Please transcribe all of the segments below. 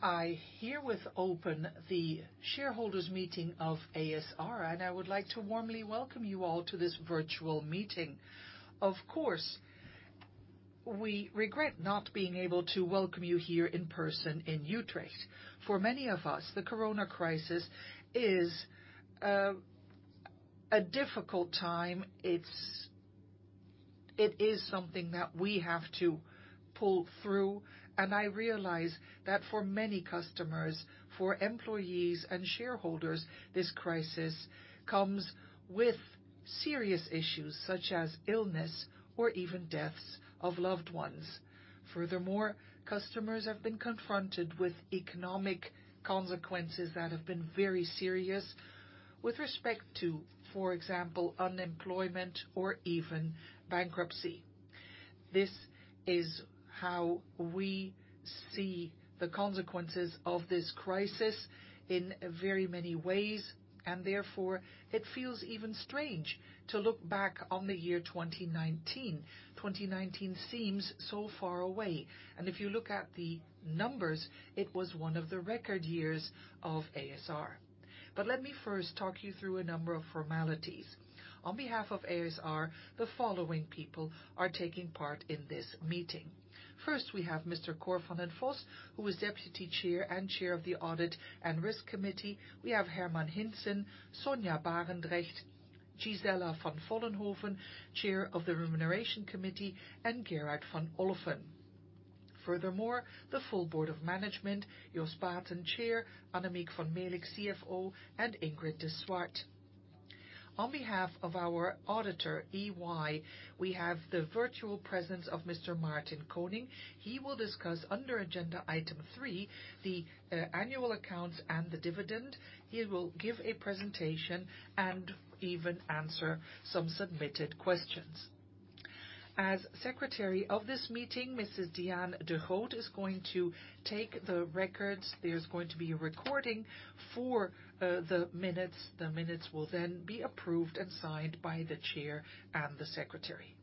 I herewith open the shareholders' meeting of ASR, and I would like to warmly welcome you all to this virtual meeting. Of course, we regret not being able to welcome you here in person in Utrecht. For many of us, the Corona crisis is a difficult time. It is something that we have to pull through, and I realize that for many customers, for employees and shareholders, this crisis comes with serious issues such as illness or even deaths of loved ones. Furthermore, customers have been confronted with economic consequences that have been very serious with respect to, for example, unemployment or even bankruptcy. This is how we see the consequences of this crisis in very many ways, and therefore it feels even strange to look back on the year 2019. 2019 seems so far away. If you look at the numbers, it was one of the record years of ASR. Let me first talk you through a number of formalities. On behalf of ASR, the following people are taking part in this meeting. First, we have Mr. Cor van den Bos, who is Deputy Chair and Chair of the Audit and Risk Committee. We have Herman Hulst, Sonja Barendregt, Gisella van Vollenhoven, Chair of the Remuneration Committee, and Gerard van Olphen. Furthermore, the full Board of Management, Jos Baeten, Chair, Annemiek van Melick, CFO, and Ingrid de Swart. On behalf of our auditor, EY, we have the virtual presence of Mr. Maarten Koning. He will discuss under agenda item three, the annual accounts and the dividend. He will give a presentation and even answer some submitted questions. As Secretary of this meeting, Mrs. Diane de Groot is going to take the records. There's going to be a recording for the minutes. The minutes will be approved and signed by the Chair and the Secretary.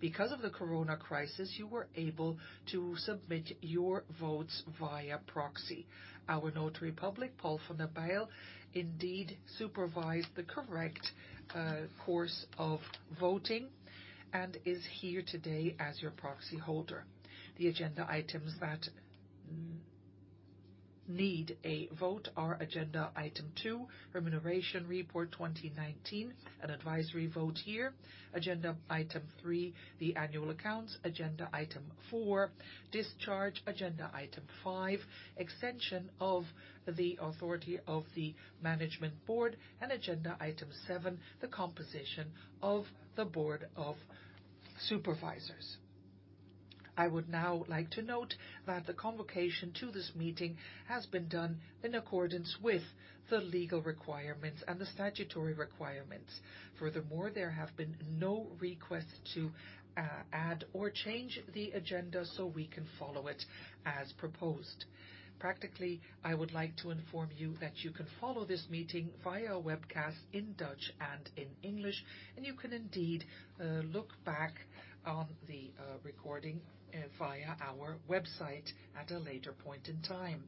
Because of the corona crisis, you were able to submit your votes via proxy. Our Notary Public, Paul van de Baal, indeed supervised the correct course of voting and is here today as your proxy holder. The agenda items that need a vote are agenda item 2, remuneration report 2019, an advisory vote here. Agenda item 3, the annual accounts. Agenda item 4, discharge. Agenda item 5, extension of the authority of the management board. Agenda item 7, the composition of the Board of Supervisors. I would now like to note that the convocation to this meeting has been done in accordance with the legal requirements and the statutory requirements. There have been no requests to add or change the agenda so we can follow it as proposed. I would like to inform you that you can follow this meeting via webcast in Dutch and in English. You can indeed look back on the recording via our website at a later point in time.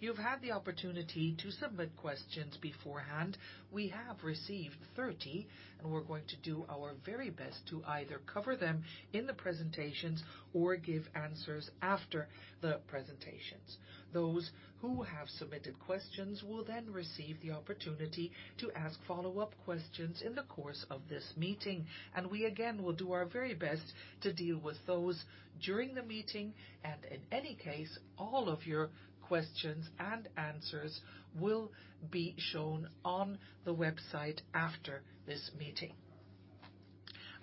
You've had the opportunity to submit questions beforehand. We have received 30. We're going to do our very best to either cover them in the presentations or give answers after the presentations. Those who have submitted questions will receive the opportunity to ask follow-up questions in the course of this meeting. We again, will do our very best to deal with those during the meeting. In any case, all of your questions and answers will be shown on the website after this meeting.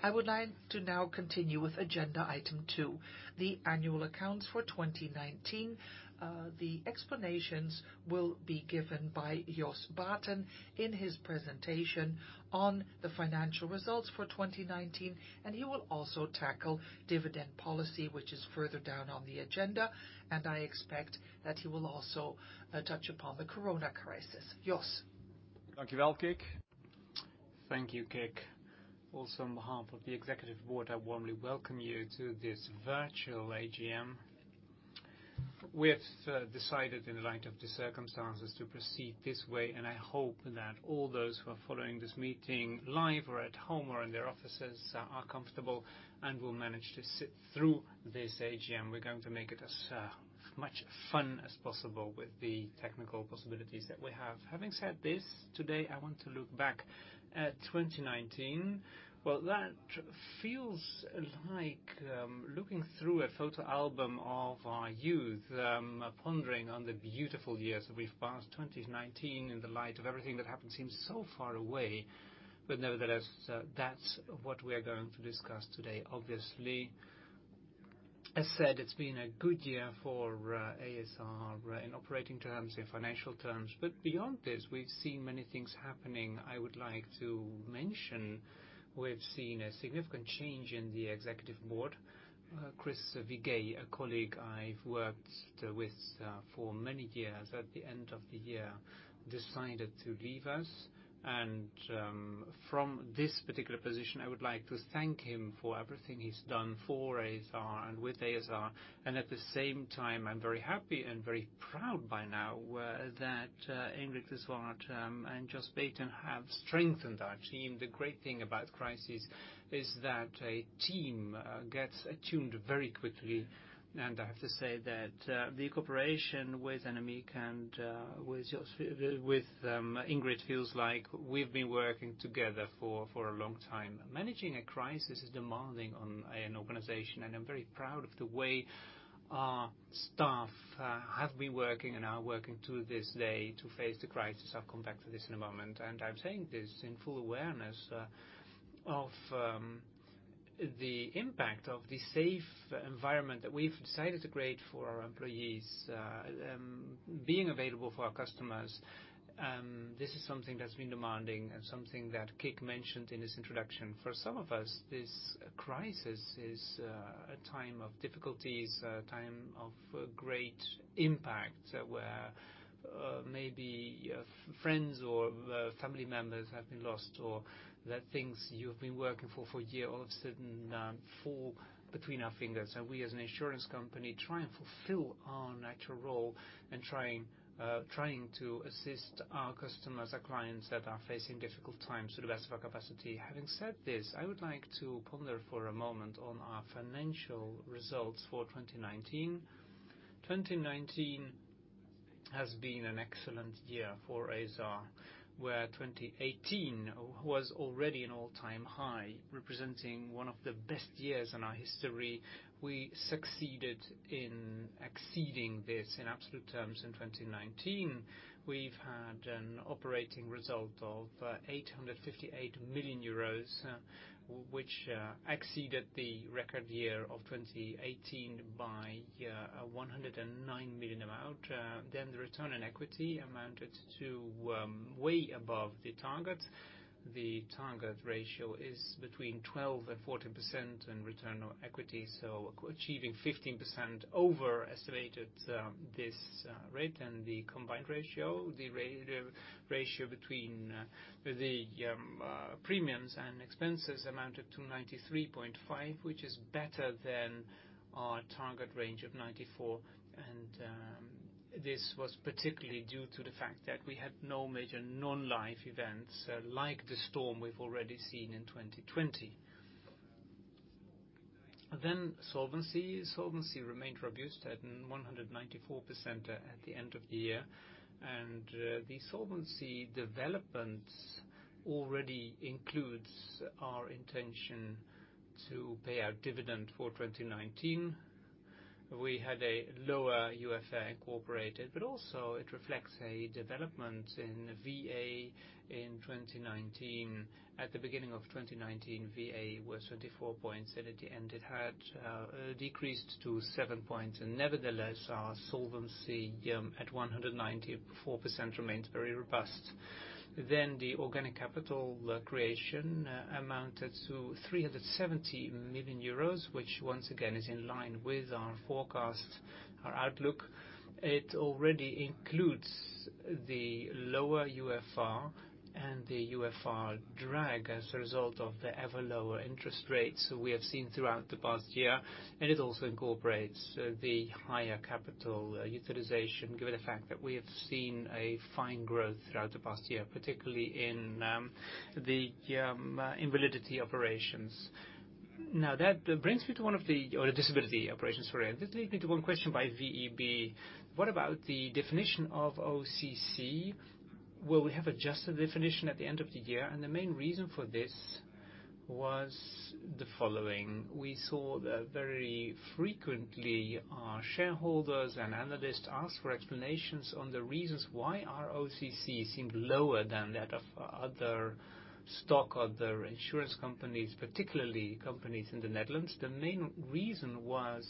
I would like to now continue with agenda item 2, the annual accounts for 2019. The explanations will be given by Jos Baeten in his presentation on the financial results for 2019. He will also tackle dividend policy, which is further down on the agenda. I expect that he will also touch upon the corona crisis. Jos. Thank you, Kick. On behalf of the Executive Board, I warmly welcome you to this virtual AGM. We have decided, in light of the circumstances, to proceed this way, and I hope that all those who are following this meeting live or at home or in their offices are comfortable and will manage to sit through this AGM. We're going to make it as much fun as possible with the technical possibilities that we have. Having said this, today I want to look back at 2019. That feels like looking through a photo album of our youth, pondering on the beautiful years that we've passed. 2019, in the light of everything that happened, seems so far away. Nevertheless, that's what we are going to discuss today. Obviously, as said, it's been a good year for ASR in operating terms, in financial terms. Beyond this, we've seen many things happening. I would like to mention we've seen a significant change in the executive board. Chris Figee, a colleague I've worked with for many years, at the end of the year, decided to leave us. From this particular position, I would like to thank him for everything he's done for ASR and with ASR. At the same time, I'm very happy and very proud by now, that Ingrid de Swart and Jos Baeten have strengthened our team. The great thing about crisis is that a team gets attuned very quickly. I have to say that the cooperation with Annemiek and with Ingrid feels like we've been working together for a long time. Managing a crisis is demanding on an organization, and I'm very proud of the way our staff have been working and are working to this day to face the crisis. I'll come back to this in a moment. I'm saying this in full awareness of the impact of the safe environment that we've decided to create for our employees, being available for our customers. This is something that's been demanding and something that Kick mentioned in his introduction. For some of us, this crisis is a time of difficulties, a time of great impact, where maybe friends or family members have been lost, or the things you've been working for for a year all of a sudden fall between our fingers. We, as an insurance company, try and fulfill our natural role and trying to assist our customers, our clients that are facing difficult times to the best of our capacity. Having said this, I would like to ponder for a moment on our financial results for 2019. 2019 has been an excellent year for ASR, where 2018 was already an all-time high, representing one of the best years in our history. We succeeded in exceeding this in absolute terms in 2019. We've had an operating result of 858 million euros, which exceeded the record year of 2018 by a 109 million amount. The return on equity amounted to way above the target. The target ratio is between 12% and 14% in return on equity, so achieving 15% over exceeded this rate and the combined ratio. The ratio between the premiums and expenses amounted to 93.5%, which is better than our target range of 94%. This was particularly due to the fact that we had no major non-life events like the storm we've already seen in 2020. Solvency. Solvency remained robust at 194% at the end of the year. The solvency development already includes our intention to pay our dividend for 2019. We had a lower UFR incorporated, but also it reflects a development in VA in 2019. At the beginning of 2019, VA was 24 points. At the end, it had decreased to seven points. Nevertheless, our solvency at 194% remains very robust. The organic capital creation amounted to 370 million euros, which once again is in line with our forecast, our outlook. It already includes the lower UFR and the UFR drag as a result of the ever lower interest rates we have seen throughout the past year. It also incorporates the higher capital utilization, given the fact that we have seen a fine growth throughout the past year, particularly in the disability operations. That brings me to one of the disability operations. This leads me to one question by VEB. What about the definition of OCC? We have adjusted the definition at the end of the year, and the main reason for this was the following. We saw that very frequently our shareholders and analysts ask for explanations on the reasons why our OCC seemed lower than that of other insurance companies, particularly companies in the Netherlands. The main reason was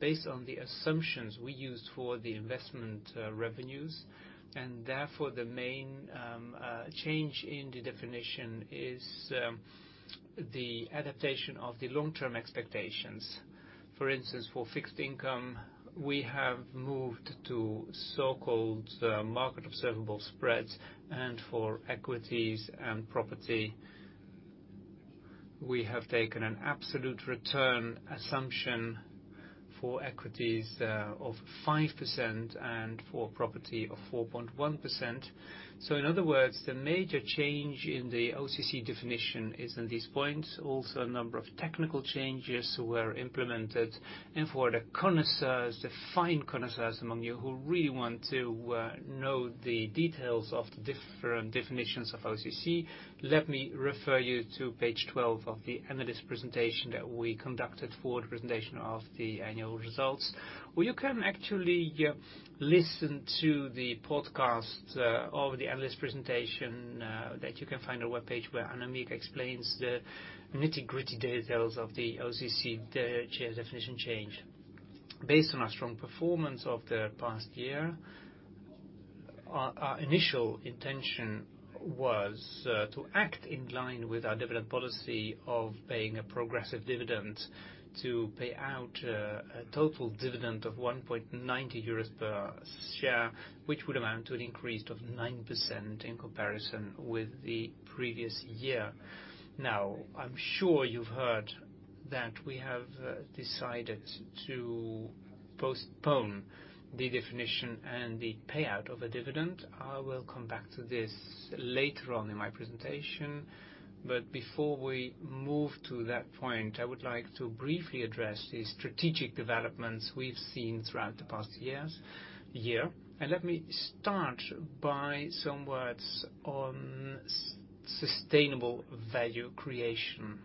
based on the assumptions we used for the investment revenues. Therefore, the main change in the definition is the adaptation of the long-term expectations. For instance, for fixed income, we have moved to so-called market observable spreads. For equities and property, we have taken an absolute return assumption for equities of 5% and for property of 4.1%. In other words, the major change in the OCC definition is in these points. Also, a number of technical changes were implemented. For the connoisseurs, the fine connoisseurs among you who really want to know the details of the different definitions of OCC, let me refer you to page 12 of the analyst presentation that we conducted for the presentation of the annual results. You can actually listen to the podcast of the analyst presentation, that you can find on our webpage, where Annemiek explains the nitty-gritty details of the OCC definition change. Based on our strong performance of the past year, our initial intention was to act in line with our dividend policy of paying a progressive dividend to pay out a total dividend of 1.90 euros per share, which would amount to an increase of 9% in comparison with the previous year. I'm sure you've heard that we have decided to postpone the definition and the payout of a dividend. I will come back to this later on in my presentation. Before we move to that point, I would like to briefly address the strategic developments we've seen throughout the past year. Let me start by some words on sustainable value creation.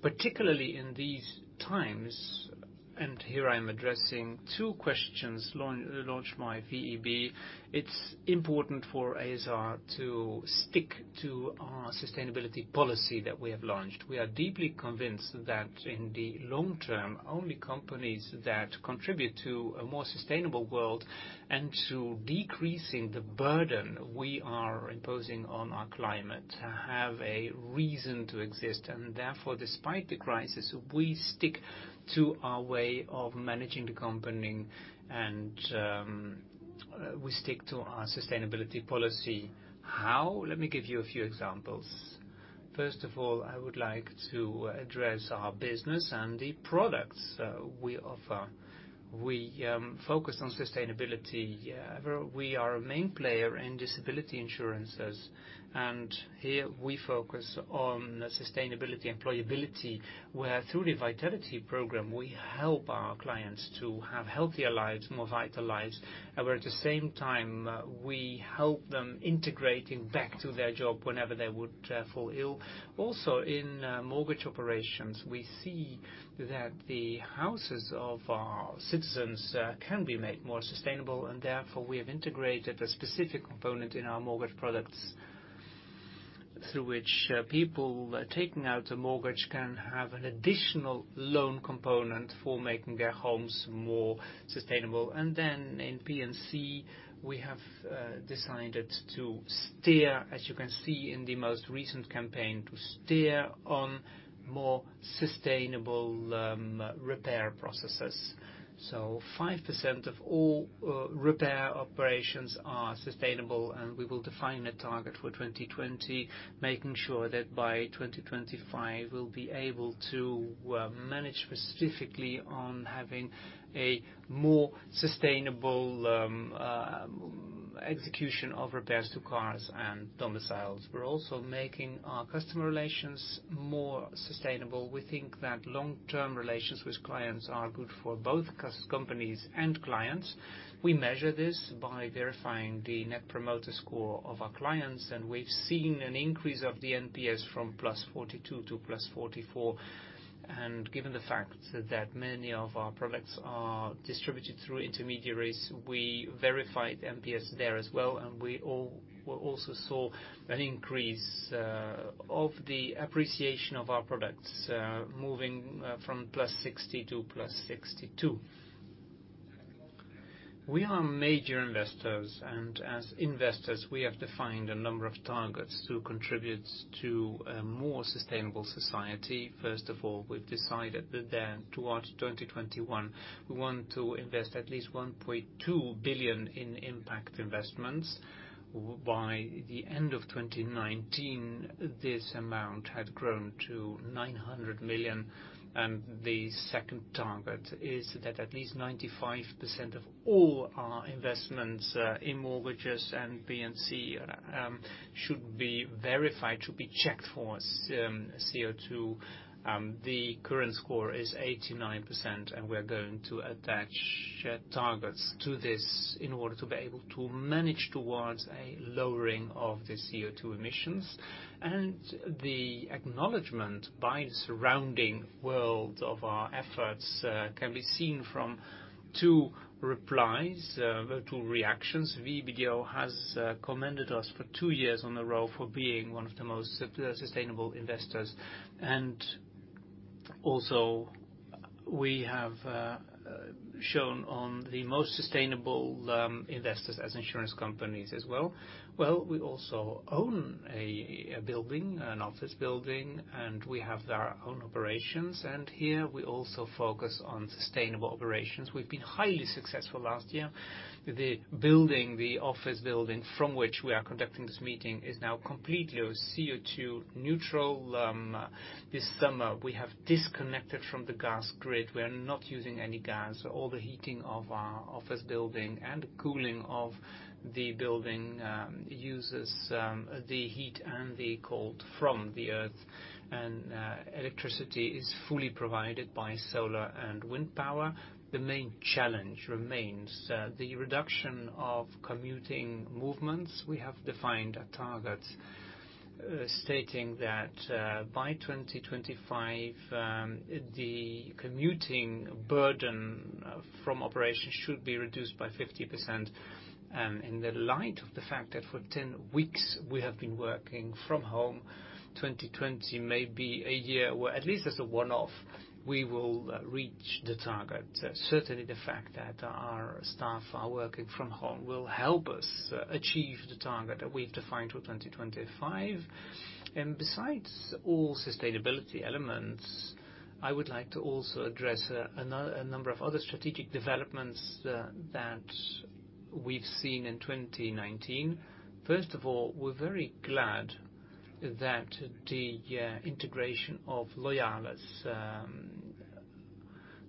Particularly in these times, here I am addressing two questions launched by VEB. It's important for ASR to stick to our sustainability policy that we have launched. We are deeply convinced that in the long term, only companies that contribute to a more sustainable world and to decreasing the burden we are imposing on our climate, have a reason to exist. Therefore, despite the crisis, we stick to our way of managing the company, and we stick to our sustainability policy. How? Let me give you a few examples. First of all, I would like to address our business and the products we offer. We focus on sustainability. We are a main player in disability insurances, here we focus on sustainability employability, where through the a.s.r. Vitality program, we help our clients to have healthier lives, more vital lives, where at the same time, we help them integrating back to their job whenever they would fall ill. Also, in mortgage operations, we see that the houses of our citizens can be made more sustainable, and therefore, we have integrated a specific component in our mortgage products, through which people taking out a mortgage can have an additional loan component for making their homes more sustainable. In P&C, we have decided to steer, as you can see in the most recent campaign, to steer on more sustainable repair processes. 5% of all repair operations are sustainable, and we will define a target for 2020, making sure that by 2025, we'll be able to manage specifically on having a more sustainable execution of repairs to cars and domiciles. We're also making our customer relations more sustainable. We think that long-term relations with clients are good for both companies and clients. We measure this by verifying the Net Promoter Score of our clients, and we've seen an increase of the NPS from +42 to +44. Given the fact that many of our products are distributed through intermediaries, we verified NPS there as well, and we also saw an increase of the appreciation of our products, moving from +60 to +62. We are major investors, and as investors, we have defined a number of targets to contribute to a more sustainable society. First of all, we've decided that then towards 2021, we want to invest at least 1.2 billion in impact investments. By the end of 2019, this amount had grown to 900 million. The second target is that at least 95% of all our investments in mortgages and P&C should be verified to be checked for CO2. The current score is 89%, and we are going to attach targets to this in order to be able to manage towards a lowering of the CO2 emissions. The acknowledgment by the surrounding world of our efforts, can be seen from two replies, two reactions. VBDO has commended us for two years in a row for being one of the most sustainable investors. Also we have shown on the most sustainable investors as insurance companies as well. Well, we also own a building, an office building, and we have our own operations, and here we also focus on sustainable operations. We've been highly successful last year. The office building from which we are conducting this meeting is now completely CO2 neutral. This summer, we have disconnected from the gas grid. We are not using any gas. All the heating of our office building and cooling of the building uses the heat and the cold from the earth, and electricity is fully provided by solar and wind power. The main challenge remains the reduction of commuting movements. We have defined a target stating that by 2025, the commuting burden from operations should be reduced by 50%. In the light of the fact that for 10 weeks we have been working from home, 2020 may be a year where at least as a one-off, we will reach the target. The fact that our staff are working from home will help us achieve the target that we've defined for 2025. Besides all sustainability elements I would like to also address a number of other strategic developments that we've seen in 2019. First of all, we're very glad that the integration of Loyalis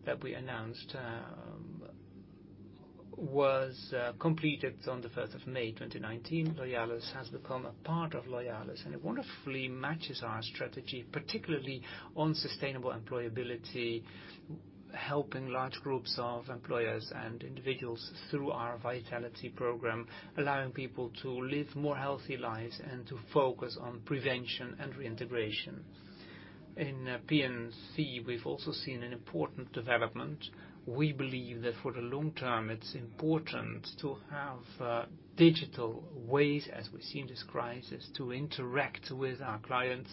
that we announced was completed on the 1st of May 2019. Loyalis has become a part of ASR, and it wonderfully matches our strategy, particularly on sustainable employability, helping large groups of employers and individuals through our vitality program, allowing people to live more healthy lives and to focus on prevention and reintegration. In P&C, we've also seen an important development. We believe that for the long term, it's important to have digital ways, as we've seen this crisis, to interact with our clients.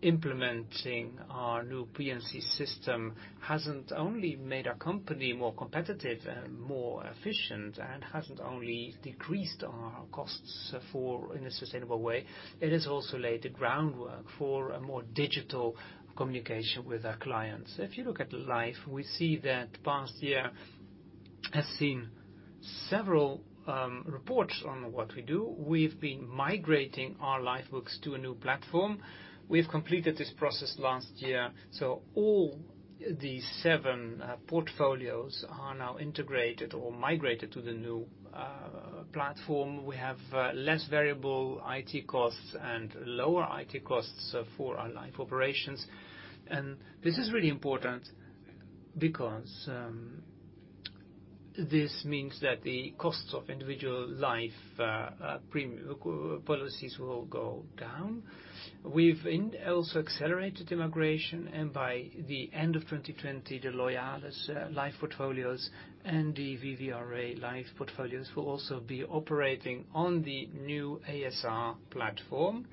Implementing our new P&C system hasn't only made our company more competitive and more efficient, and hasn't only decreased our costs in a sustainable way, it has also laid the groundwork for a more digital communication with our clients. If you look at Life, we see that the past year has seen several reports on what we do. We've been migrating our Life books to a new platform. We've completed this process last year, so all the seven portfolios are now integrated or migrated to the new platform. We have less variable IT costs and lower IT costs for our Life operations. This is really important because this means that the costs of individual Life policies will go down. We've also accelerated the migration, and by the end of 2020, the Loyalis Life portfolios and the VvAA Life portfolios will also be operating on the new ASR platform.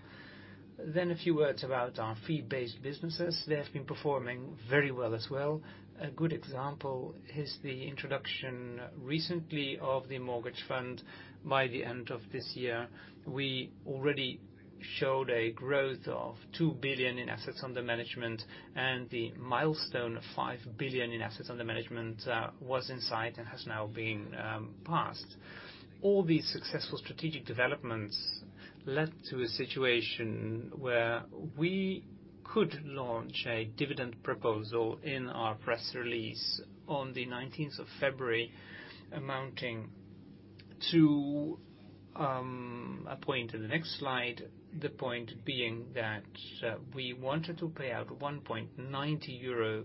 A few words about our fee-based businesses. They have been performing very well as well. A good example is the introduction recently of the mortgage fund by the end of this year. We already showed a growth of 2 billion in assets under management, and the milestone of 5 billion in assets under management was in sight and has now been passed. All these successful strategic developments led to a situation where we could launch a dividend proposal in our press release on the 19th of February, amounting to a point in the next slide. The point being that we wanted to pay out 1.90 euro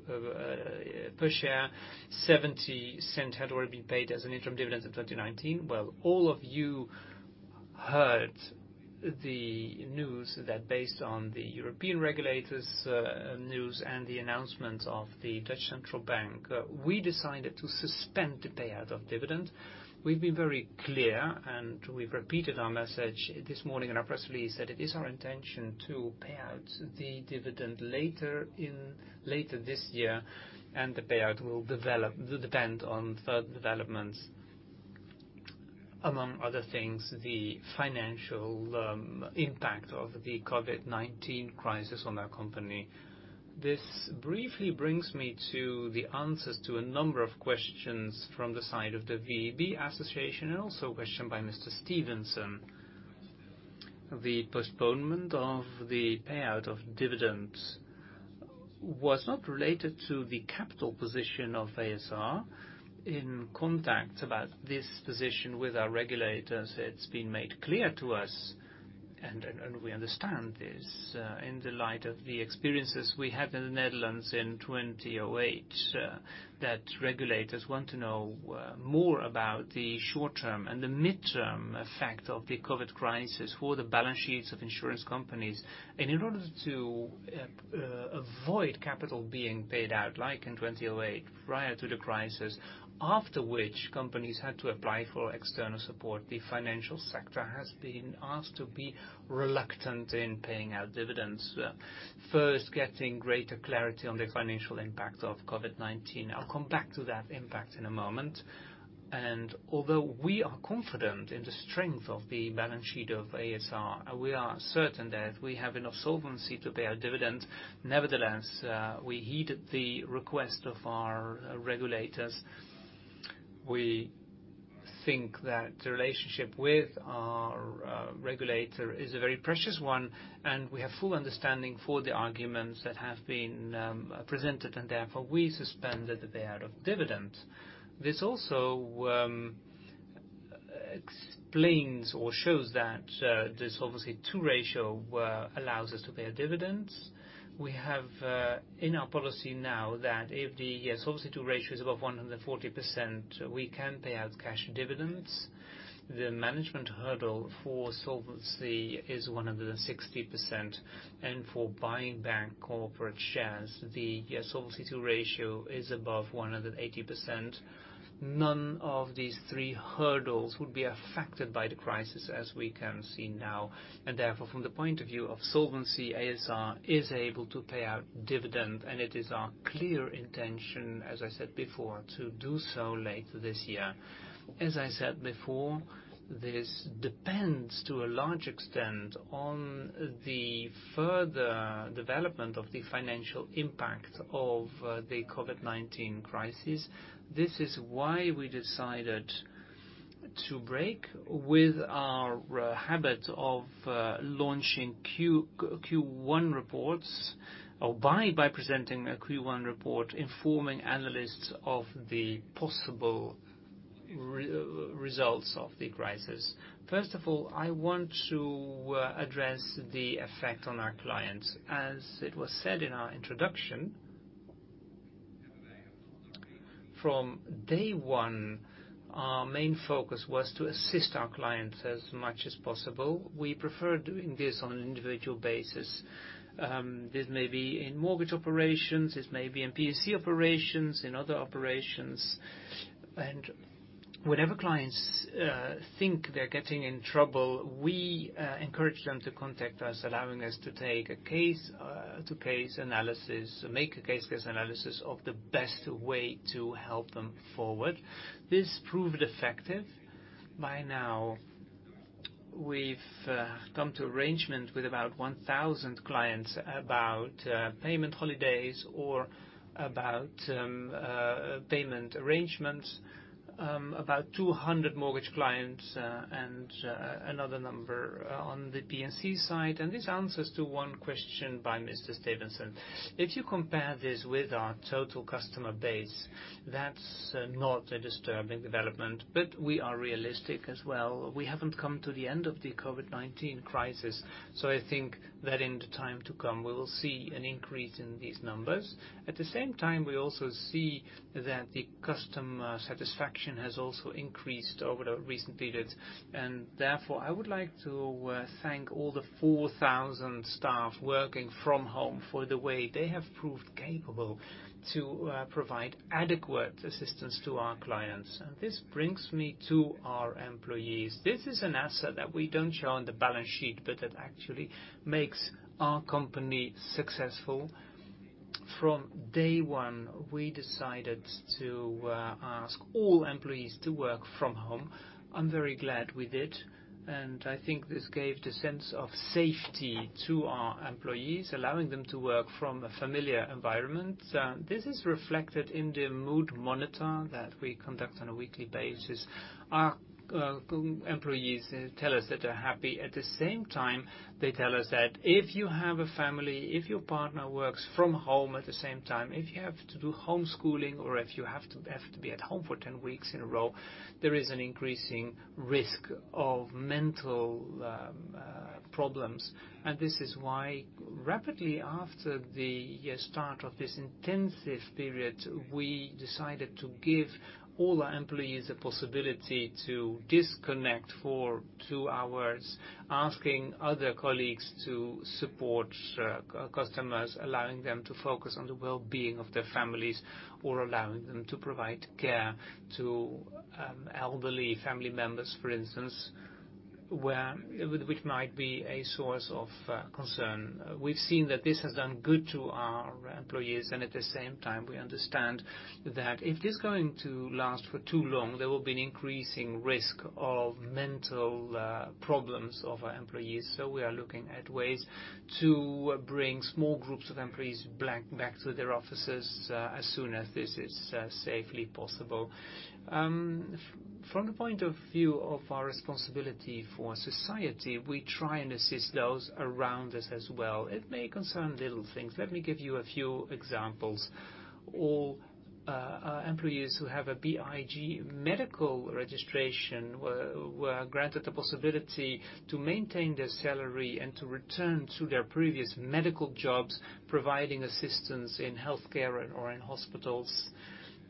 per share, 0.70 had already been paid as an interim dividend in 2019. All of you heard the news that based on the European regulators news and the announcements of the Dutch Central Bank, we decided to suspend the payout of dividend. We've been very clear, and we've repeated our message this morning in our press release, that it is our intention to pay out the dividend later this year, and the payout will depend on further developments, among other things, the financial impact of the COVID-19 crisis on our company. This briefly brings me to the answers to a number of questions from the side of the VEB association and also a question by Mr. Stevense. The postponement of the payout of dividends was not related to the capital position of ASR. In contact about this position with our regulators, it's been made clear to us, and we understand this, in the light of the experiences we had in the Netherlands in 2008, that regulators want to know more about the short-term and the midterm effect of the COVID crisis for the balance sheets of insurance companies. In order to avoid capital being paid out, like in 2008, prior to the crisis, after which companies had to apply for external support, the financial sector has been asked to be reluctant in paying out dividends, first getting greater clarity on the financial impact of COVID-19. I'll come back to that impact in a moment. Although we are confident in the strength of the balance sheet of ASR, we are certain that we have enough solvency to pay our dividend. Nevertheless, we heeded the request of our regulators. We think that the relationship with our regulator is a very precious one, and we have full understanding for the arguments that have been presented, and therefore, we suspended the payout of dividend. This also explains or shows that the Solvency II ratio allows us to pay our dividends. We have in our policy now that if the Solvency II ratio is above 140%, we can pay out cash dividends. The management hurdle for Solvency is 160%, and for buying back corporate shares, the Solvency II ratio is above 180%. None of these three hurdles would be affected by the crisis as we can see now. Therefore, from the point of view of Solvency, ASR is able to pay out dividend, and it is our clear intention, as I said before, to do so later this year. As I said before, this depends to a large extent on the further development of the financial impact of the COVID-19 crisis. This is why we decided to break with our habit of launching Q1 reports, or by presenting a Q1 report informing analysts of the possible results of the crisis. First of all, I want to address the effect on our clients. As it was said in our introduction, from day one, our main focus was to assist our clients as much as possible. We prefer doing this on an individual basis. This may be in mortgage operations, this may be in P&C operations, in other operations. Whenever clients think they're getting in trouble, we encourage them to contact us, allowing us to make a case analysis of the best way to help them forward. This proved effective. By now, we've come to arrangement with about 1,000 clients about payment holidays or about payment arrangements, about 200 mortgage clients, and another number on the P&C side. This answers to one question by Mr. Stevenson. If you compare this with our total customer base, that's not a disturbing development, but we are realistic as well. We haven't come to the end of the COVID-19 crisis. I think that in the time to come, we will see an increase in these numbers. At the same time, we also see that the customer satisfaction has also increased over the recent periods. Therefore, I would like to thank all the 4,000 staff working from home for the way they have proved capable to provide adequate assistance to our clients. This brings me to our employees. This is an asset that we don't show on the balance sheet, but that actually makes our company successful. From day one, we decided to ask all employees to work from home. I'm very glad we did, and I think this gave the sense of safety to our employees, allowing them to work from a familiar environment. This is reflected in the mood monitor that we conduct on a weekly basis. Our employees tell us that they're happy. At the same time, they tell us that if you have a family, if your partner works from home at the same time, if you have to do homeschooling, or if you have to be at home for 10 weeks in a row, there is an increasing risk of mental problems. This is why rapidly after the start of this intensive period, we decided to give all our employees the possibility to disconnect for two hours, asking other colleagues to support customers, allowing them to focus on the wellbeing of their families, or allowing them to provide care to elderly family members, for instance, which might be a source of concern. We've seen that this has done good to our employees. At the same time, we understand that if this is going to last for too long, there will be an increasing risk of mental problems of our employees. We are looking at ways to bring small groups of employees back to their offices, as soon as this is safely possible. From the point of view of our responsibility for society, we try and assist those around us as well. It may concern little things. Let me give you a few examples. All our employees who have a BIG medical registration were granted the possibility to maintain their salary and to return to their previous medical jobs, providing assistance in healthcare or in hospitals.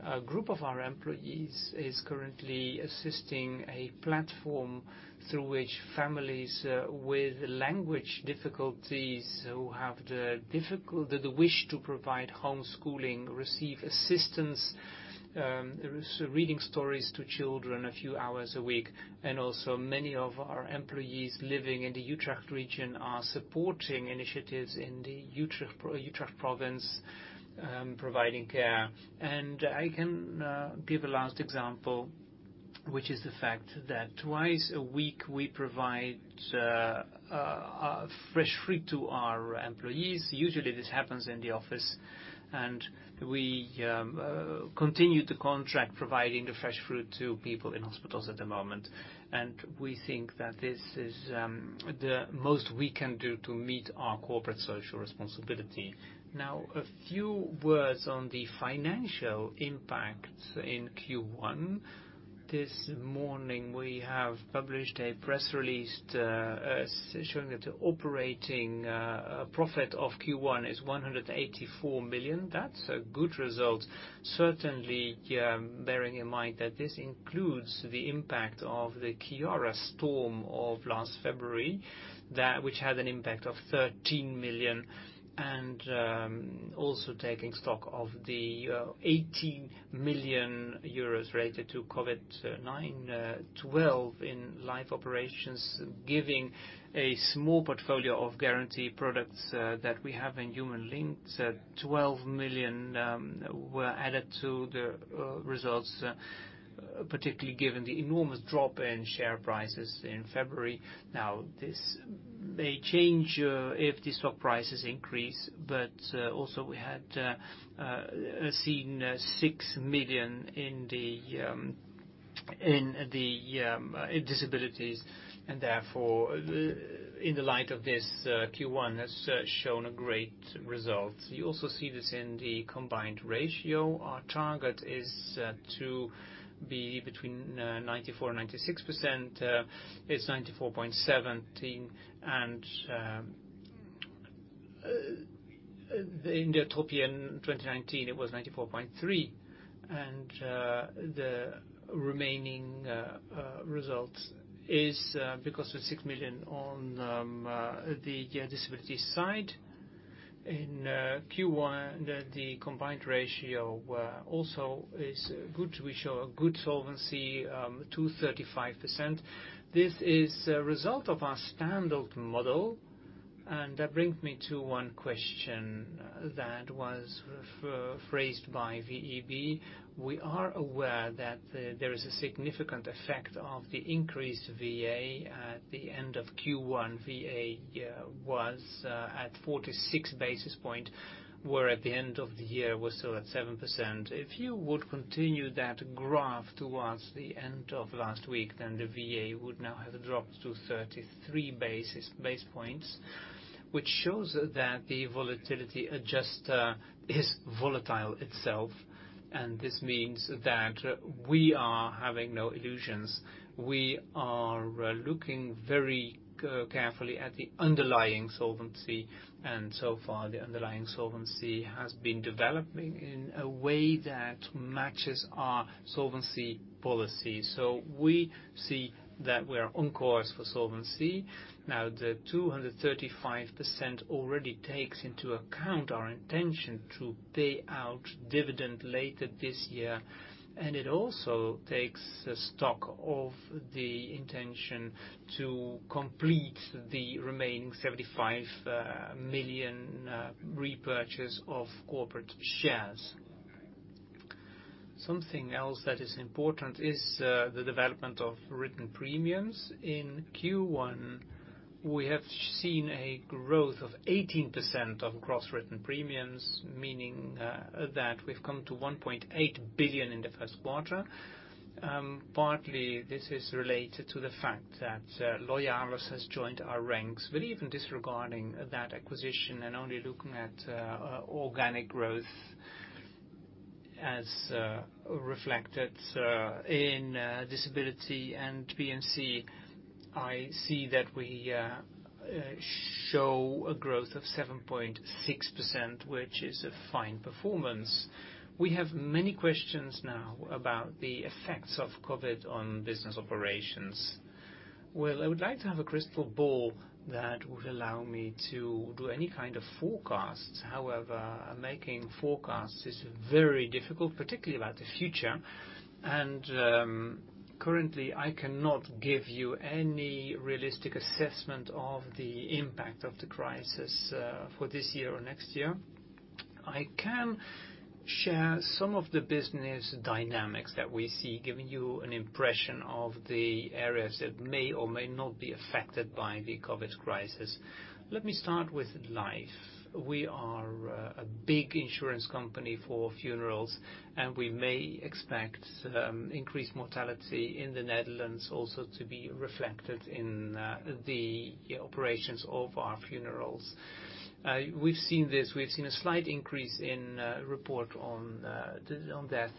A group of our employees is currently assisting a platform through which families with language difficulties, who have the wish to provide homeschooling, receive assistance reading stories to children a few hours a week. Also many of our employees living in the Utrecht region are supporting initiatives in the Utrecht province, providing care. I can give a last example, which is the fact that twice a week we provide fresh fruit to our employees. Usually, this happens in the office, and we continue to contract providing the fresh fruit to people in hospitals at the moment. We think that this is the most we can do to meet our corporate social responsibility. A few words on the financial impact in Q1. This morning, we have published a press release showing that the operating profit of Q1 is 184 million. That's a good result, certainly, bearing in mind that this includes the impact of Storm Ciara of last February, which had an impact of 13 million. Also taking stock of the 18 million euros related to COVID-19, 12 million in life operations, giving a small portfolio of guarantee products that we have in [HumanLink]. 12 million were added to the results, particularly given the enormous drop in share prices in February. This may change if the stock prices increase. We had seen 6 million in the disabilities. In the light of this, Q1 has shown a great result. You also see this in the combined ratio. Our target is to be between 94%-96%. It's 94.17%. In the top year 2019, it was 94.3%. The remaining result is because of 6 million on the disability side. In Q1, the combined ratio also is good. We show a good solvency, 235%. This is a result of our standard model. That brings me to one question that was phrased by VEB. We are aware that there is a significant effect of the increased VA at the end of Q1. VA was at 46 basis points, where at the end of the year was still at 7%. If you would continue that graph towards the end of last week, the VA would now have dropped to 33 basis points, which shows that the volatility adjuster is volatile itself. This means that we are having no illusions. We are looking very carefully at the underlying solvency, and so far, the underlying solvency has been developing in a way that matches our solvency policy. We see that we are on course for solvency. The 235% already takes into account our intention to pay out dividend later this year. It also takes stock of the intention to complete the remaining 75 million repurchase of corporate shares. Something else that is important is the development of written premiums. In Q1, we have seen a growth of 18% of gross written premiums, meaning that we've come to 1.8 billion in the first quarter. Partly, this is related to the fact that Loyalis has joined our ranks. Even disregarding that acquisition and only looking at organic growth as reflected in disability and P&C, I see that we show a growth of 7.6%, which is a fine performance. We have many questions now about the effects of COVID on business operations. Well, I would like to have a crystal ball that would allow me to do any kind of forecast. However, making forecasts is very difficult, particularly about the future. Currently, I cannot give you any realistic assessment of the impact of the crisis for this year or next year. I can share some of the business dynamics that we see, giving you an impression of the areas that may or may not be affected by the COVID-19 crisis. Let me start with life. We are a big insurance company for funerals. We may expect increased mortality in the Netherlands also to be reflected in the operations of our funerals. We've seen this. We've seen a slight increase in report on death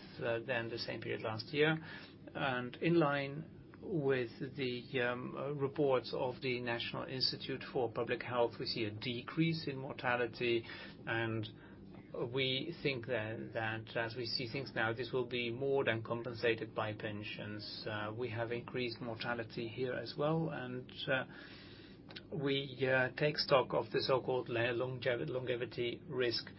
than the same period last year. In line with the reports of the National Institute for Public Health and the Environment, we see a decrease in mortality, and we think then that as we see things now, this will be more than compensated by pensions. We have increased mortality here as well. We take stock of the so-called longevity risk.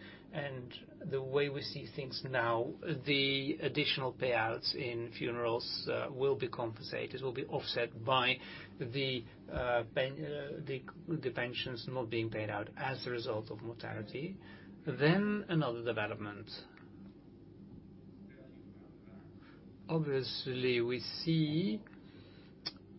The way we see things now, the additional payouts in funerals will be compensated. It will be offset by the pensions not being paid out as a result of mortality. Another development. Obviously, we see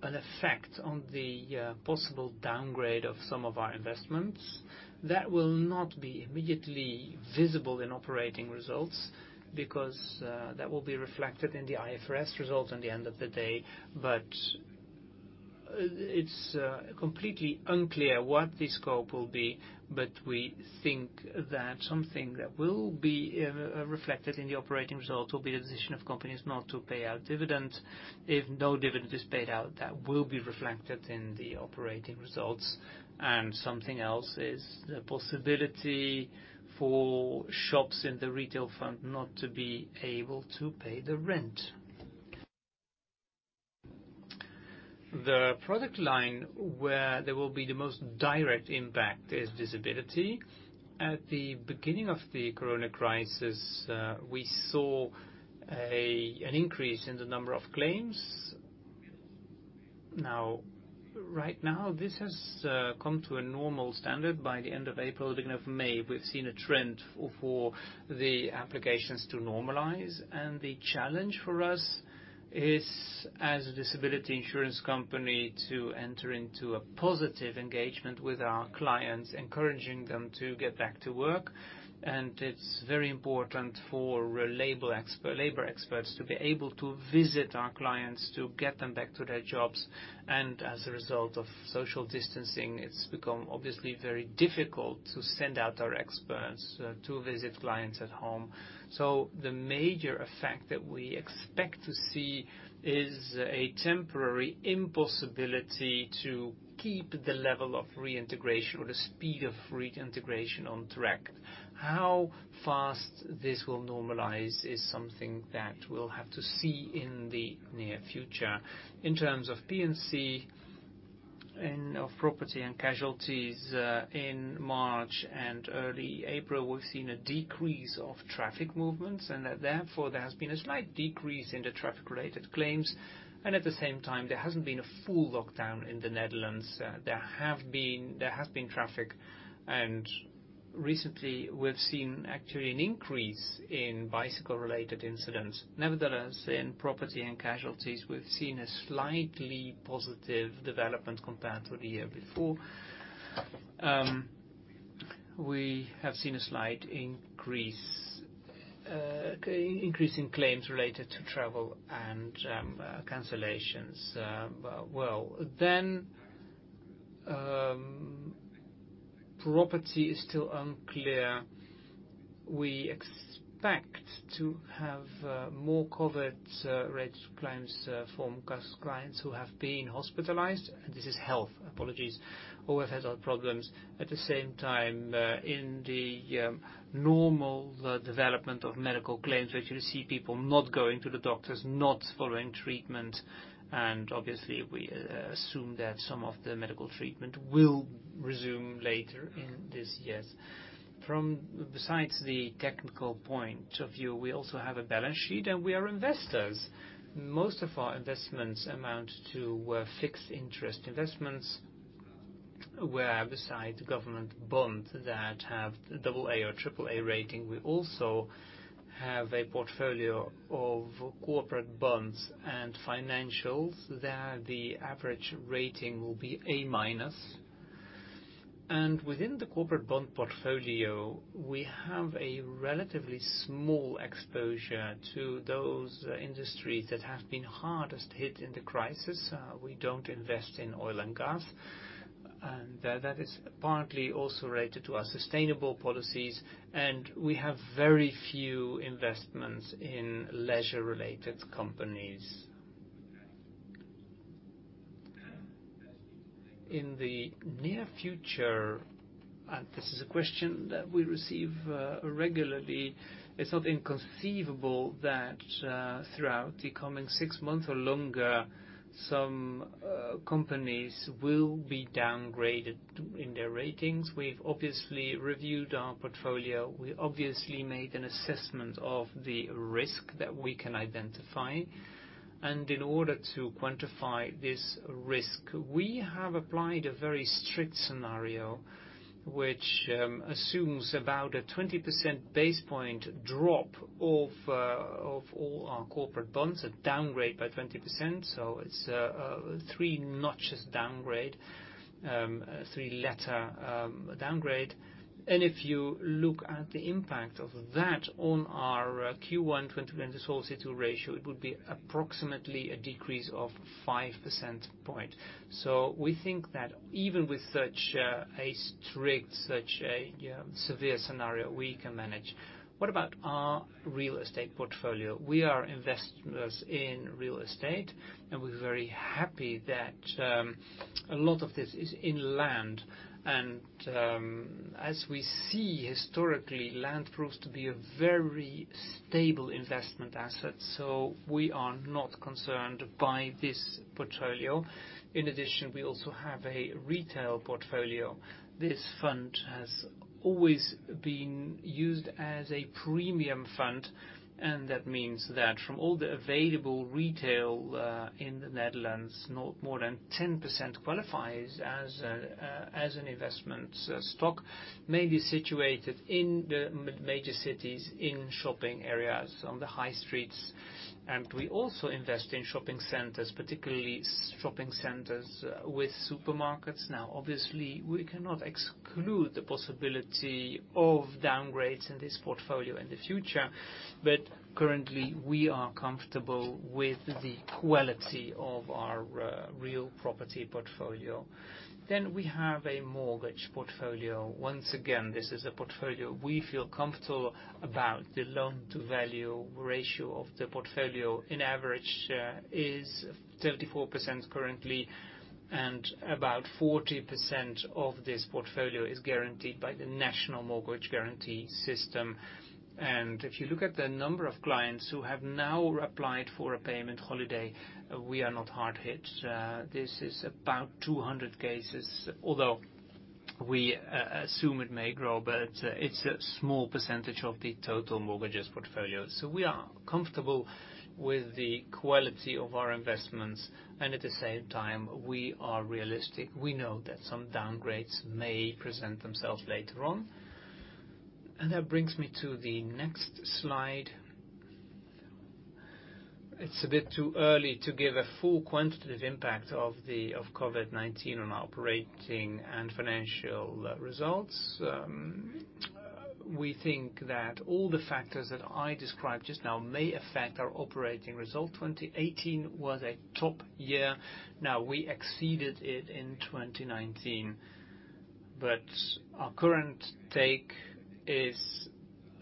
an effect on the possible downgrade of some of our investments. That will not be immediately visible in operating results because that will be reflected in the IFRS results at the end of the day. It's completely unclear what the scope will be, but we think that something that will be reflected in the operating result will be the decision of companies not to pay out dividends. If no dividend is paid out, that will be reflected in the operating results. Something else is the possibility for shops in the retail front not to be able to pay the rent. The product line where there will be the most direct impact is disability. At the beginning of the corona crisis, we saw an increase in the number of claims. Now, right now, this has come to a normal standard by the end of April, beginning of May. We've seen a trend for the applications to normalize, and the challenge for us is, as a disability insurance company, to enter into a positive engagement with our clients, encouraging them to get back to work. It's very important for labor experts to be able to visit our clients to get them back to their jobs. As a result of social distancing, it's become obviously very difficult to send out our experts to visit clients at home. The major effect that we expect to see is a temporary impossibility to keep the level of reintegration or the speed of reintegration on track. How fast this will normalize is something that we'll have to see in the near future. In terms of P&C and of property and casualties, in March and early April, we've seen a decrease of traffic movements, and that therefore there has been a slight decrease in the traffic-related claims. At the same time, there hasn't been a full lockdown in the Netherlands. There has been traffic, and recently we've seen actually an increase in bicycle-related incidents. Nevertheless, in property and casualties, we've seen a slightly positive development compared to the year before. We have seen a slight increase in claims related to travel and cancellations. Property is still unclear. We expect to have more COVID-related claims from clients who have been hospitalized, who have had health problems. At the same time, in the normal development of medical claims, we actually see people not going to the doctors, not following treatment, and obviously, we assume that some of the medical treatment will resume later in this year. Besides the technical point of view, we also have a balance sheet, and we are investors. Most of our investments amount to fixed interest investments, where besides government bonds that have AA or AAA rating, we also have a portfolio of corporate bonds and financials. There, the average rating will be A-. Within the corporate bond portfolio, we have a relatively small exposure to those industries that have been hardest hit in the crisis. We don't invest in oil and gas. That is partly also related to our sustainable policies, and we have very few investments in leisure-related companies. In the near future, this is a question that we receive regularly, it's not inconceivable that throughout the coming six months or longer, some companies will be downgraded in their ratings. We've obviously reviewed our portfolio. We obviously made an assessment of the risk that we can identify. In order to quantify this risk, we have applied a very strict scenario which assumes about a 20% basis point drop of all our corporate bonds, a downgrade by 20%. It's a three notches downgrade, three letter downgrade. If you look at the impact of that on our Q1 2020 solvency ratio, it would be approximately a decrease of 5 percentage point. We think that even with such a strict, such a severe scenario, we can manage. What about our real estate portfolio? We are investors in real estate, and we're very happy that a lot of this is in land. As we see historically, land proves to be a very stable investment asset. We are not concerned by this portfolio. In addition, we also have a retail portfolio. This fund has always been used as a premium fund, and that means that from all the available retail in the Netherlands, not more than 10% qualifies as an investment stock, mainly situated in the major cities in shopping areas on the high streets. We also invest in shopping centers, particularly shopping centers with supermarkets. Obviously, we cannot exclude the possibility of downgrades in this portfolio in the future, but currently, we are comfortable with the quality of our real property portfolio. We have a mortgage portfolio. Once again, this is a portfolio we feel comfortable about. The loan-to-value ratio of the portfolio in average is 34% currently, and about 40% of this portfolio is guaranteed by the national mortgage guarantee system. If you look at the number of clients who have now applied for a payment holiday, we are not hard hit. This is about 200 cases, although we assume it may grow, but it's a small percentage of the total mortgages portfolio. We are comfortable with the quality of our investments, and at the same time, we are realistic. We know that some downgrades may present themselves later on. That brings me to the next slide. It's a bit too early to give a full quantitative impact of COVID-19 on operating and financial results. We think that all the factors that I described just now may affect our operating result. 2018 was a top year. Now we exceeded it in 2019, but our current take is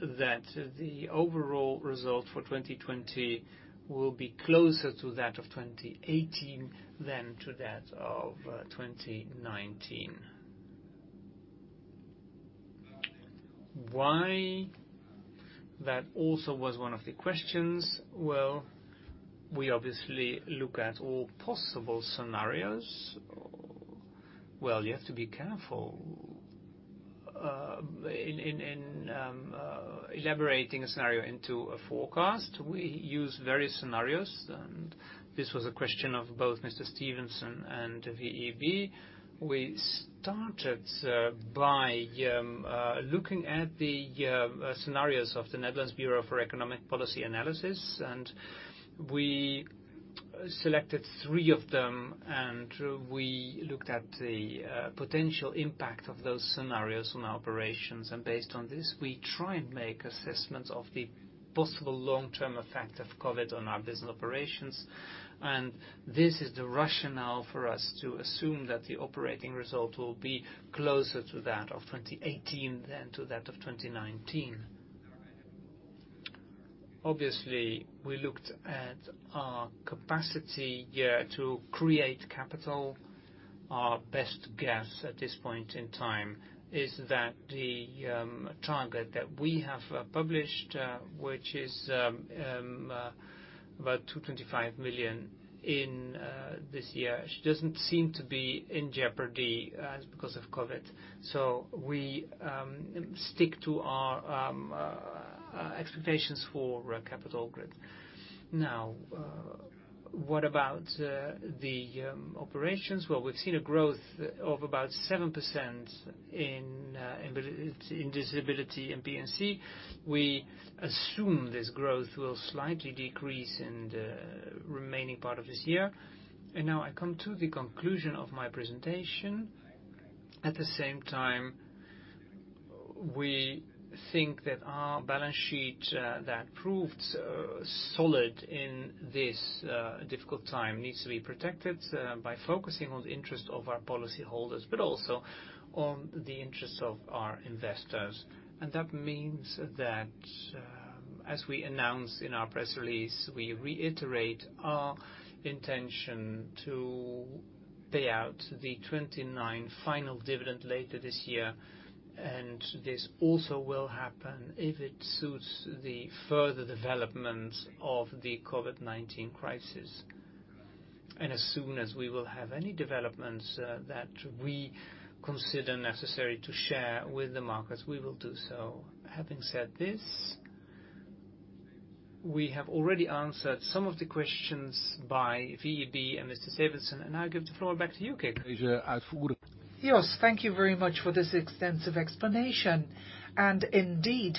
that the overall result for 2020 will be closer to that of 2018 than to that of 2019. Why? That also was one of the questions. Well, we obviously look at all possible scenarios. Well, you have to be careful in elaborating a scenario into a forecast. We use various scenarios, and this was a question of both Mr. Stevenson and VEB. We started by looking at the scenarios of the Netherlands Bureau for Economic Policy Analysis, and we selected three of them, and we looked at the potential impact of those scenarios on our operations. Based on this, we try and make assessments of the possible long-term effect of COVID on our business operations. This is the rationale for us to assume that the operating result will be closer to that of 2018 than to that of 2019. Obviously, we looked at our capacity to create capital. Our best guess at this point in time is that the target that we have published, which is about 225 million in this year, she doesn't seem to be in jeopardy because of COVID-19. We stick to our expectations for capital growth. What about the operations? We've seen a growth of about 7% in disability and P&C. We assume this growth will slightly decrease in the remaining part of this year. Now I come to the conclusion of my presentation. At the same time, we think that our balance sheet that proved solid in this difficult time needs to be protected by focusing on the interest of our policy holders, but also on the interests of our investors. That means that, as we announced in our press release, we reiterate our intention to pay out the [29] final dividend later this year. This also will happen if it suits the further development of the COVID-19 crisis. As soon as we will have any developments that we consider necessary to share with the markets, we will do so. Having said this, we have already answered some of the questions by VEB and Mr. Stevenson, and I give the floor back to you, Kick. Jos, thank you very much for this extensive explanation. Indeed,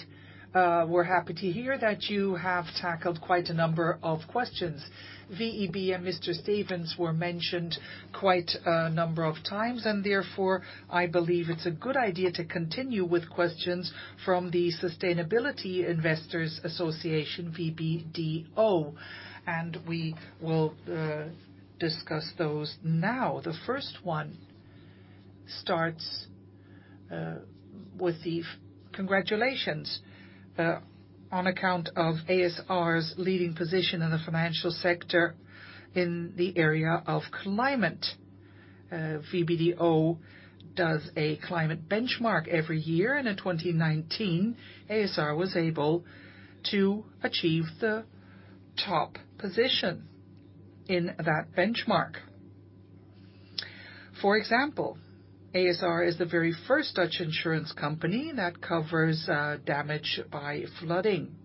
we're happy to hear that you have tackled quite a number of questions. VEB and Mr. Stevenson were mentioned quite a number of times, and therefore, I believe it's a good idea to continue with questions from the Sustainability Investors Association, VBDO, and we will discuss those now. The first one starts with the congratulations on account of ASR's leading position in the financial sector in the area of climate. VBDO does a climate benchmark every year, and in 2019, ASR was able to achieve the top position in that benchmark. For example, ASR is the very first Dutch insurance company that covers damage by flooding.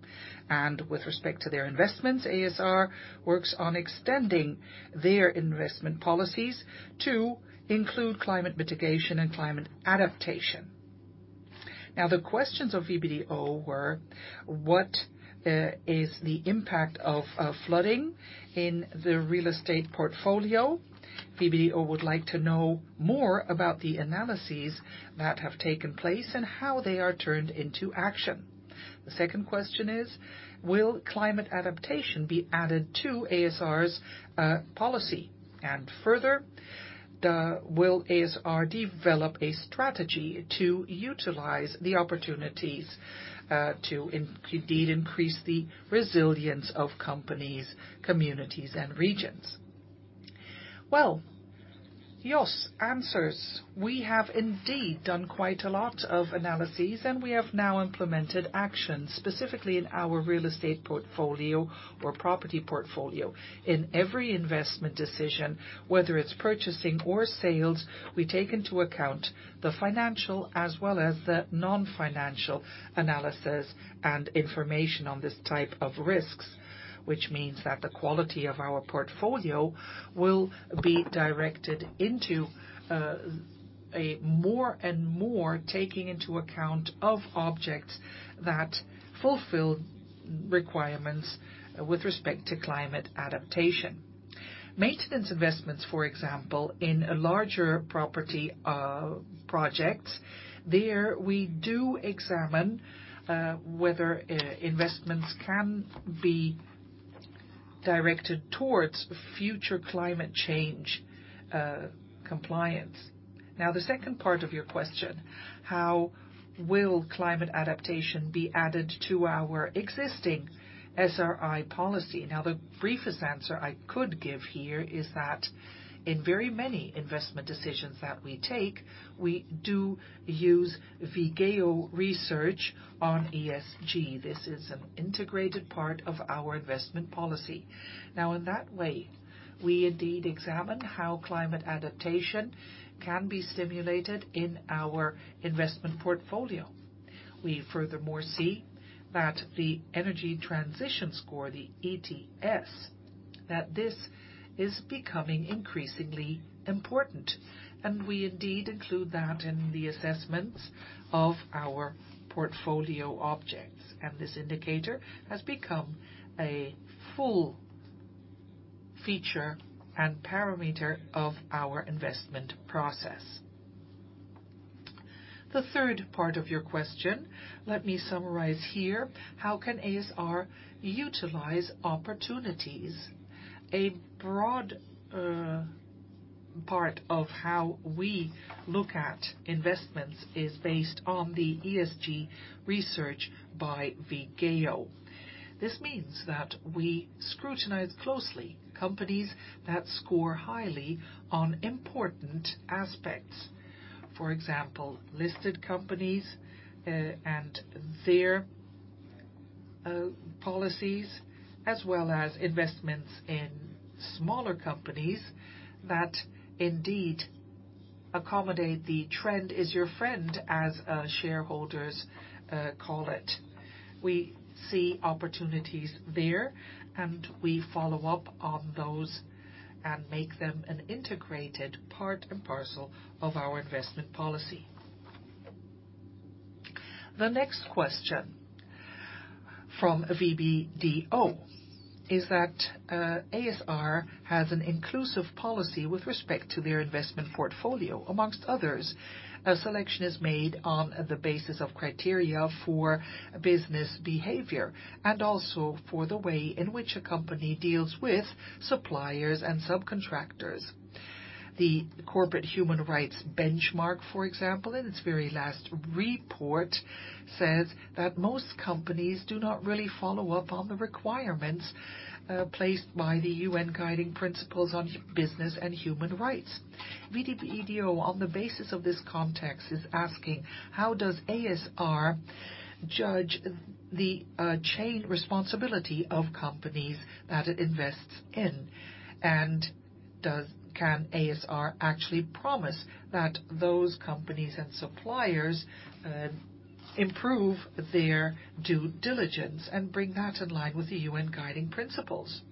With respect to their investments, ASR works on extending their investment policies to include climate mitigation and climate adaptation. The questions of VBDO were, what is the impact of flooding in the real estate portfolio? VBDO would like to know more about the analyses that have taken place and how they are turned into action. The second question is, will climate adaptation be added to ASR's policy? Further, will ASR develop a strategy to utilize the opportunities to indeed increase the resilience of companies, communities, and regions? Well, Jos answers. We have indeed done quite a lot of analyses, and we have now implemented actions specifically in our real estate portfolio or property portfolio. In every investment decision, whether it's purchasing or sales, we take into account the financial as well as the non-financial analysis and information on this type of risks, which means that the quality of our portfolio will be directed into more and more taking into account of objects that fulfill requirements with respect to climate adaptation. Maintenance investments, for example, in larger property projects, there we do examine whether investments can be directed towards future climate change compliance. The second part of your question, how will climate adaptation be added to our existing SRI policy? The briefest answer I could give here is that in very many investment decisions that we take, we do use Vigeo research on ESG. This is an integrated part of our investment policy. In that way, we indeed examine how climate adaptation can be stimulated in our investment portfolio. We furthermore see that the energy transition score, the ETS, that this is becoming increasingly important, and we indeed include that in the assessments of our portfolio objects. This indicator has become a full feature and parameter of our investment process. The third part of your question, let me summarize here. How can ASR utilize opportunities? A broad part of how we look at investments is based on the ESG research by Vigeo. This means that we scrutinize closely companies that score highly on important aspects. For example, listed companies and their policies as well as investments in smaller companies that indeed accommodate the trend is your friend, as shareholders call it. We see opportunities there, and we follow up on those and make them an integrated part and parcel of our investment policy. The next question from VBDO is that ASR has an inclusive policy with respect to their investment portfolio. Amongst others, a selection is made on the basis of criteria for business behavior and also for the way in which a company deals with suppliers and subcontractors. The Corporate Human Rights Benchmark, for example, in its very last report, says that most companies do not really follow up on the requirements placed by the UN Guiding Principles on Business and Human Rights. VBDO, on the basis of this context, is asking, how does ASR judge the chain responsibility of companies that it invests in? Can ASR actually promise that those companies and suppliers improve their due diligence and bring that in line with the UN Guiding Principles?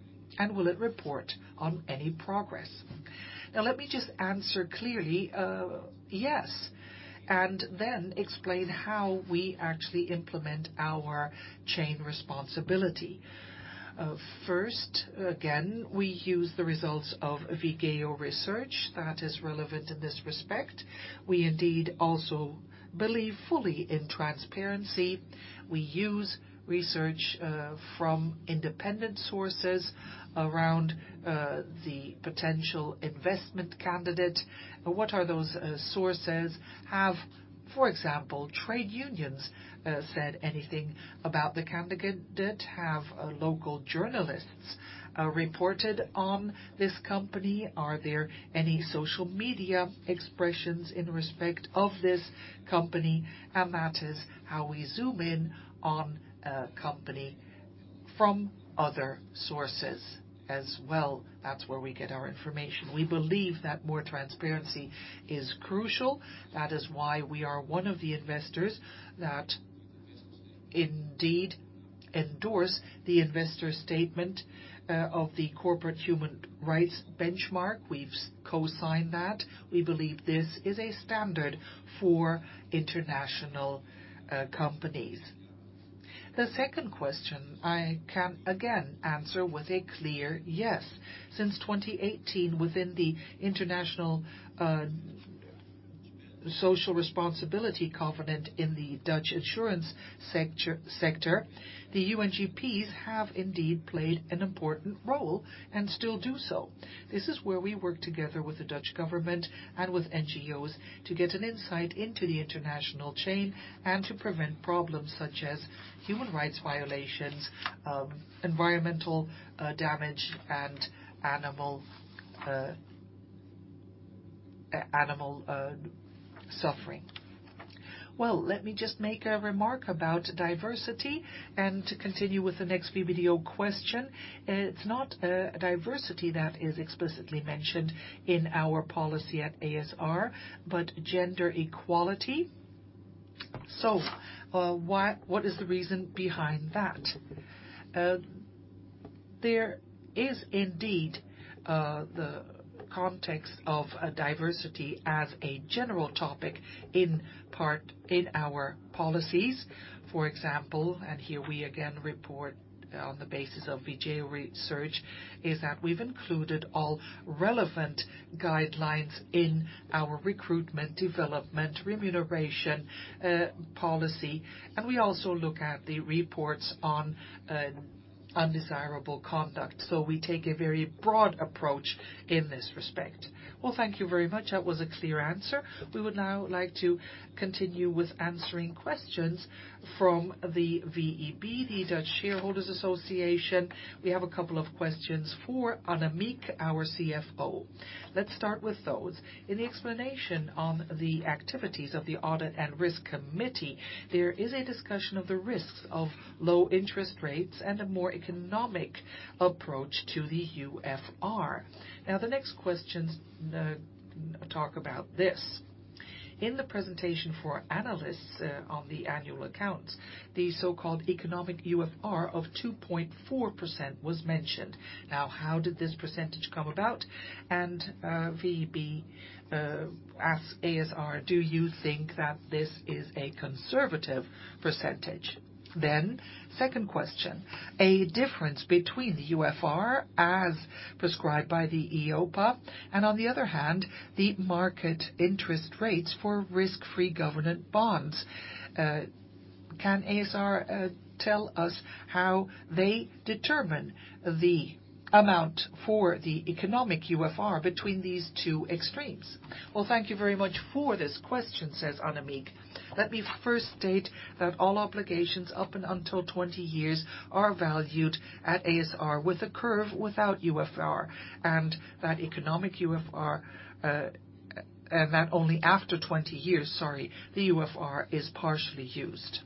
Will it report on any progress? Now, let me just answer clearly, yes, and then explain how we actually implement our chain responsibility. First, again, we use the results of Vigeo research that is relevant in this respect. We indeed also believe fully in transparency. We use research from independent sources around the potential investment candidate. What are those sources? Have, for example, trade unions said anything about the candidate? Have local journalists reported on this company? Are there any social media expressions in respect of this company? That is how we zoom in on a company from other sources as well. That's where we get our information. We believe that more transparency is crucial. That is why we are one of the investors that indeed endorse the investor statement of the Corporate Human Rights Benchmark. We've co-signed that. We believe this is a standard for international companies. The second question I can again answer with a clear yes. Since 2018, within the International Social Responsibility Covenant in the Dutch insurance sector, the UNGPs have indeed played an important role and still do so. This is where we work together with the Dutch government and with NGOs to get an insight into the international chain and to prevent problems such as human rights violations, environmental damage, and animal suffering. Well, let me just make a remark about diversity and to continue with the next VBDO question. It's not diversity that is explicitly mentioned in our policy at ASR, but gender equality. What is the reason behind that? There is indeed the context of diversity as a general topic in our policies. Here we again report on the basis of Vigeo research, is that we've included all relevant guidelines in our recruitment, development, remuneration policy, and we also look at the reports on undesirable conduct. We take a very broad approach in this respect. Thank you very much. That was a clear answer. We would now like to continue with answering questions from the VEB, the Dutch Investors' Association. We have a couple of questions for Annemiek, our CFO. Let's start with those. In the explanation on the activities of the Audit and Risk Committee, there is a discussion of the risks of low interest rates and a more economic approach to the UFR. The next questions talk about this. In the presentation for analysts on the annual accounts, the so-called economic UFR of 2.4% was mentioned. How did this percentage come about? VEB asks ASR, do you think that this is a conservative percentage? Second question, a difference between the UFR as prescribed by the EIOPA and on the other hand, the market interest rates for risk-free government bonds. Can ASR tell us how they determine the amount for the economic UFR between these two extremes? Well, thank you very much for this question, says Annemiek. Let me first state that all obligations up and until 20 years are valued at ASR with a curve without UFR, and that only after 20 years, the UFR is partially used.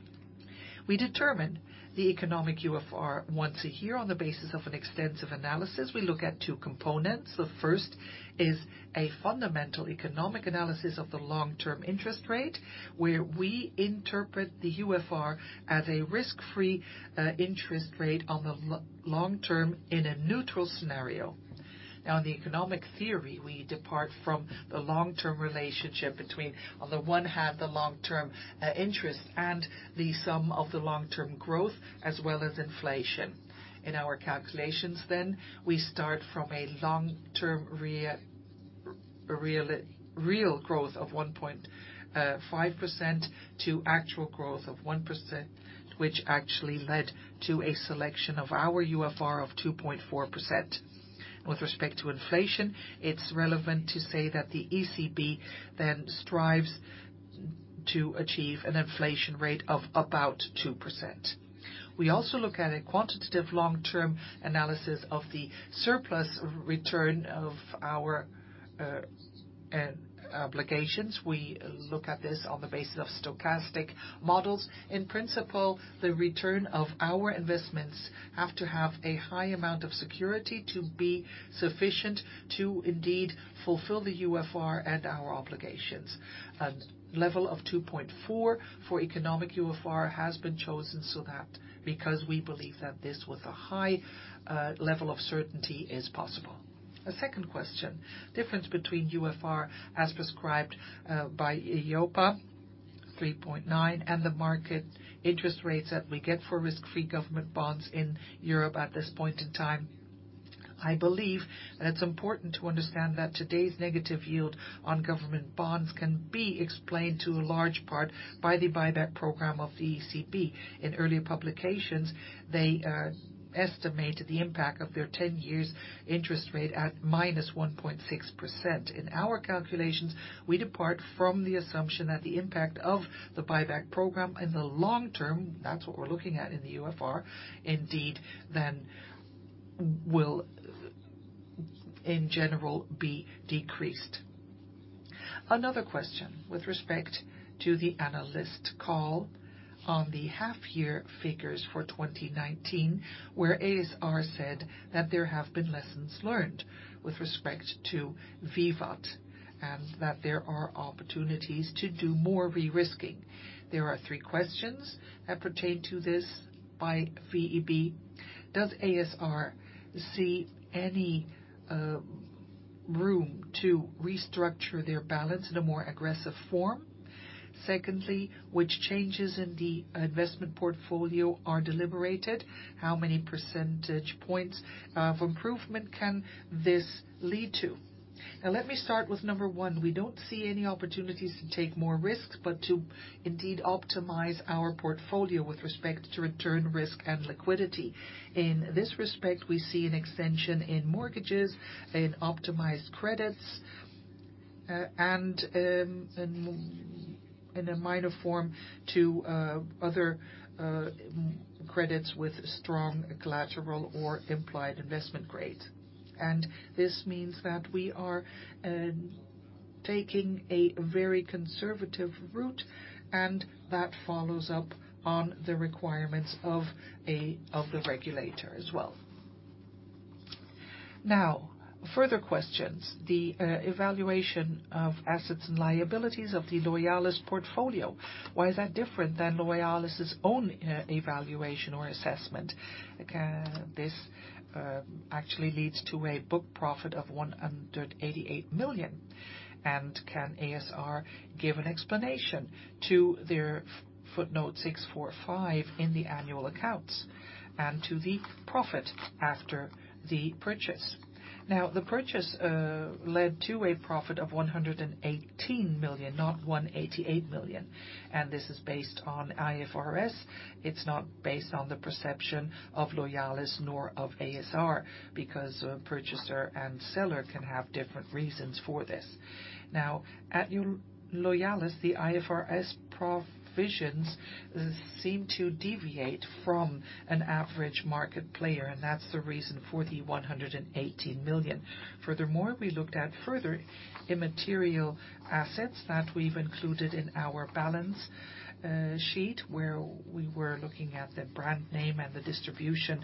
We determine the economic UFR once a year on the basis of an extensive analysis. We look at two components. The first is a fundamental economic analysis of the long-term interest rate, where we interpret the UFR as a risk-free interest rate on the long term in a neutral scenario. In the economic theory, we depart from the long-term relationship between, on the one hand, the long-term interest and the sum of the long-term growth as well as inflation. In our calculations, we start from a long-term real growth of 1.5% to actual growth of 1%, which actually led to a selection of our UFR of 2.4%. With respect to inflation, it's relevant to say that the ECB strives to achieve an inflation rate of about 2%. We also look at a quantitative long-term analysis of the surplus return of our obligations. We look at this on the basis of stochastic models. In principle, the return of our investments have to have a high amount of security to be sufficient to indeed fulfill the UFR and our obligations. A level of 2.4 for economic UFR has been chosen so that because we believe that this with a high level of certainty is possible. A second question, difference between UFR as prescribed by EIOPA, 3.9, and the market interest rates that we get for risk-free government bonds in Europe at this point in time. I believe that it's important to understand that today's negative yield on government bonds can be explained to a large part by the buyback program of the ECB. In earlier publications, they estimated the impact of their 10-years interest rate at -1.6%. In our calculations, we depart from the assumption that the impact of the buyback program in the long term, that's what we're looking at in the UFR, indeed then will in general be decreased. Another question with respect to the analyst call on the half-year figures for 2019, where ASR said that there have been lessons learned with respect to Vivat and that there are opportunities to do more re-risking. There are three questions that pertain to this by VEB. Does ASR see any room to restructure their balance in a more aggressive form? Secondly, which changes in the investment portfolio are deliberated? How many percentage points of improvement can this lead to? Let me start with number 1. We don't see any opportunities to take more risks, but to indeed optimize our portfolio with respect to return risk and liquidity. In this respect, we see an extension in mortgages and optimized credits and in a minor form to other credits with strong collateral or implied investment grade. This means that we are taking a very conservative route, and that follows up on the requirements of the regulator as well. Further questions. The evaluation of assets and liabilities of the Loyalis portfolio. Why is that different than Loyalis' own evaluation or assessment? This actually leads to a book profit of 188 million. Can ASR give an explanation to their footnote 645 in the annual accounts and to the profit after the purchase? The purchase led to a profit of 118 million, not 188 million. This is based on IFRS. It's not based on the perception of Loyalis nor of ASR, because purchaser and seller can have different reasons for this. At Loyalis, the IFRS provisions seem to deviate from an average market player, and that's the reason for the 118 million. Furthermore, we looked at further immaterial assets that we've included in our balance sheet, where we were looking at the brand name and the distribution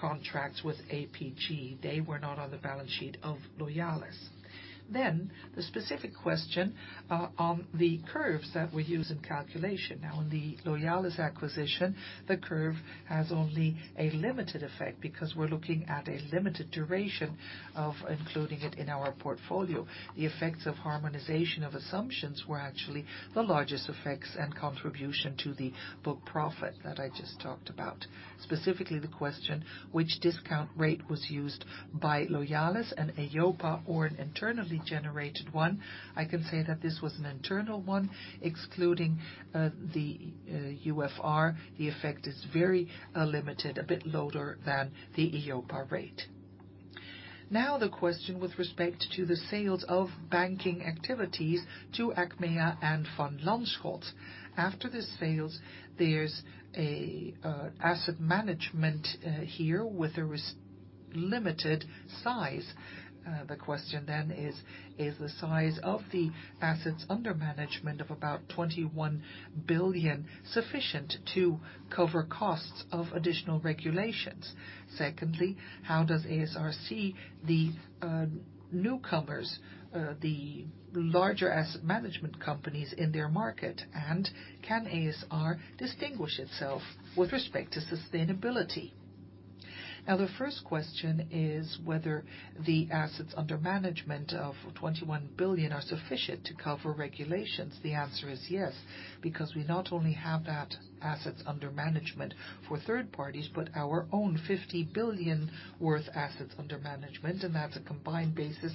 contracts with APG. They were not on the balance sheet of Loyalis. The specific question on the curves that we use in calculation. Now in the Loyalis acquisition, the curve has only a limited effect because we're looking at a limited duration of including it in our portfolio. The effects of harmonization of assumptions were actually the largest effects and contribution to the book profit that I just talked about. Specifically, the question, which discount rate was used by Loyalis, an EIOPA or an internally generated one? I can say that this was an internal one, excluding the UFR. The effect is very limited, a bit lower than the EIOPA rate. The question with respect to the sales of banking activities to Achmea and Van Lanschot. After the sales, there's asset management here with a limited size. The question then is the size of the assets under management of about 21 billion sufficient to cover costs of additional regulations? Secondly, how does ASR see the newcomers, the larger asset management companies in their market, and can ASR distinguish itself with respect to sustainability? The first question is whether the assets under management of 21 billion are sufficient to cover regulations. The answer is yes, because we not only have that assets under management for third parties, but our own 50 billion worth assets under management, and that's a combined basis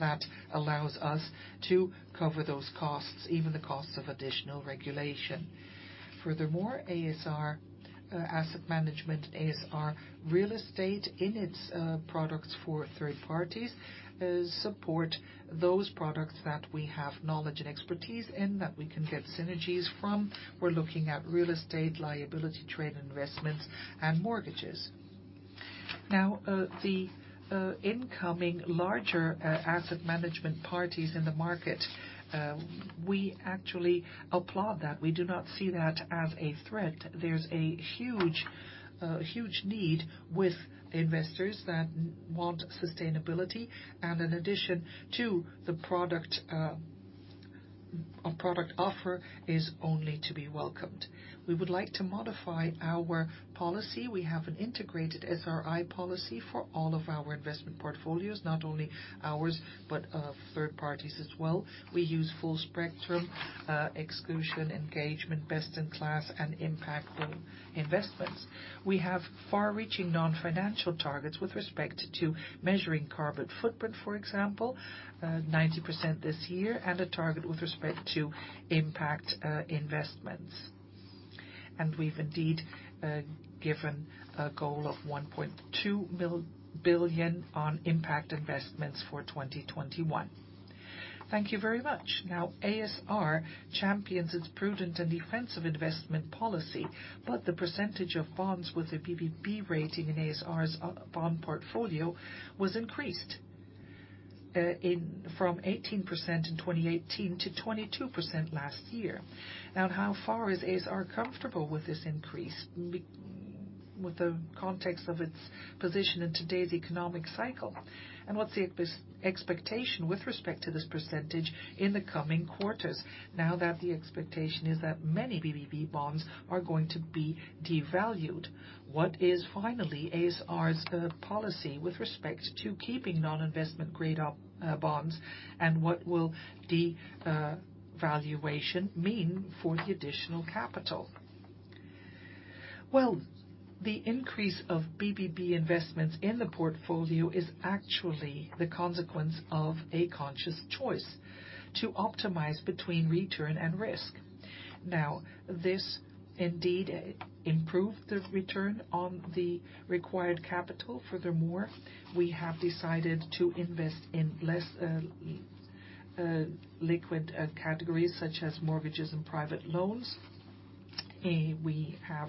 that allows us to cover those costs, even the cost of additional regulation. Furthermore, ASR Asset Management, a.s.r. real estate in its products for third parties, support those products that we have knowledge and expertise in that we can get synergies from. We're looking at real estate liability driven investments and mortgages. The incoming larger Asset Management parties in the market, we actually applaud that. We do not see that as a threat. There's a huge need with investors that want sustainability, in addition to the product offer is only to be welcomed. We would like to modify our policy. We have an integrated SRI policy for all of our investment portfolios, not only ours, but third parties as well. We use full spectrum exclusion, engagement, best in class, and impactful investments. We have far-reaching non-financial targets with respect to measuring carbon footprint. For example, 90% this year, a target with respect to impact investments. We've indeed given a goal of 1.2 billion on impact investments for 2021. Thank you very much. ASR champions its prudent and defensive investment policy, but the percentage of bonds with a BBB rating in ASR's bond portfolio was increased from 18% in 2018 to 22% last year. How far is ASR comfortable with this increase with the context of its position in today's economic cycle? What's the expectation with respect to this percentage in the coming quarters now that the expectation is that many BBB bonds are going to be devalued? What is finally ASR's policy with respect to keeping non-investment grade bonds, and what will devaluation mean for the additional capital? The increase of BBB investments in the portfolio is actually the consequence of a conscious choice to optimize between return and risk. This indeed improved the return on the required capital. We have decided to invest in less liquid categories, such as mortgages and private loans. We have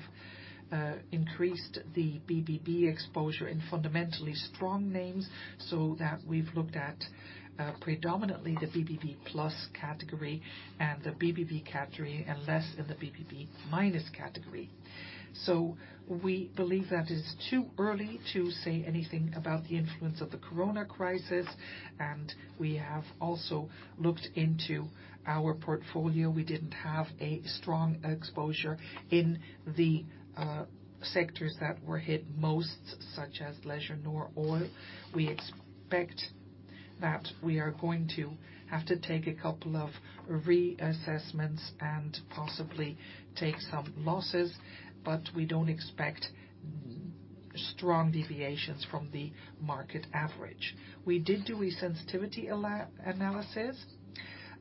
increased the BBB exposure in fundamentally strong names, so that we've looked at predominantly the BBB plus category and the BBB category, and less in the BBB minus category. We believe that it's too early to say anything about the influence of the corona crisis, and we have also looked into our portfolio. We didn't have a strong exposure in the sectors that were hit most, such as leisure nor oil. We expect that we are going to have to take a couple of reassessments and possibly take some losses, but we don't expect strong deviations from the market average. We did do a sensitivity analysis.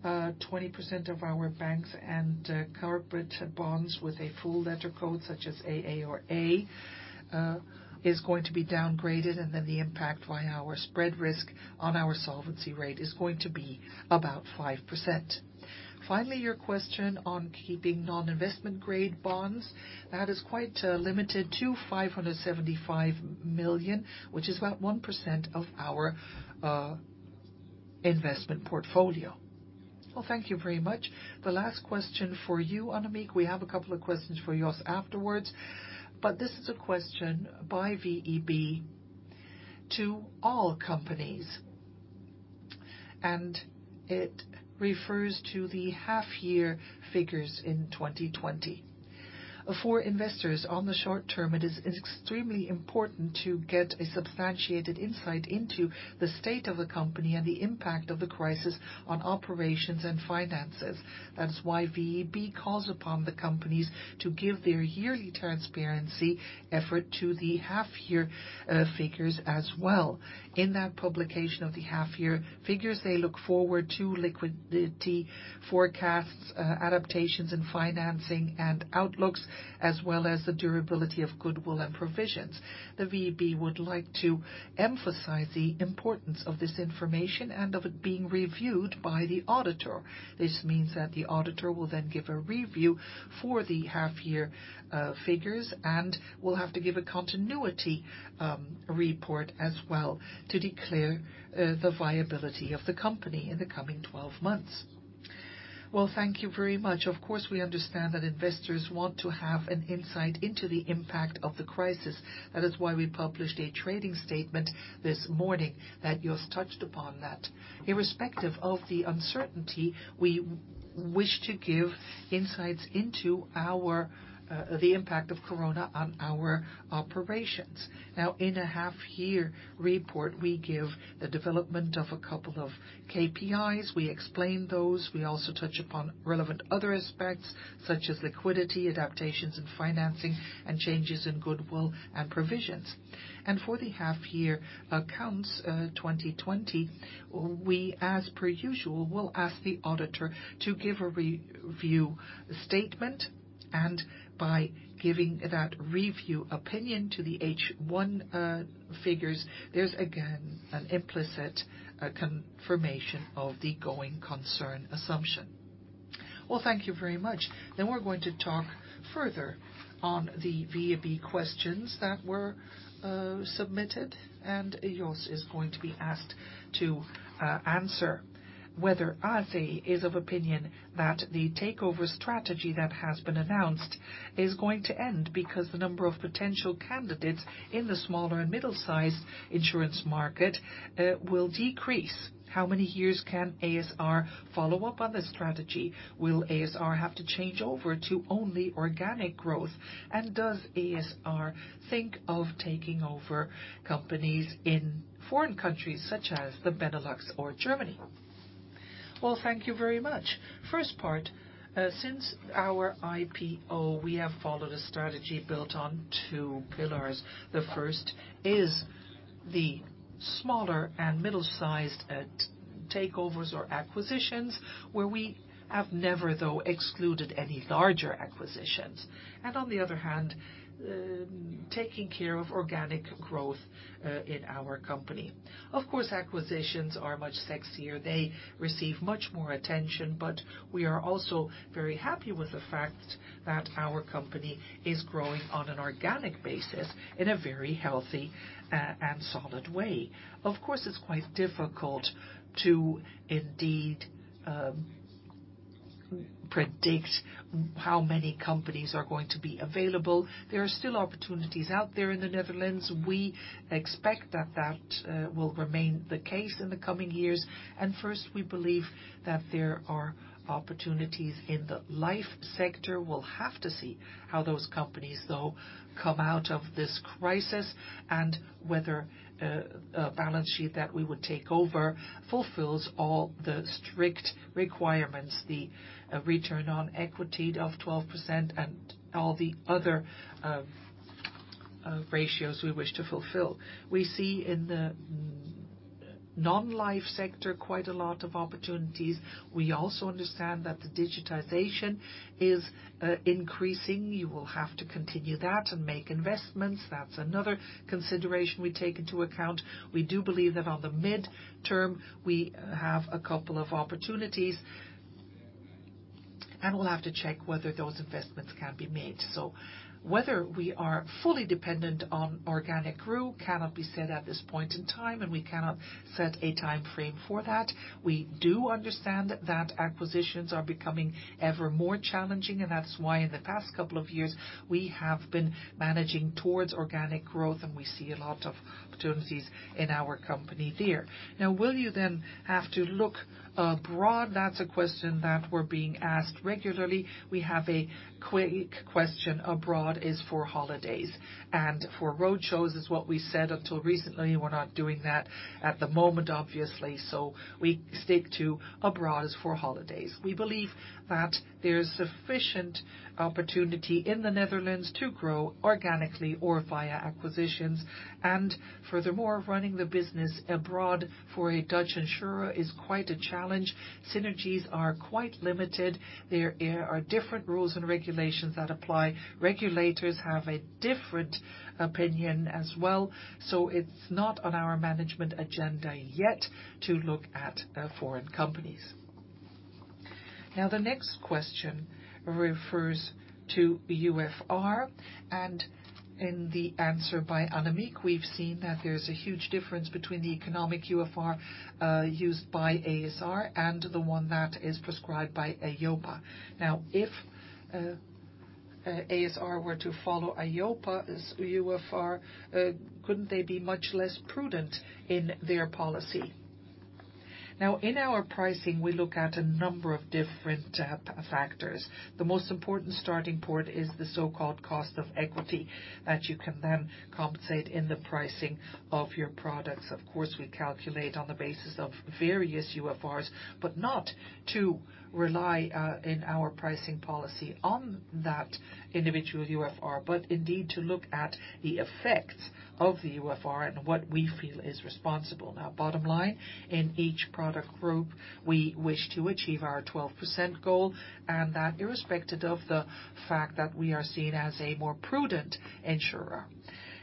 20% of our banks and corporate bonds with a full letter code, such as AA or A, is going to be downgraded, and then the impact via our spread risk on our solvency rate is going to be about 5%. Finally, your question on keeping non-investment grade bonds. That is quite limited to 575 million, which is about 1% of our investment portfolio. Well, thank you very much. The last question for you, Annemiek. We have a couple of questions for Jos afterwards, but this is a question by VEB to all companies, and it refers to the half year figures in 2020. For investors on the short term, it is extremely important to get a substantiated insight into the state of the company and the impact of the crisis on operations and finances. That's why VEB calls upon the companies to give their yearly transparency effort to the half year figures as well. In that publication of the half year figures, they look forward to liquidity forecasts, adaptations, and financing and outlooks, as well as the durability of goodwill and provisions. The VEB would like to emphasize the importance of this information and of it being reviewed by the auditor. This means that the auditor will then give a review for the half year figures and will have to give a continuity report as well to declare the viability of the company in the coming 12 months. Well, thank you very much. Of course, we understand that investors want to have an insight into the impact of the crisis. That is why we published a trading statement this morning that Jos touched upon that. Irrespective of the uncertainty, we wish to give insights into the impact of corona on our operations. In a half-year report, we give the development of a couple of KPIs. We explain those. We also touch upon relevant other aspects, such as liquidity, adaptations, and financing, and changes in goodwill and provisions. For the half-year accounts 2020, we, as per usual, will ask the auditor to give a review statement. By giving that review opinion to the H1 figures, there's again an implicit confirmation of the going concern assumption. Well, thank you very much. We're going to talk further on the VEB questions that were submitted, Jos is going to be asked to answer whether ASR is of opinion that the takeover strategy that has been announced is going to end because the number of potential candidates in the smaller and middle-sized insurance market will decrease. How many years can ASR follow up on this strategy? Will ASR have to change over to only organic growth? Does ASR think of taking over companies in foreign countries such as the Benelux or Germany? Well, thank you very much. First part, since our IPO, we have followed a strategy built on two pillars. The first is the smaller and middle-sized takeovers or acquisitions, where we have never though excluded any larger acquisitions. On the other hand, taking care of organic growth in our company. Of course, acquisitions are much sexier. They receive much more attention. We are also very happy with the fact that our company is growing on an organic basis in a very healthy and solid way. Of course, it's quite difficult to indeed predict how many companies are going to be available. There are still opportunities out there in the Netherlands. We expect that that will remain the case in the coming years. First, we believe that there are opportunities in the life sector. We'll have to see how those companies, though, come out of this crisis and whether a balance sheet that we would take over fulfills all the strict requirements, the return on equity of 12% and all the other ratios we wish to fulfill. We see in the Non-life sector, quite a lot of opportunities. We also understand that the digitization is increasing. You will have to continue that and make investments. That's another consideration we take into account. We do believe that on the mid-term, we have a couple of opportunities, and we'll have to check whether those investments can be made. Whether we are fully dependent on organic growth cannot be said at this point in time, and we cannot set a timeframe for that. We do understand that acquisitions are becoming ever more challenging, and that's why in the past couple of years, we have been managing towards organic growth, and we see a lot of opportunities in our company there. Will you then have to look abroad? That's a question that we're being asked regularly. We have a quick question. Abroad is for holidays, and for road shows is what we said until recently. We're not doing that at the moment, obviously, so we stick to abroad is for holidays. We believe that there's sufficient opportunity in the Netherlands to grow organically or via acquisitions. Furthermore, running the business abroad for a Dutch insurer is quite a challenge. Synergies are quite limited. There are different rules and regulations that apply. Regulators have a different opinion as well. It's not on our management agenda yet to look at foreign companies. The next question refers to UFR, and in the answer by Annemiek, we've seen that there's a huge difference between the economic UFR used by ASR and the one that is prescribed by EIOPA. If ASR were to follow EIOPA's UFR, couldn't they be much less prudent in their policy? In our pricing, we look at a number of different factors. The most important starting point is the so-called cost of equity that you can then compensate in the pricing of your products. Of course, we calculate on the basis of various UFRs, but not to rely in our pricing policy on that individual UFR, but indeed to look at the effects of the UFR and what we feel is responsible. Bottom line, in each product group, we wish to achieve our 12% goal, and that irrespective of the fact that we are seen as a more prudent insurer.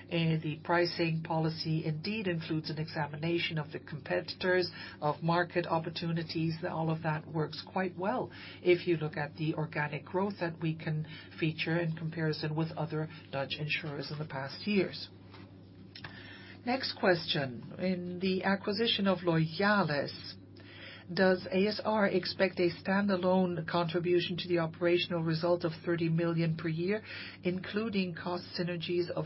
The pricing policy indeed includes an examination of the competitors, of market opportunities. All of that works quite well if you look at the organic growth that we can feature in comparison with other Dutch insurers in the past years. Next question. In the acquisition of Loyalis, does ASR expect a standalone contribution to the operational result of 30 million per year, including cost synergies of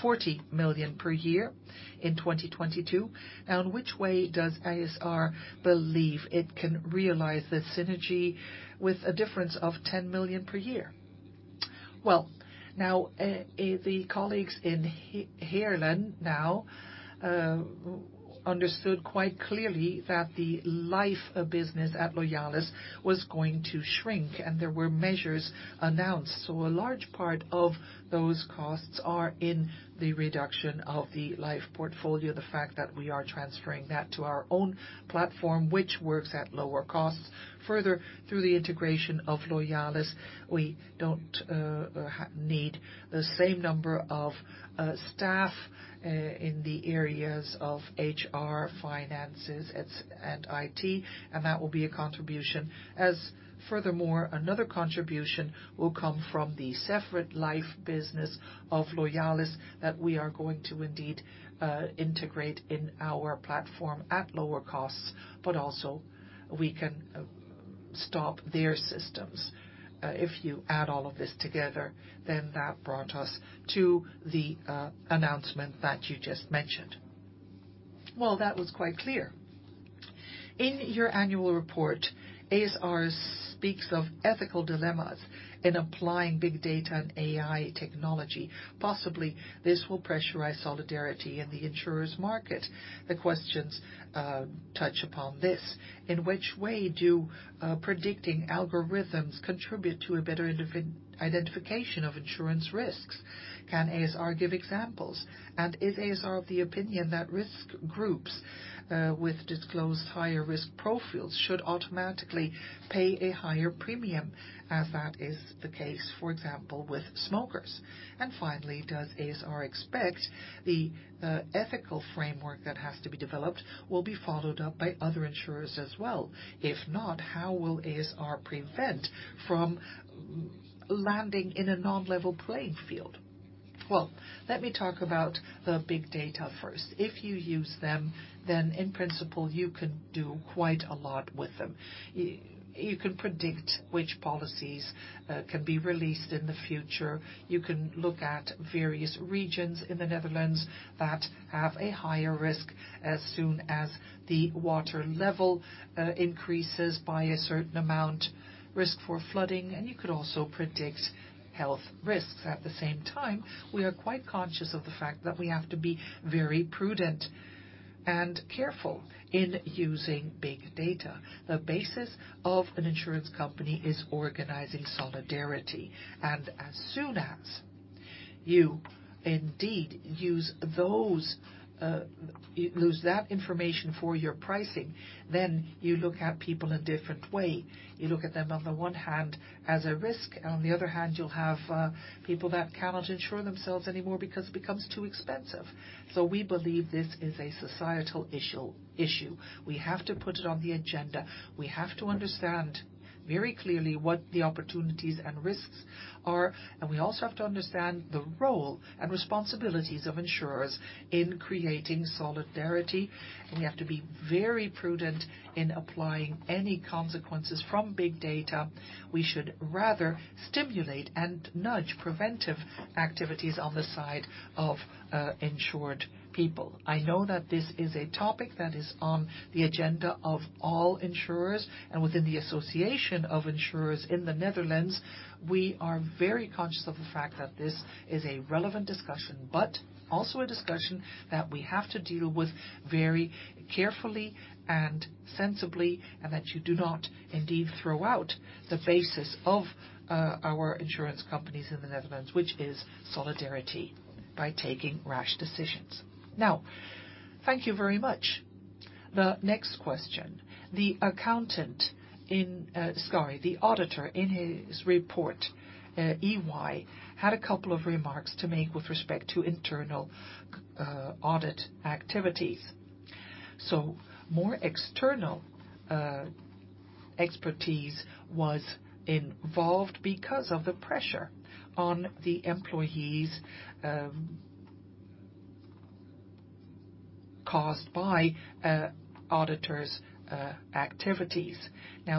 40 million per year in 2022? Now, in which way does ASR believe it can realize this synergy with a difference of 10 million per year? Well, now, the colleagues in Heerlen now understood quite clearly that the life of business at Loyalis was going to shrink, and there were measures announced. A large part of those costs are in the reduction of the life portfolio, the fact that we are transferring that to our own platform, which works at lower costs. Further, through the integration of Loyalis, we don't need the same number of staff in the areas of HR, finances, and IT, and that will be a contribution, as furthermore, another contribution will come from the separate life business of Loyalis that we are going to indeed integrate in our platform at lower costs, but also we can stop their systems. If you add all of this together, then that brought us to the announcement that you just mentioned. Well, that was quite clear. In your annual report, ASR speaks of ethical dilemmas in applying big data and AI technology. Possibly, this will pressurize solidarity in the insurer's market. The questions touch upon this. In which way do predicting algorithms contribute to a better identification of insurance risks? Can ASR give examples? Is ASR of the opinion that risk groups with disclosed higher risk profiles should automatically pay a higher premium, as that is the case, for example, with smokers? Finally, does ASR expect the ethical framework that has to be developed will be followed up by other insurers as well? If not, how will ASR prevent from landing in a non-level playing field? Well, let me talk about the big data first. If you use them, then in principle, you can do quite a lot with them. You can predict which policies can be released in the future. You can look at various regions in the Netherlands that have a higher risk as soon as the water level increases by a certain amount, risk for flooding, and you could also predict health risks. At the same time, we are quite conscious of the fact that we have to be very prudent and careful in using big data. The basis of an insurance company is organizing solidarity. You indeed use that information for your pricing. You look at people a different way. You look at them on the one hand as a risk, and on the other hand, you'll have people that cannot insure themselves anymore because it becomes too expensive. We believe this is a societal issue. We have to put it on the agenda. We have to understand very clearly what the opportunities and risks are, and we also have to understand the role and responsibilities of insurers in creating solidarity. We have to be very prudent in applying any consequences from big data. We should rather stimulate and nudge preventive activities on the side of insured people. I know that this is a topic that is on the agenda of all insurers, and within the association of insurers in the Netherlands, we are very conscious of the fact that this is a relevant discussion, but also a discussion that we have to deal with very carefully and sensibly, and that you do not indeed throw out the basis of our insurance companies in the Netherlands, which is solidarity, by taking rash decisions. Thank you very much. The next question. The auditor in his report, EY, had a couple of remarks to make with respect to internal audit activities. More external expertise was involved because of the pressure on the employees caused by auditors' activities.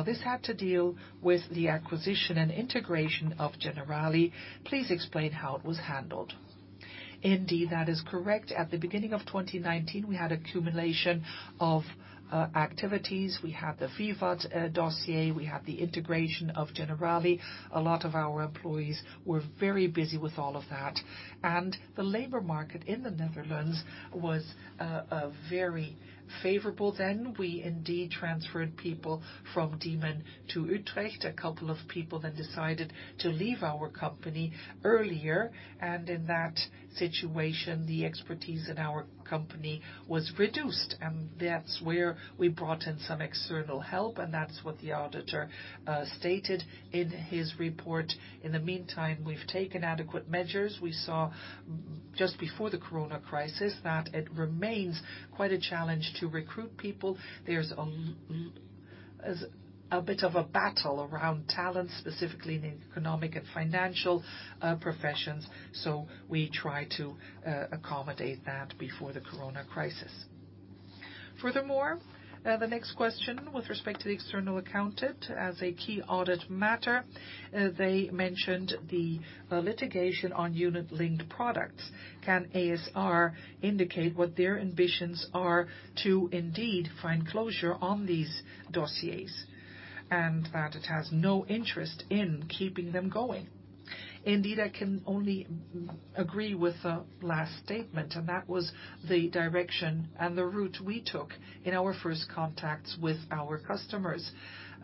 This had to deal with the acquisition and integration of Generali. Please explain how it was handled. Indeed, that is correct. At the beginning of 2019, we had accumulation of activities. We had the Vivat dossier. We had the integration of Generali. A lot of our employees were very busy with all of that. The labor market in the Netherlands was very favorable then. We indeed transferred people from Diemen to Utrecht. A couple of people then decided to leave our company earlier. In that situation, the expertise in our company was reduced. That's where we brought in some external help, and that's what the auditor stated in his report. In the meantime, we've taken adequate measures. We saw just before the corona crisis that it remains quite a challenge to recruit people. There's a bit of a battle around talent, specifically in economic and financial professions. We tried to accommodate that before the corona crisis. Furthermore, the next question with respect to the external accountant as a key audit matter. They mentioned the litigation on unit-linked products. Can ASR indicate what their ambitions are to indeed find closure on these dossiers and that it has no interest in keeping them going? I can only agree with the last statement, that was the direction and the route we took in our first contacts with our customers,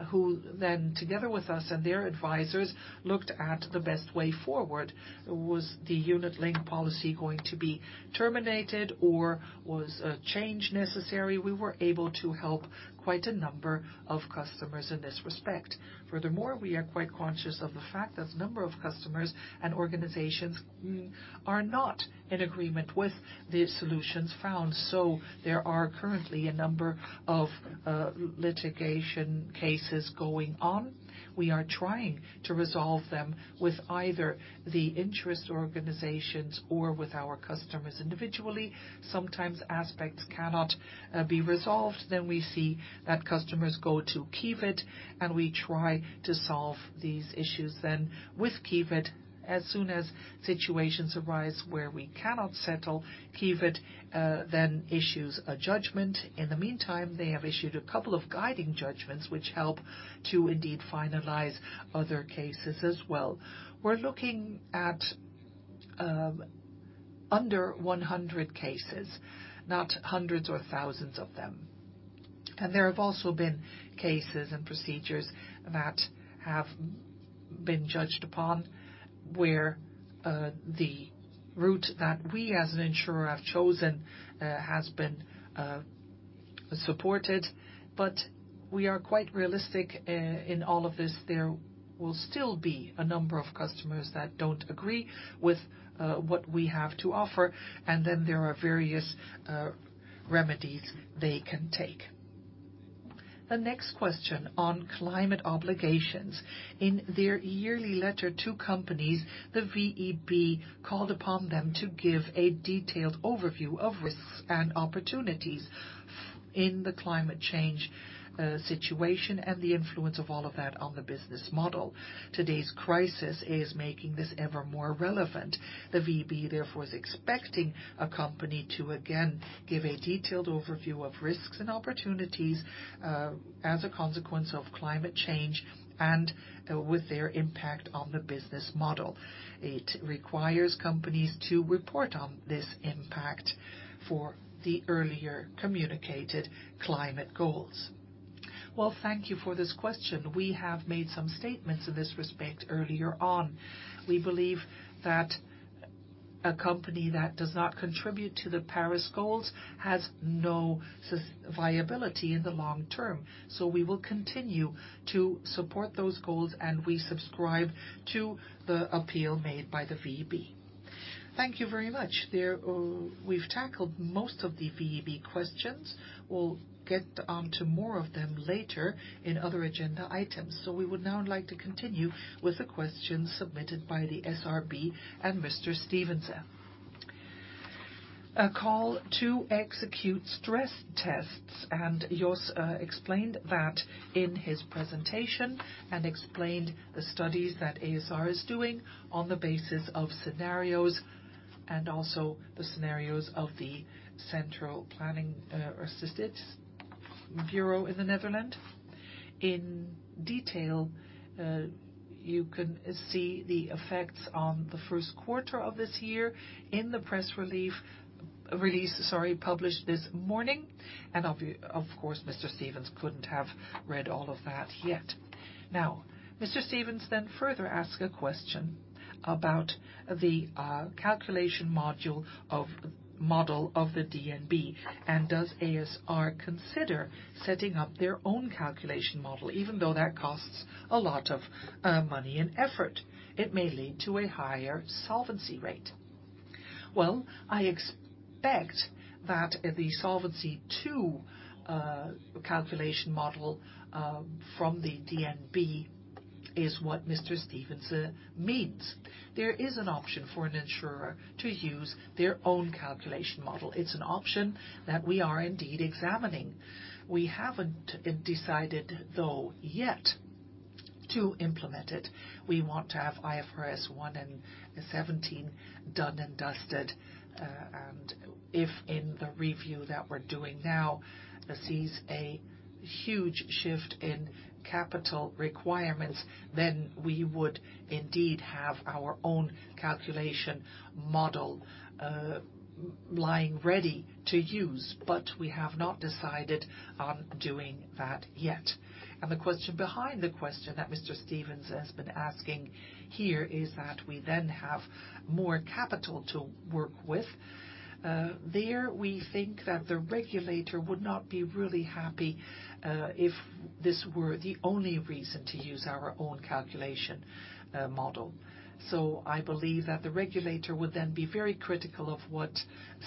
who then together with us and their advisors, looked at the best way forward. Was the unit-linked policy going to be terminated or was a change necessary? We were able to help quite a number of customers in this respect. Furthermore, we are quite conscious of the fact that a number of customers and organizations are not in agreement with the solutions found. There are currently a number of litigation cases going on. We are trying to resolve them with either the interest organizations or with our customers individually. Sometimes aspects cannot be resolved. We see that customers go to Kifid, and we try to solve these issues then with Kifid. As soon as situations arise where we cannot settle, Kifid then issues a judgment. In the meantime, they have issued a couple of guiding judgments which help to indeed finalize other cases as well. We're looking at under 100 cases, not hundreds or thousands of them. There have also been cases and procedures that have been judged upon where the route that we as an insurer have chosen has been supported. We are quite realistic in all of this. There will still be a number of customers that don't agree with what we have to offer, and then there are various remedies they can take. The next question on climate obligations. In their yearly letter to companies, the VEB called upon them to give a detailed overview of risks and opportunities in the climate change situation and the influence of all of that on the business model. Today's crisis is making this ever more relevant. The VEB, therefore, is expecting a company to again give a detailed overview of risks and opportunities as a consequence of climate change and with their impact on the business model. It requires companies to report on this impact for the earlier communicated climate goals. Well, thank you for this question. We have made some statements in this respect earlier on. We believe that a company that does not contribute to the Paris Goals has no viability in the long term. We will continue to support those goals, and we subscribe to the appeal made by the VEB. Thank you very much. We've tackled most of the VEB questions. We'll get on to more of them later in other agenda items. We would now like to continue with the questions submitted by the SRB and Mr. Stevenson. A call to execute stress tests. Jos explained that in his presentation and explained the studies that ASR is doing on the basis of scenarios and also the scenarios of the CPB Netherlands Bureau for Economic Policy Analysis. In detail, you can see the effects on the first quarter of this year in the press release published this morning. Of course, Mr. Stevenson couldn't have read all of that yet. Mr. Stevenson then further asked a question about the calculation model of the DNB, does ASR consider setting up their own calculation model, even though that costs a lot of money and effort? It may lead to a higher solvency rate. I expect that the Solvency II calculation model from the DNB is what Mr. Stevenson means. There is an option for an insurer to use their own calculation model. It's an option that we are indeed examining. We haven't decided, though, yet to implement it. We want to have IFRS 1 and IFRS 17 done and dusted. If in the review that we're doing now sees a huge shift in capital requirements, we would indeed have our own calculation model lying ready to use. We have not decided on doing that yet. The question behind the question that Mr. Stevenson has been asking here is that we then have more capital to work with. There we think that the regulator would not be really happy if this were the only reason to use our own calculation model. I believe that the regulator would then be very critical of what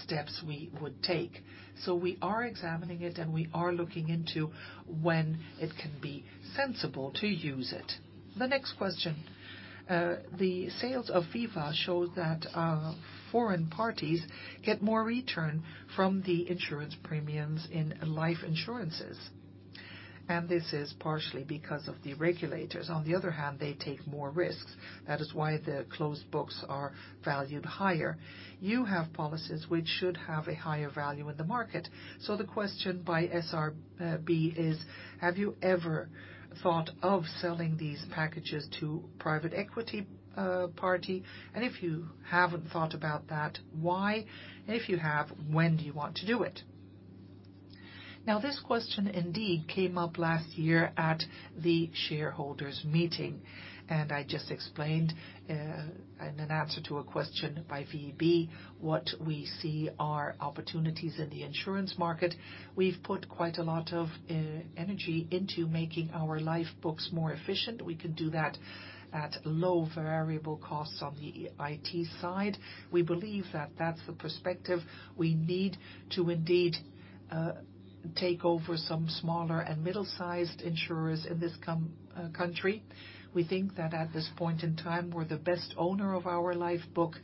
steps we would take. We are examining it, and we are looking into when it can be sensible to use it. The next question. The sales of [IFA] show that foreign parties get more return from the insurance premiums in life insurances. This is partially because of the regulators. On the other hand, they take more risks. That is why the closed books are valued higher. You have policies which should have a higher value in the market. The question by SRB is, have you ever thought of selling these packages to private equity party? If you haven't thought about that, why? If you have, when do you want to do it? Now, this question indeed came up last year at the shareholders meeting. I just explained in an answer to a question by VEB what we see are opportunities in the insurance market. We've put quite a lot of energy into making our life books more efficient. We can do that at low variable costs on the IT side. We believe that that's the perspective we need to indeed take over some smaller and middle-sized insurers in this country. We think that at this point in time, we're the best owner of our life book.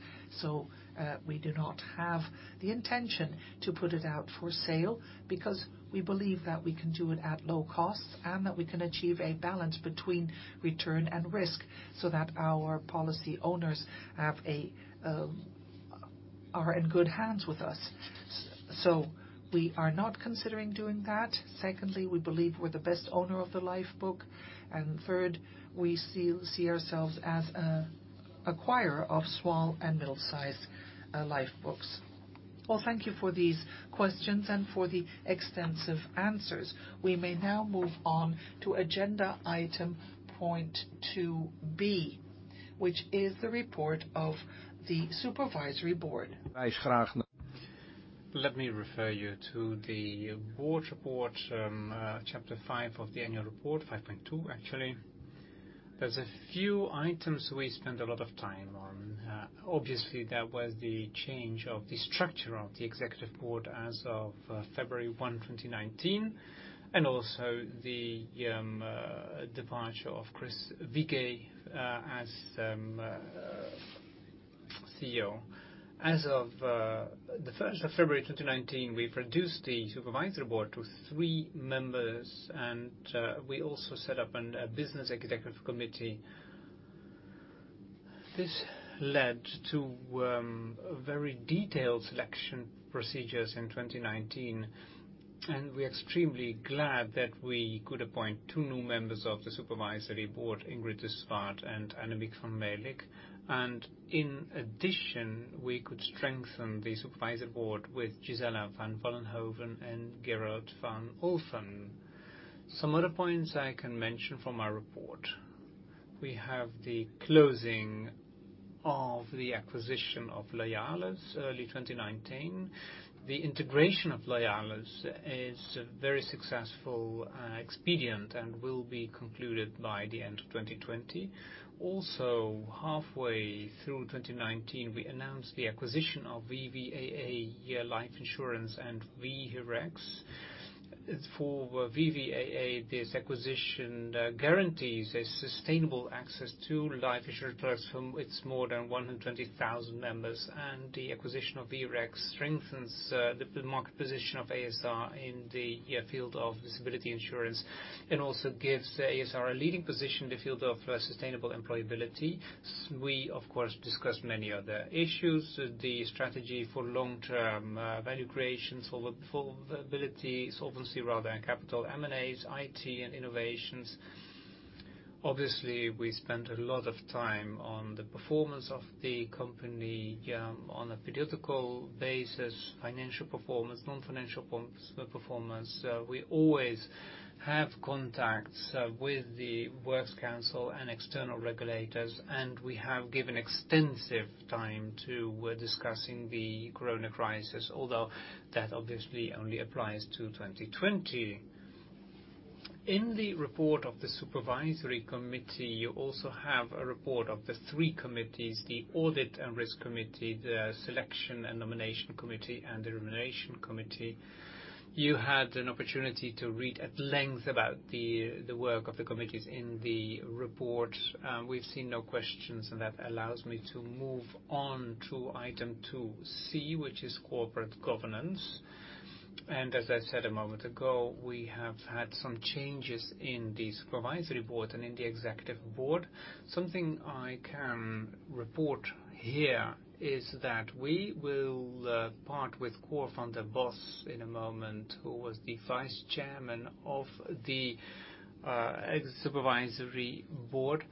We do not have the intention to put it out for sale because we believe that we can do it at low cost and that we can achieve a balance between return and risk so that our policy owners are in good hands with us. We are not considering doing that. Secondly, we believe we're the best owner of the life book. Third, we see ourselves as an acquirer of small and middle-sized life books. Thank you for these questions and for the extensive answers. We may now move on to agenda item point 2B, which is the report of the Supervisory Board. Let me refer you to the board report, chapter five of the annual report, 5.2, actually. There's a few items we spent a lot of time on. Obviously, that was the change of the structure of the Executive Board as of February 1, 2019, and also the departure of Chris Figee as CFO. As of the 1st of February 2019, we've reduced the Supervisory Board to three members, and we also set up a Business Executive Committee. This led to very detailed selection procedures in 2019. We're extremely glad that we could appoint two new members of the Supervisory Board, Ingrid de Swart and Annemiek van Melick. In addition, we could strengthen the Supervisory Board with Gisella van Vollenhoven and Gerard van Olphen. Some other points I can mention from our report. We have the closing of the acquisition of Loyalis early 2019. The integration of Loyalis is a very successful expedient and will be concluded by the end of 2020. Halfway through 2019, we announced the acquisition of VvAA Levensverzekering N.V. and Veherex. For VvAA, this acquisition guarantees a sustainable access to life insurance products from its more than 120,000 members. The acquisition of Veherex strengthens the market position of ASR in the field of disability insurance, and also gives ASR a leading position in the field of sustainable employability. We, of course, discussed many other issues. The strategy for long-term value creation, solvability, solvency rather, and capital, M&As, IT, and innovations. Obviously, we spent a lot of time on the performance of the company on a periodical basis, financial performance, non-financial performance. We always have contacts with the works council and external regulators, and we have given extensive time to discussing the Corona crisis, although that obviously only applies to 2020. In the report of the Supervisory Board, you also have a report of the three committees, the Audit and Risk Committee, the Selection and Nomination Committee, and the Remuneration Committee. You had an opportunity to read at length about the work of the committees in the report. We've seen no questions, and that allows me to move on to item 2C, which is corporate governance. As I said a moment ago, we have had some changes in the Supervisory Board and in the Executive Board. Something I can report here is that we will part with Cor van den Bos in a moment, who was the vice chairman of the Supervisory Board.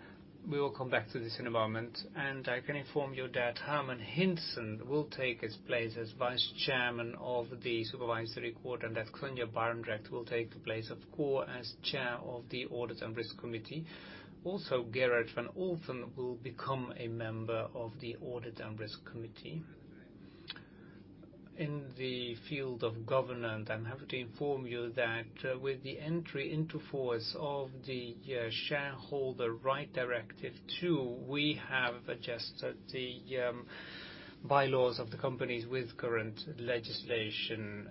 We will come back to this in a moment. I can inform you that Herman Hulst will take his place as vice chairman of the supervisory board, and that Sonja Barendregt will take the place of Cor as chair of the audit and risk committee. Also, Gerard van Olphen will become a member of the audit and risk committee. In the field of governance, I have to inform you that with the entry into force of the Shareholder Rights Directive II, we have adjusted the bylaws of the companies with current legislation.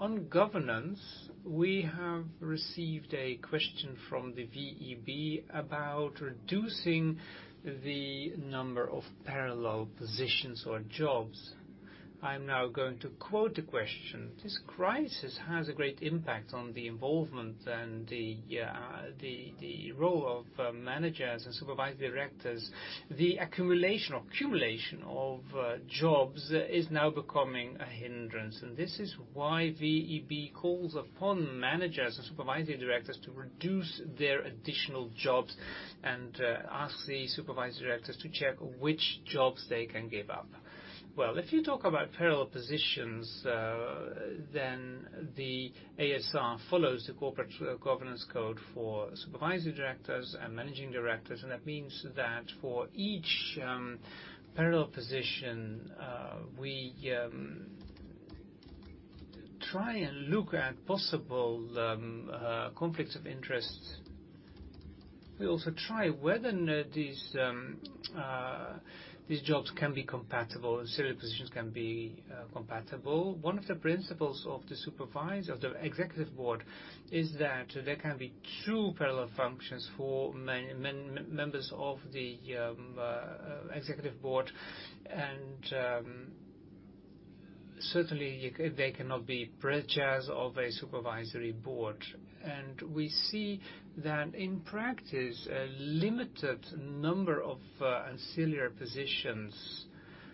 On governance, we have received a question from the VEB about reducing the number of parallel positions or jobs. I'm now going to quote the question. "This crisis has a great impact on the involvement and the role of managers and supervisory directors. The accumulation of jobs is now becoming a hindrance. This is why VEB calls upon managers and supervisory directors to reduce their additional jobs and ask the supervisory directors to check which jobs they can give up. If you talk about parallel positions, ASR follows the corporate governance code for supervisory directors and managing directors. That means that for each parallel position, we try and look at possible conflicts of interest. We also try whether these jobs can be compatible. Several positions can be compatible. One of the principles of the Executive Board is that there can be two parallel functions for members of the Executive Board. Certainly they cannot be prejudicial of a Supervisory Board. We see that in practice, a limited number of ancillary positions,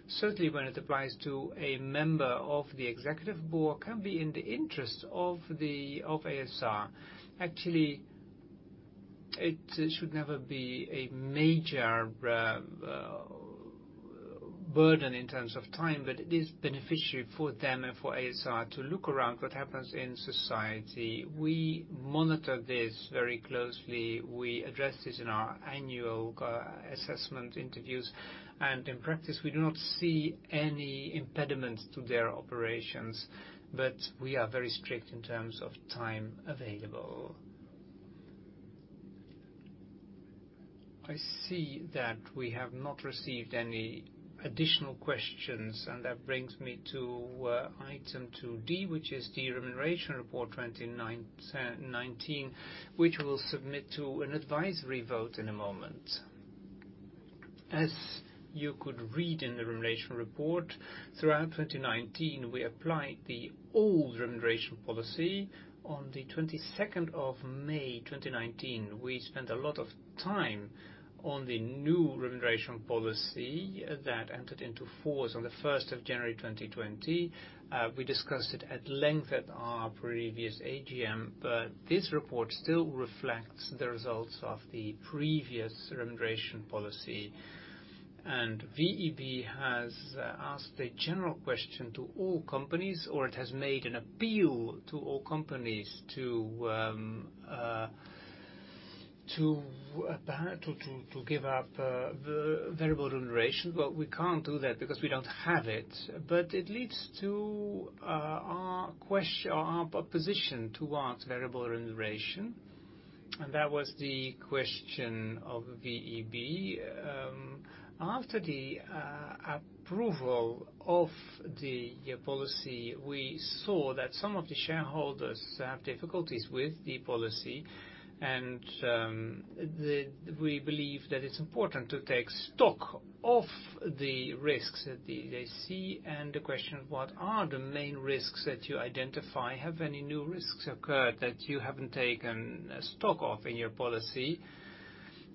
certainly when it applies to a member of the Executive Board, can be in the interest of ASR. Actually, it should never be a major burden in terms of time, but it is beneficial for them and for ASR to look around what happens in society. We monitor this very closely. We address this in our annual assessment interviews, and in practice, we do not see any impediment to their operations, but we are very strict in terms of time available. I see that we have not received any additional questions, and that brings me to item 2D, which is the remuneration report 2019, which we'll submit to an advisory vote in a moment. As you could read in the remuneration report, throughout 2019, we applied the old remuneration policy. On the 22nd of May 2019, we spent a lot of time on the new remuneration policy that entered into force on the 1st of January 2020. We discussed it at length at our previous AGM. This report still reflects the results of the previous remuneration policy. VEB has asked a general question to all companies, or it has made an appeal to all companies to give up the variable remuneration. We can't do that because we don't have it. It leads to our position towards variable remuneration, and that was the question of VEB. After the approval of the policy, we saw that some of the shareholders have difficulties with the policy, and we believe that it's important to take stock of the risks that they see and the question, what are the main risks that you identify? Have any new risks occurred that you haven't taken stock of in your policy?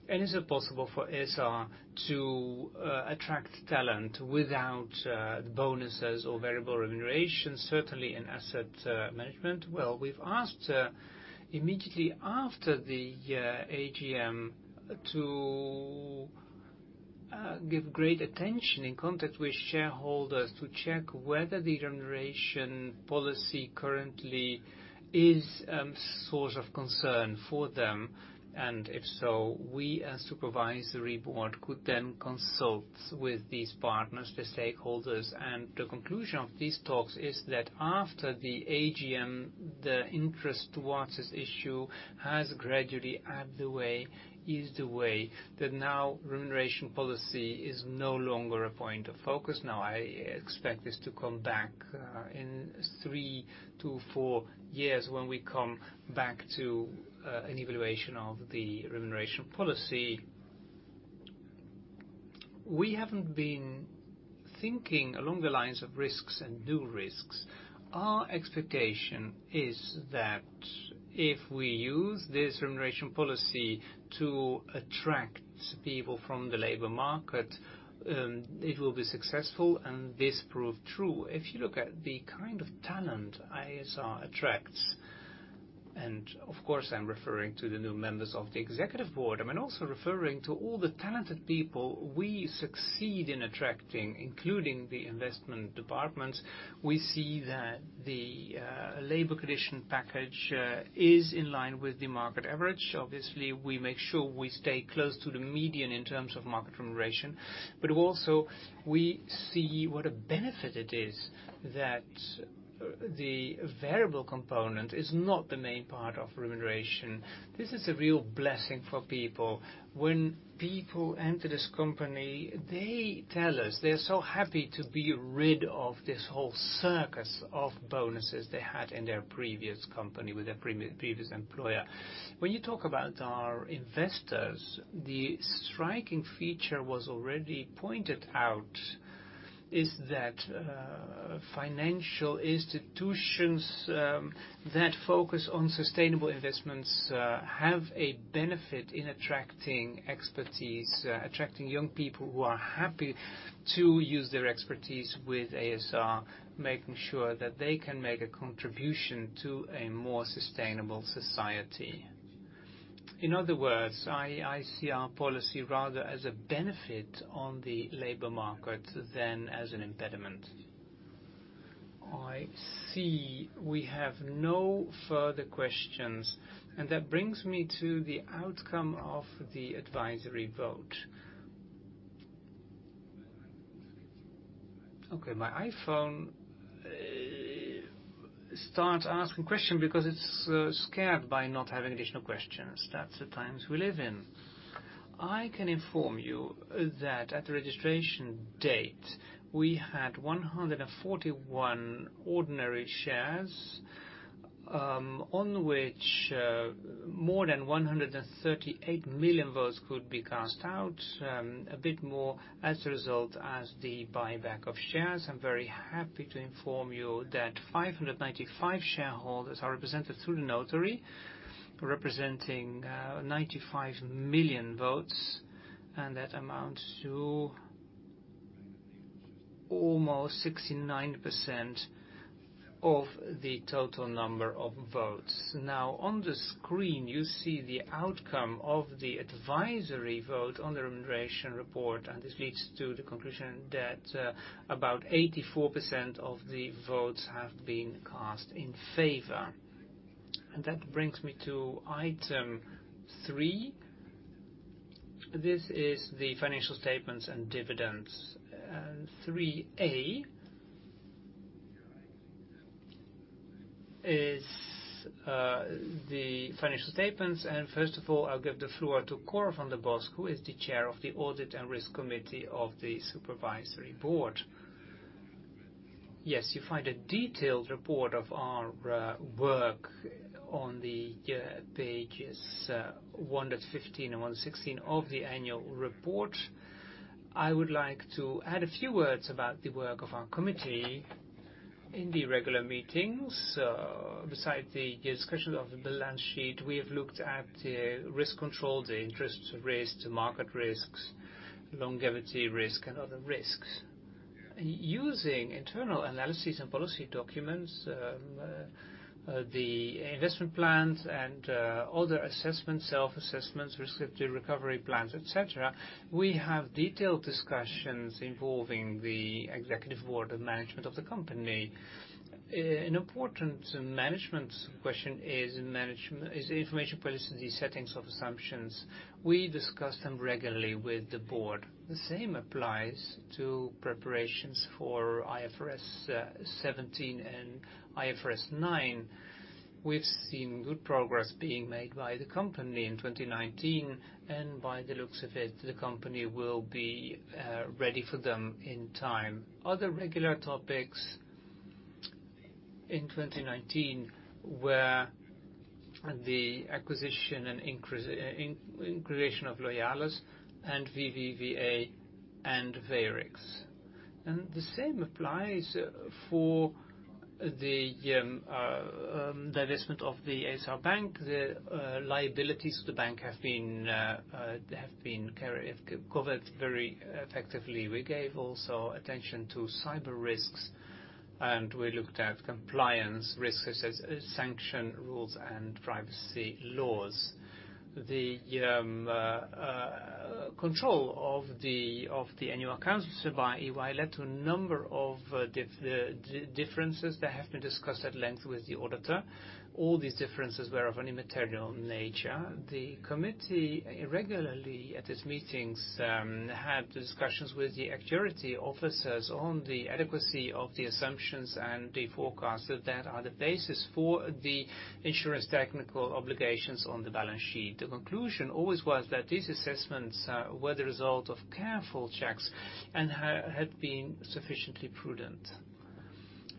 Is it possible for ASR to attract talent without bonuses or variable remuneration, certainly in asset management? Well, we've asked immediately after the AGM to give great attention in contact with shareholders to check whether the remuneration policy currently is source of concern for them, and if so, we as Supervisory Board could then consult with these partners, the stakeholders. The conclusion of these talks is that after the AGM, the interest towards this issue has gradually eased away, that now remuneration policy is no longer a point of focus. I expect this to come back in 3-4 years when we come back to an evaluation of the remuneration policy. We haven't been thinking along the lines of risks and new risks. Our expectation is that if we use this remuneration policy to attract people from the labor market, it will be successful, and this proved true. If you look at the kind of talent ASR attracts, and of course, I'm referring to the new members of the Executive Board, I'm also referring to all the talented people we succeed in attracting, including the investment departments. We see that the labor condition package is in line with the market average. Obviously, we make sure we stay close to the median in terms of market remuneration. Also, we see what a benefit it is that the variable component is not the main part of remuneration. This is a real blessing for people. When people enter this company, they tell us they're so happy to be rid of this whole circus of bonuses they had in their previous company with their previous employer. When you talk about our investors, the striking feature was already pointed out, is that financial institutions that focus on sustainable investments have a benefit in attracting expertise, attracting young people who are happy to use their expertise with ASR, making sure that they can make a contribution to a more sustainable society. In other words, I see our policy rather as a benefit on the labor market than as an impediment. I see we have no further questions, and that brings me to the outcome of the advisory vote. Okay, my iPhone starts asking questions because it's scared by not having additional questions. That's the times we live in. I can inform you that at the registration date, we had 141 ordinary shares, on which more than 138 million votes could be cast out, a bit more as a result of the buyback of shares. I'm very happy to inform you that 595 shareholders are represented through the notary, representing 95 million votes, and that amounts to almost 69% of the total number of votes. On the screen, you see the outcome of the advisory vote on the remuneration report, and this leads to the conclusion that about 84% of the votes have been cast in favor. That brings me to item three. This is the financial statements and dividends. 3A is the financial statements. First of all, I'll give the floor to Cor van den Bos, who is the chair of the Audit and Risk Committee of the Supervisory Board. Yes, you find a detailed report of our work on the pages 115 and 116 of the annual report. I would like to add a few words about the work of our committee in the regular meetings. Beside the discussion of the balance sheet, we have looked at the risk control, the interest risk, the market risks, longevity risk, and other risks. Using internal analysis and policy documents, the investment plans and other assessments, self-assessments, respective recovery plans, et cetera, we have detailed discussions involving the executive board and management of the company. An important management question is the information policy settings of assumptions. We discuss them regularly with the board. The same applies to preparations for IFRS 17 and IFRS 9. We've seen good progress being made by the company in 2019, and by the looks of it, the company will be ready for them in time. Other regular topics in 2019 were the acquisition and inclusion of Loyalis and VvAA and Veherex. The same applies for the divestment of the ASR Bank. The liabilities of the bank have been covered very effectively. We gave also attention to cyber risks, and we looked at compliance risks such as sanction rules and privacy laws. The control of the annual accounts by EY led to a number of differences that have been discussed at length with the auditor. All these differences were of an immaterial nature. The committee regularly, at its meetings, had discussions with the actuarial officers on the adequacy of the assumptions and the forecasts that are the basis for the insurance technical obligations on the balance sheet. The conclusion always was that these assessments were the result of careful checks and had been sufficiently prudent.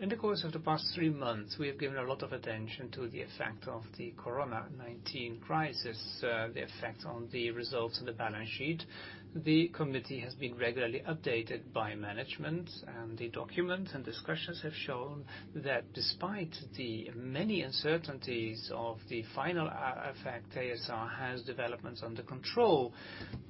In the course of the past three months, we have given a lot of attention to the effect of the COVID-19 crisis, the effect on the results and the balance sheet. The committee has been regularly updated by management, and the documents and discussions have shown that despite the many uncertainties of the final effect, ASR has developments under control.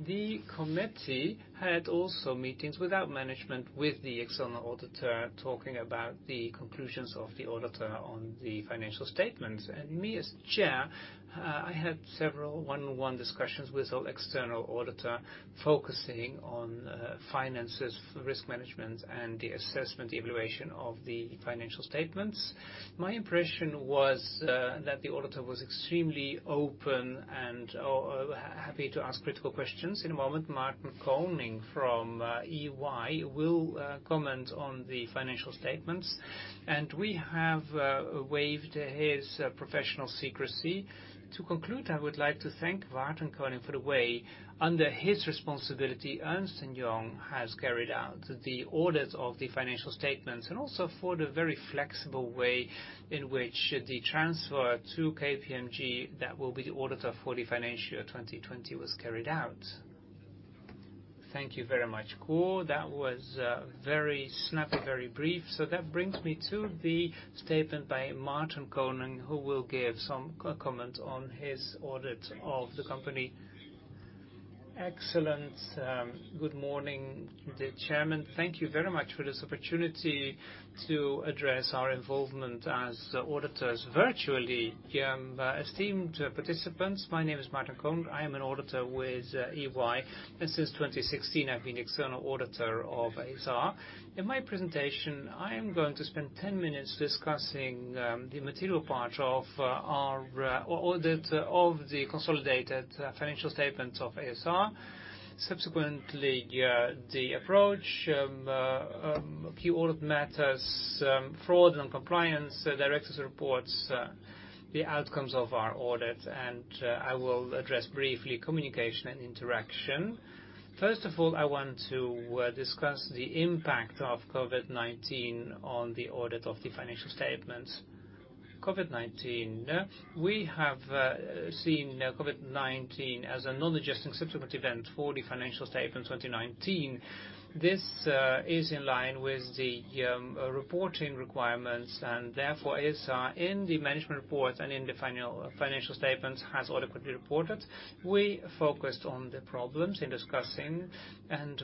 The committee had also meetings without management with the external auditor, talking about the conclusions of the auditor on the financial statements. Me as chair, I had several one-on-one discussions with our external auditor, focusing on finances, risk management, and the assessment evaluation of the financial statements. My impression was that the auditor was extremely open and happy to ask critical questions. In a moment, Maarten Koning from EY will comment on the financial statements, and we have waived his professional secrecy. To conclude, I would like to thank Maarten Koning for the way, under his responsibility, Ernst & Young has carried out the audits of the financial statements, and also for the very flexible way in which the transfer to KPMG, that will be the auditor for the financial year 2020, was carried out. Thank you very much, Cor. That was very snappy, very brief. That brings me to the statement by Maarten Koning, who will give some comment on his audit of the company. Excellent. Good morning, the chairman. Thank you very much for this opportunity to address our involvement as auditors virtually. Esteemed participants, my name is Maarten Koning. I am an auditor with EY, and since 2016, I've been external auditor of ASR. In my presentation, I am going to spend 10 minutes discussing the material part of our audit of the consolidated financial statements of ASR. Subsequently, the approach, key audit matters, fraud and compliance, directors' reports, the outcomes of our audit, and I will address briefly communication and interaction. First of all, I want to discuss the impact of COVID-19 on the audit of the financial statements. COVID-19. We have seen COVID-19 as a non-adjusting subsequent event for the financial statements 2019. This is in line with the reporting requirements. Therefore, ASR, in the management report and in the financial statements, has adequately reported. We focused on the problems in discussing.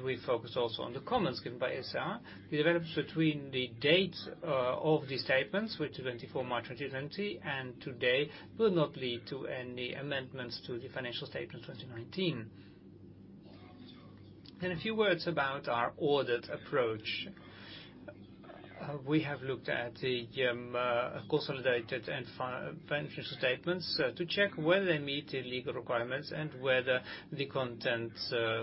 We focused also on the comments given by ASR. The developments between the dates of the statements, which is 24 March 2020 and today, will not lead to any amendments to the financial statements 2019. A few words about our audit approach. We have looked at the consolidated and financial statements to check whether they meet the legal requirements and whether the content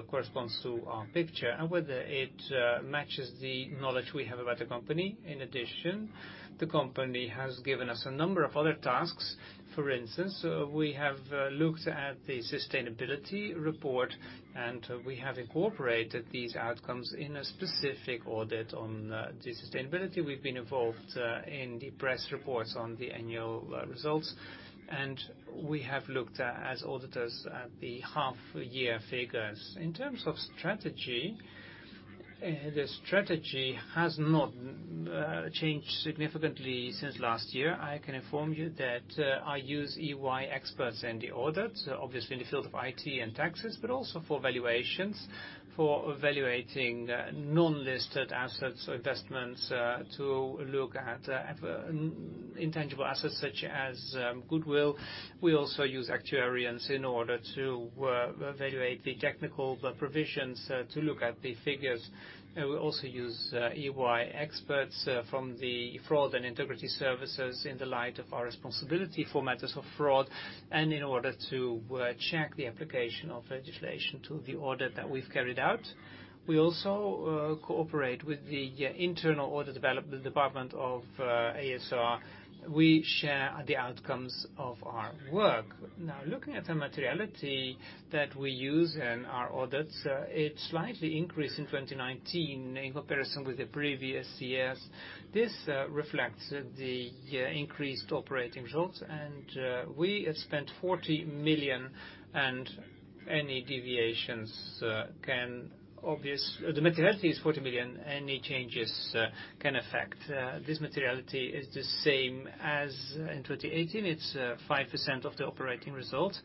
corresponds to our picture and whether it matches the knowledge we have about the company. In addition, the company has given us a number of other tasks. For instance, we have looked at the sustainability report, and we have incorporated these outcomes in a specific audit on the sustainability. We've been involved in the press reports on the annual results, and we have looked at, as auditors, the half-year figures. In terms of strategy. The strategy has not changed significantly since last year. I can inform you that I use EY experts in the audits, obviously in the field of IT and taxes, but also for valuations, for valuating non-listed assets or investments to look at intangible assets such as goodwill. We also use actuaries in order to evaluate the technical provisions to look at the figures. We also use EY experts from the fraud and integrity services in the light of our responsibility for matters of fraud, and in order to check the application of legislation to the audit that we've carried out. We also cooperate with the internal audit development department of ASR. We share the outcomes of our work. Looking at the materiality that we use in our audits, it slightly increased in 2019 in comparison with the previous years. This reflects the increased operating results, and we have spent 40 million. The materiality is 40 million. This materiality is the same as in 2018. It's 5% of the operating result.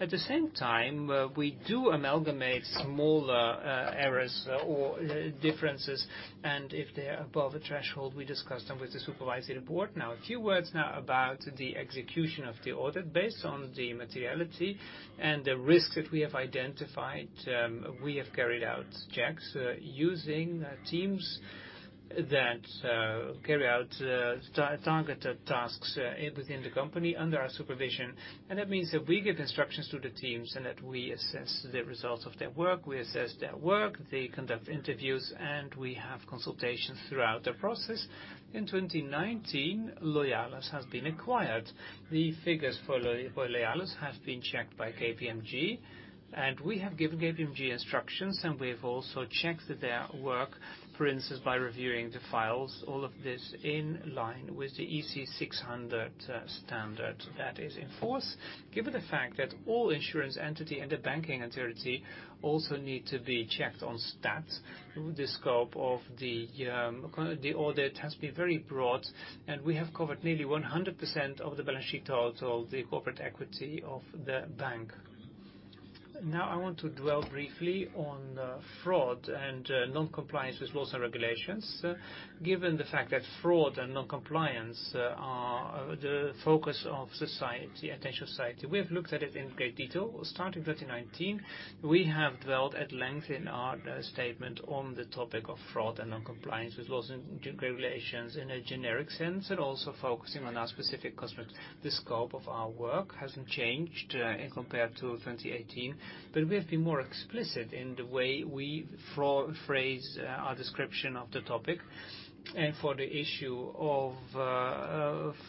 At the same time, we do amalgamate smaller errors or differences, and if they're above the threshold, we discuss them with the supervisory board. A few words now about the execution of the audit based on the materiality and the risks that we have identified. We have carried out checks using teams that carry out targeted tasks within the company under our supervision. That means that we give instructions to the teams and that we assess the results of their work. We assess their work, they conduct interviews, and we have consultations throughout the process. In 2019, Loyalis has been acquired. The figures for Loyalis have been checked by KPMG, and we have given KPMG instructions, and we have also checked their work, for instance, by reviewing the files, all of this in line with the ISA 600 standard that is in force. Given the fact that all insurance entity and the banking entity also need to be checked on stats, the scope of the audit has been very broad, and we have covered nearly 100% of the balance sheet total, the corporate equity of the bank. Now, I want to dwell briefly on fraud and non-compliance with laws and regulations. Given the fact that fraud and non-compliance are the focus of attention of society, we have looked at it in great detail. Starting 2019, we have dwelt at length in our statement on the topic of fraud and non-compliance with laws and regulations in a generic sense, and also focusing on our specific construct. The scope of our work hasn't changed in compared to 2018, but we have been more explicit in the way we phrase our description of the topic. For the issue of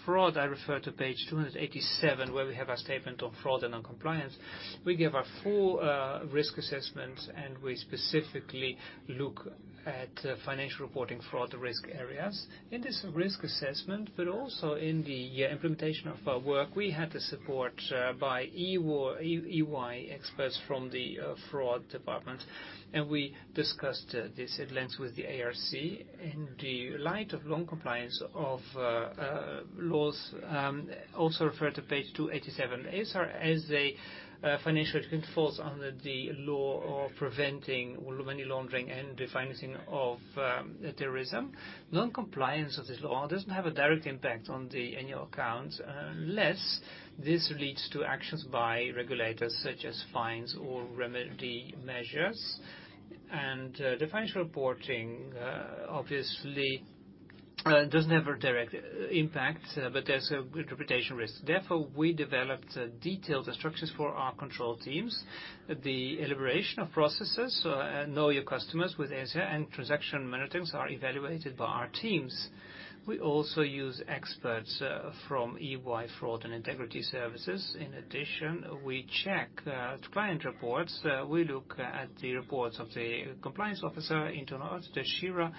fraud, I refer to page 287, where we have our statement on fraud and non-compliance. We give our full risk assessment, and we specifically look at financial reporting fraud risk areas. In this risk assessment, but also in the implementation of our work, we had the support by EY experts from the fraud department, and we discussed this at length with the ARC. In the light of non-compliance of laws, also refer to page 287. ASR as a financial institute falls under the law of preventing money laundering and the financing of terrorism. Non-compliance of this law doesn't have a direct impact on the annual accounts, unless this leads to actions by regulators such as fines or remedy measures. The financial reporting obviously does have a direct impact, but there's interpretation risk. Therefore, we developed detailed instructions for our control teams. The elaboration of processes, know your customers with ASR and transaction monitorings are evaluated by our teams. We also use experts from EY Fraud and Integrity Services. In addition, we check client reports. We look at the reports of the compliance officer, internal auditor SIRA,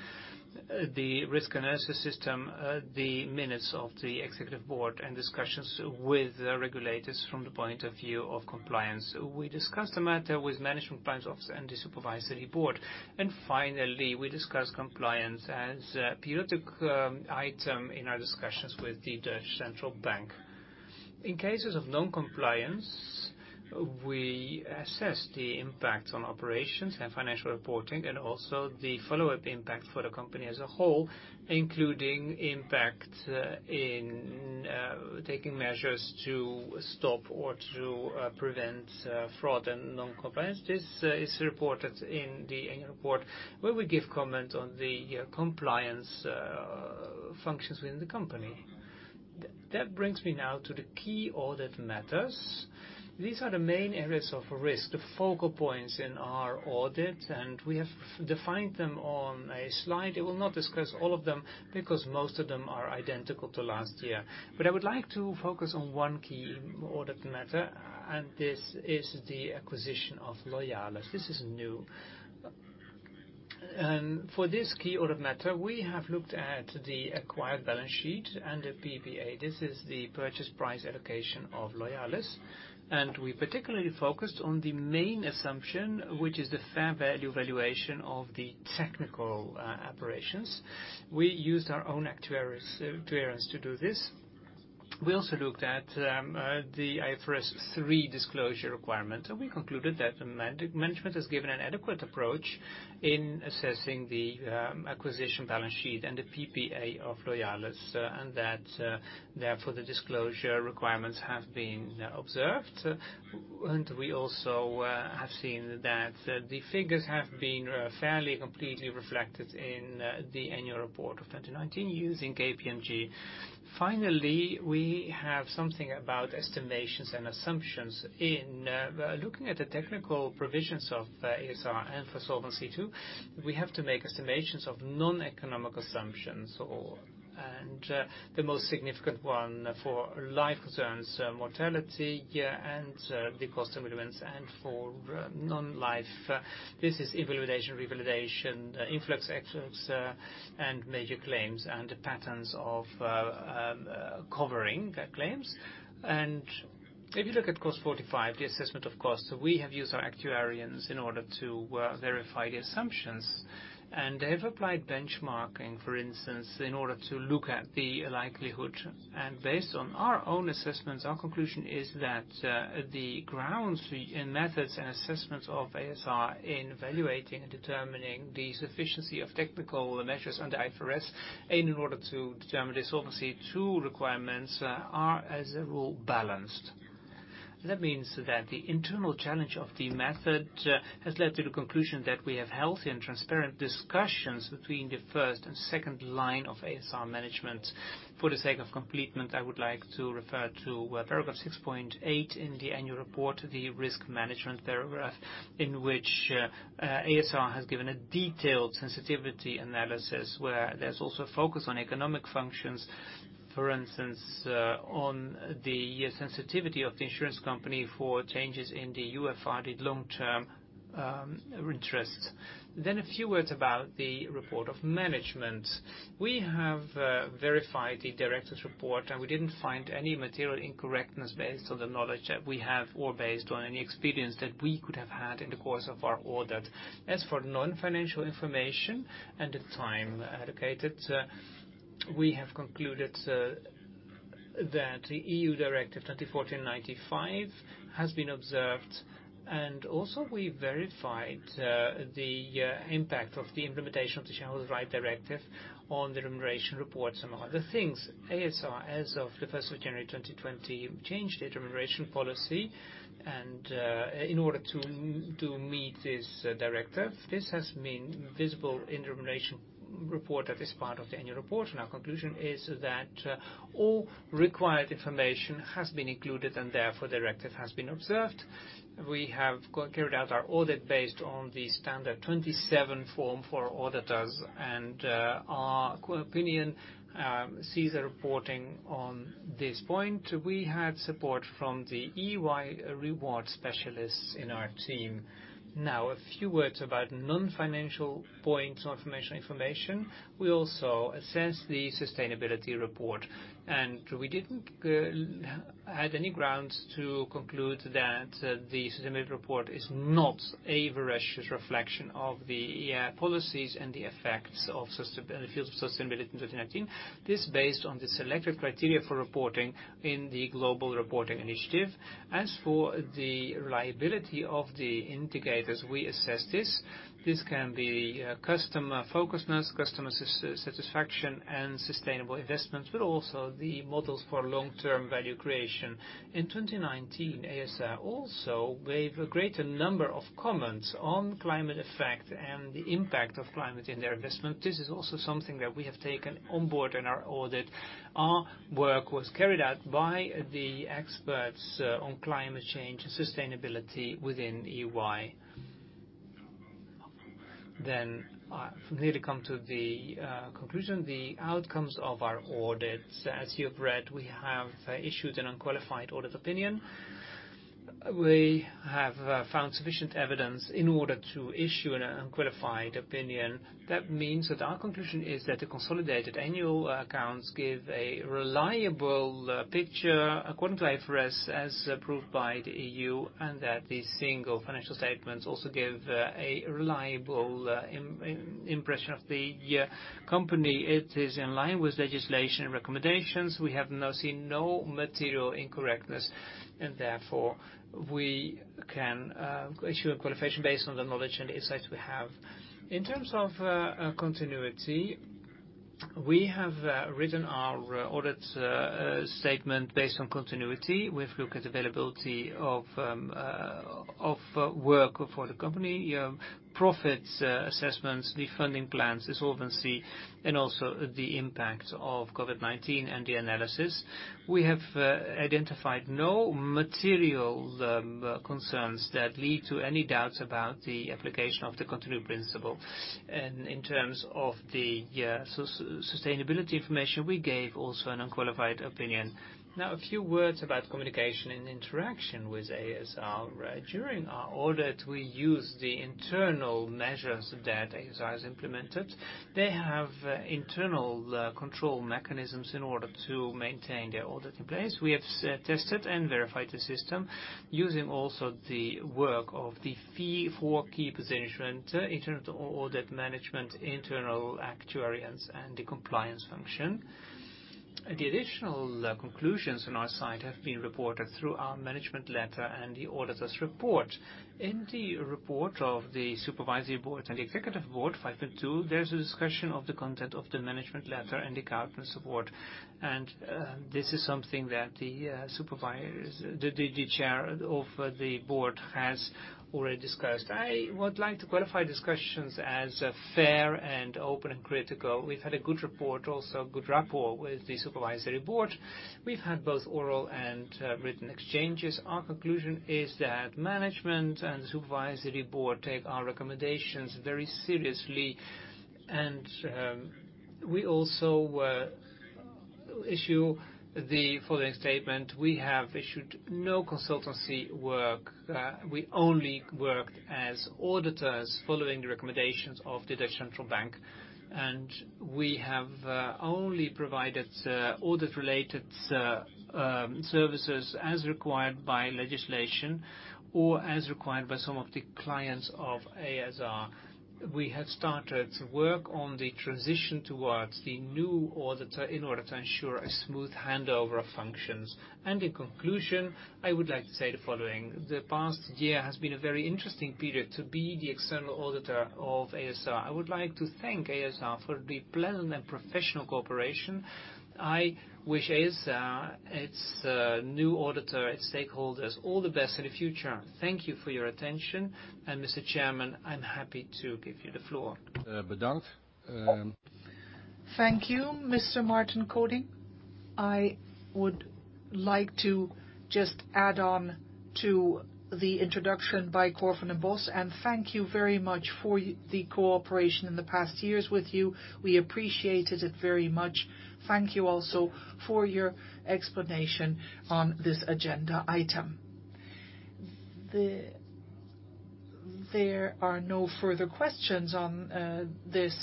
the risk analysis system, the minutes of the executive board, and discussions with the regulators from the point of view of compliance. Finally, we discuss the matter with management, compliance officer, and the supervisory board. Finally, we discuss compliance as a periodic item in our discussions with De Nederlandsche Bank. In cases of non-compliance, we assess the impact on operations and financial reporting, and also the follow-up impact for the company as a whole, including impact in taking measures to stop or to prevent fraud and non-compliance. This is reported in the annual report, where we give comment on the compliance functions within the company. Brings me now to the key audit matters. These are the main areas of risk, the focal points in our audit. We have defined them on a slide. I will not discuss all of them because most of them are identical to last year. I would like to focus on one key audit matter. This is the acquisition of Loyalis. This is new. For this key audit matter, we have looked at the acquired balance sheet and the PPA. This is the purchase price allocation of Loyalis. We particularly focused on the main assumption, which is the fair value valuation of the technical operations. We used our own actuaries to do this. We also looked at the IFRS 3 disclosure requirement. We concluded that management has given an adequate approach in assessing the acquisition balance sheet and the PPA of Loyalis, and that therefore the disclosure requirements have been observed. We also have seen that the figures have been fairly completely reflected in the annual report of 2019 using KPMG. Finally, we have something about estimations and assumptions. In looking at the technical provisions of ASR and for Solvency II, we have to make estimations of non-economic assumptions. The most significant one for life concerns mortality and the cost of events. For non-life, this is invalidation, revalidation, influx, outflux, and major claims, and patterns of covering claims. If you look at [cost 45], the assessment of cost, we have used our actuaries in order to verify the assumptions, and they've applied benchmarking, for instance, in order to look at the likelihood. Based on our own assessments, our conclusion is that the grounds in methods and assessments of ASR in valuating and determining the sufficiency of technical measures under IFRS in order to determine the Solvency II requirements are, as a rule, balanced. That means that the internal challenge of the method has led to the conclusion that we have healthy and transparent discussions between the first and second line of ASR management. For the sake of completeness, I would like to refer to paragraph 6.8 in the annual report, the risk management paragraph. In which ASR has given a detailed sensitivity analysis where there's also focus on economic functions. For instance, on the sensitivity of the insurance company for changes in the UFR-related long-term interests. A few words about the report of management. We have verified the directors' report, and we didn't find any material incorrectness based on the knowledge that we have or based on any experience that we could have had in the course of our audit. As for non-financial information and the time allocated, we have concluded that Directive 2014/95/EU has been observed. Also we verified the impact of the implementation of the Shareholder Rights Directive on the remuneration reports. Among other things, ASR, as of the 1st of January 2020, changed the determination policy in order to meet this directive. This has been visible in the remuneration report that is part of the annual report. Our conclusion is that all required information has been included, and therefore the directive has been observed. We have carried out our audit based on the Standard 27 form for auditors, and our opinion sees a reporting on this point. We had support from the EY reward specialists in our team. A few words about non-financial points or information. We also assess the sustainability report, and we didn't have any grounds to conclude that the sustainability report is not a veracious reflection of the policies and the effects of sustainability in 2019. This is based on the selected criteria for reporting in the Global Reporting Initiative. For the reliability of the indicators, we assess this. This can be customer focus, customer satisfaction and sustainable investments, but also the models for long-term value creation. In 2019, ASR also gave a greater number of comments on climate effect and the impact of climate in their investment. This is also something that we have taken on board in our audit. Our work was carried out by the experts on climate change sustainability within EY. I nearly come to the conclusion. The outcomes of our audits, as you have read, we have issued an unqualified audit opinion. We have found sufficient evidence in order to issue an unqualified opinion. That means that our conclusion is that the consolidated annual accounts give a reliable picture according to IFRS, as approved by the EU, and that the single financial statements also give a reliable impression of the company. It is in line with legislation and recommendations. We have now seen no material incorrectness. Therefore we can issue a qualification based on the knowledge and insight we have. In terms of continuity, we have written our audit statement based on continuity. We've looked at availability of work for the company, profits assessments, the funding plans, the solvency, and also the impact of COVID-19 and the analysis. We have identified no material concerns that lead to any doubts about the application of the continuity principle. In terms of the sustainability information, we gave also an unqualified opinion. A few words about communication and interaction with ASR. During our audit, we used the internal measures that ASR has implemented. They have internal control mechanisms in order to maintain their audit in place. We have tested and verified the system using also the work of the 4 key positions: internal audit management, internal actuaries, and the compliance function. The additional conclusions on our side have been reported through our management letter and the auditor's report. In the report of the supervisory board and the executive board, 5.2, there's a discussion of the content of the management letter and the governance report. This is something that the chair of the board has already discussed. I would like to qualify discussions as fair and open, and critical. We've had a good report, also good rapport with the supervisory board. We've had both oral and written exchanges. Our conclusion is that management and the supervisory board take our recommendations very seriously, and we also issue the following statement. We have issued no consultancy work. We only worked as auditors following the recommendations of the Dutch Central Bank, and we have only provided audit-related services as required by legislation or as required by some of the clients of ASR. We have started work on the transition towards the new auditor in order to ensure a smooth handover of functions. In conclusion, I would like to say the following. The past year has been a very interesting period to be the external auditor of ASR. I would like to thank ASR for the pleasant and professional cooperation. I wish ASR, its new auditor, its stakeholders, all the best in the future. Thank you for your attention. Mr. Chairman, I'm happy to give you the floor. Thank you, Mr. Maarten Koning. I would like to just add on to the introduction by Cor van den Bos, and thank you very much for the cooperation in the past years with you. We appreciated it very much. Thank you also for your explanation on this agenda item. There are no further questions on this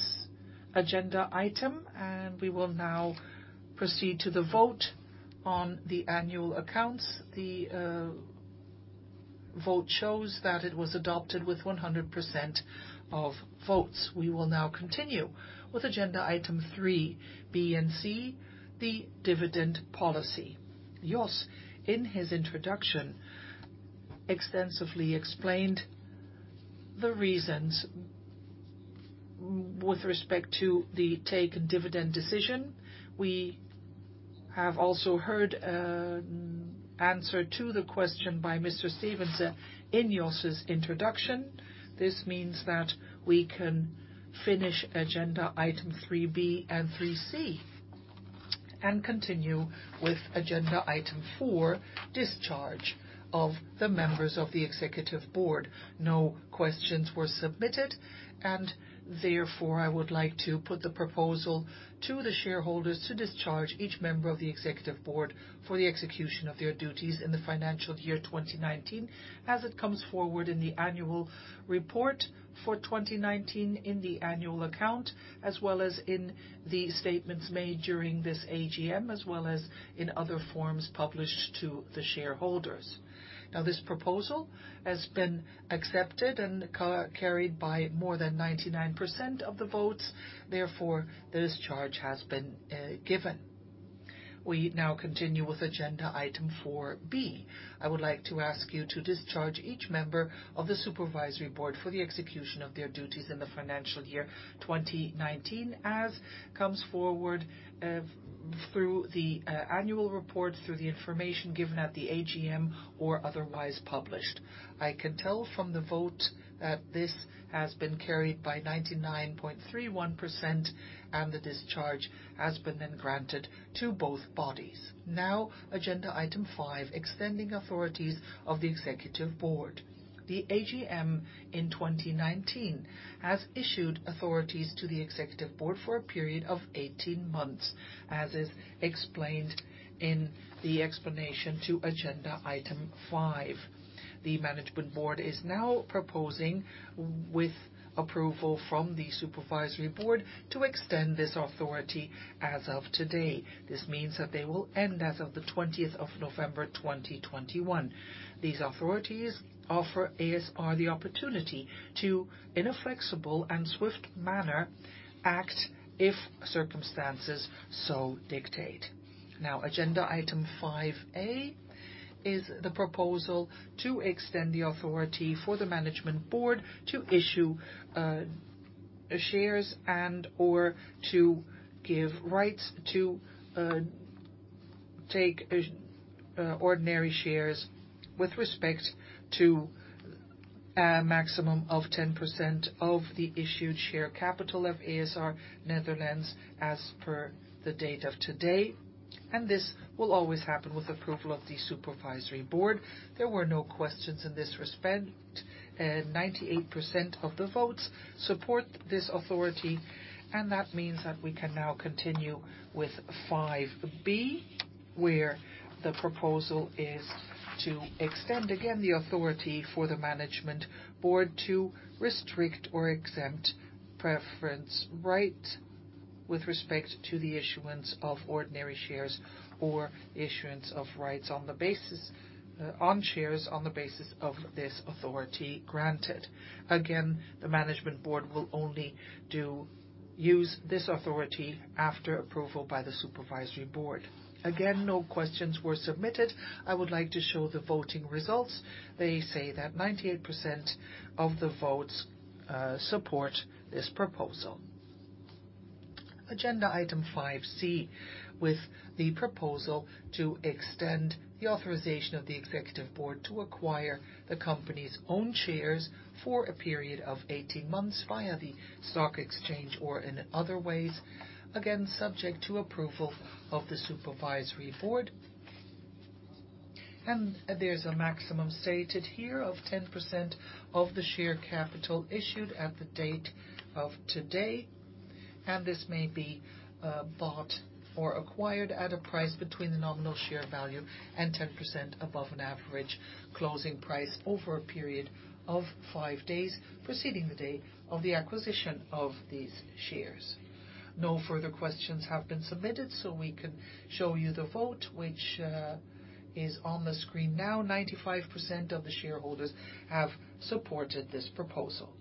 agenda item, and we will now proceed to the vote on the annual accounts. The vote shows that it was adopted with 100% of votes. We will now continue with agenda item 3B and C, the dividend policy. Jos, in his introduction, extensively explained the reasons with respect to the take and dividend decision. We have also heard an answer to the question by Mr. Stevens in Jos's introduction. This means that we can finish agenda item 3B and 3C, and continue with agenda item 4, discharge of the members of the executive board. No questions were submitted, and therefore I would like to put the proposal to the shareholders to discharge each member of the Executive Board for the execution of their duties in the financial year 2019, as it comes forward in the annual report for 2019, in the annual account, as well as in the statements made during this AGM, as well as in other forms published to the shareholders. This proposal has been accepted and carried by more than 99% of the votes. The discharge has been given. We now continue with agenda item 4B. I would like to ask you to discharge each member of the Supervisory Board for the execution of their duties in the financial year 2019, as comes forward through the annual report, through the information given at the AGM or otherwise published. I can tell from the vote that this has been carried by 99.31% and the discharge has been then granted to both bodies. Agenda item 5, extending authorities of the Executive Board. The AGM in 2019 has issued authorities to the Executive Board for a period of 18 months, as is explained in the explanation to agenda item 5. The Management Board is now proposing with approval from the Supervisory Board to extend this authority as of today. This means that they will end as of the 20th of November 2021. These authorities offer ASR the opportunity to, in a flexible and swift manner, act if circumstances so dictate. Agenda item 5A is the proposal to extend the authority for the Management Board to issue shares and/or to give rights to take ordinary shares with respect to a maximum of 10% of the issued share capital of ASR Nederland as per the date of today. This will always happen with approval of the Supervisory Board. There were no questions in this respect. 98% of the votes support this authority. That means that we can now continue with 5B, where the proposal is to extend again the authority for the Management Board to restrict or exempt preference right with respect to the issuance of ordinary shares or issuance of rights on shares on the basis of this authority granted. Again, the Management Board will only use this authority after approval by the Supervisory Board. Again, no questions were submitted. I would like to show the voting results. They say that 98% of the votes support this proposal. Agenda item 5C, with the proposal to extend the authorization of the Executive Board to acquire the company's own shares for a period of 18 months via the stock exchange or in other ways, again, subject to approval of the Supervisory Board. There's a maximum stated here of 10% of the share capital issued at the date of today, and this may be bought or acquired at a price between the nominal share value and 10% above an average closing price over a period of five days preceding the day of the acquisition of these shares. No further questions have been submitted, we can show you the vote, which is on the screen now. 95% of the shareholders have supported this proposal.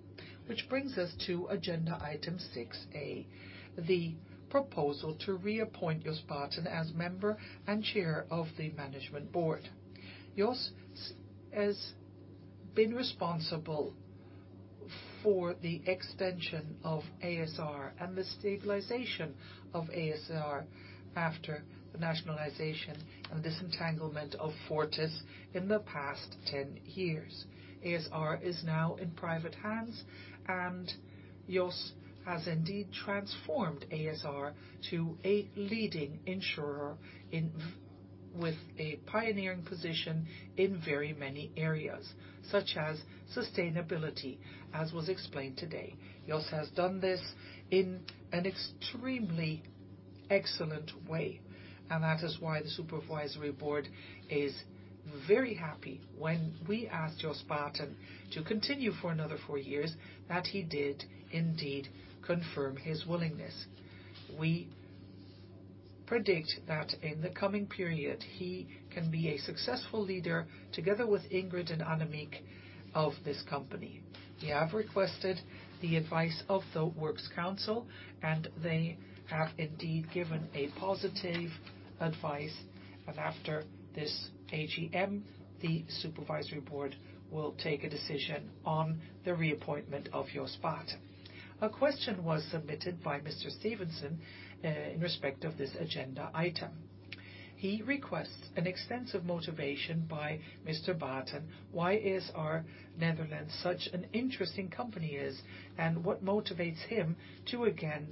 Which brings us to agenda item 6A, the proposal to reappoint Jos Baeten as Member and Chair of the Management Board. Jos has been responsible for the extension of ASR and the stabilization of ASR after the nationalization and disentanglement of Fortis in the past 10 years. ASR is now in private hands, and Jos has indeed transformed ASR to a leading insurer with a pioneering position in very many areas, such as sustainability, as was explained today. Jos has done this in an extremely excellent way, and that is why the Supervisory Board is very happy when we asked Jos Baeten to continue for another four years, that he did indeed confirm his willingness. We predict that in the coming period, he can be a successful leader together with Ingrid and Annemiek of this company. We have requested the advice of the works council. They have indeed given a positive advice. After this AGM, the Supervisory Board will take a decision on the reappointment of Jos Baeten. A question was submitted by Mr. Stevenson in respect of this agenda item. He requests an extensive motivation by Mr. Baeten why ASR Nederland such an interesting company is, and what motivates him to, again,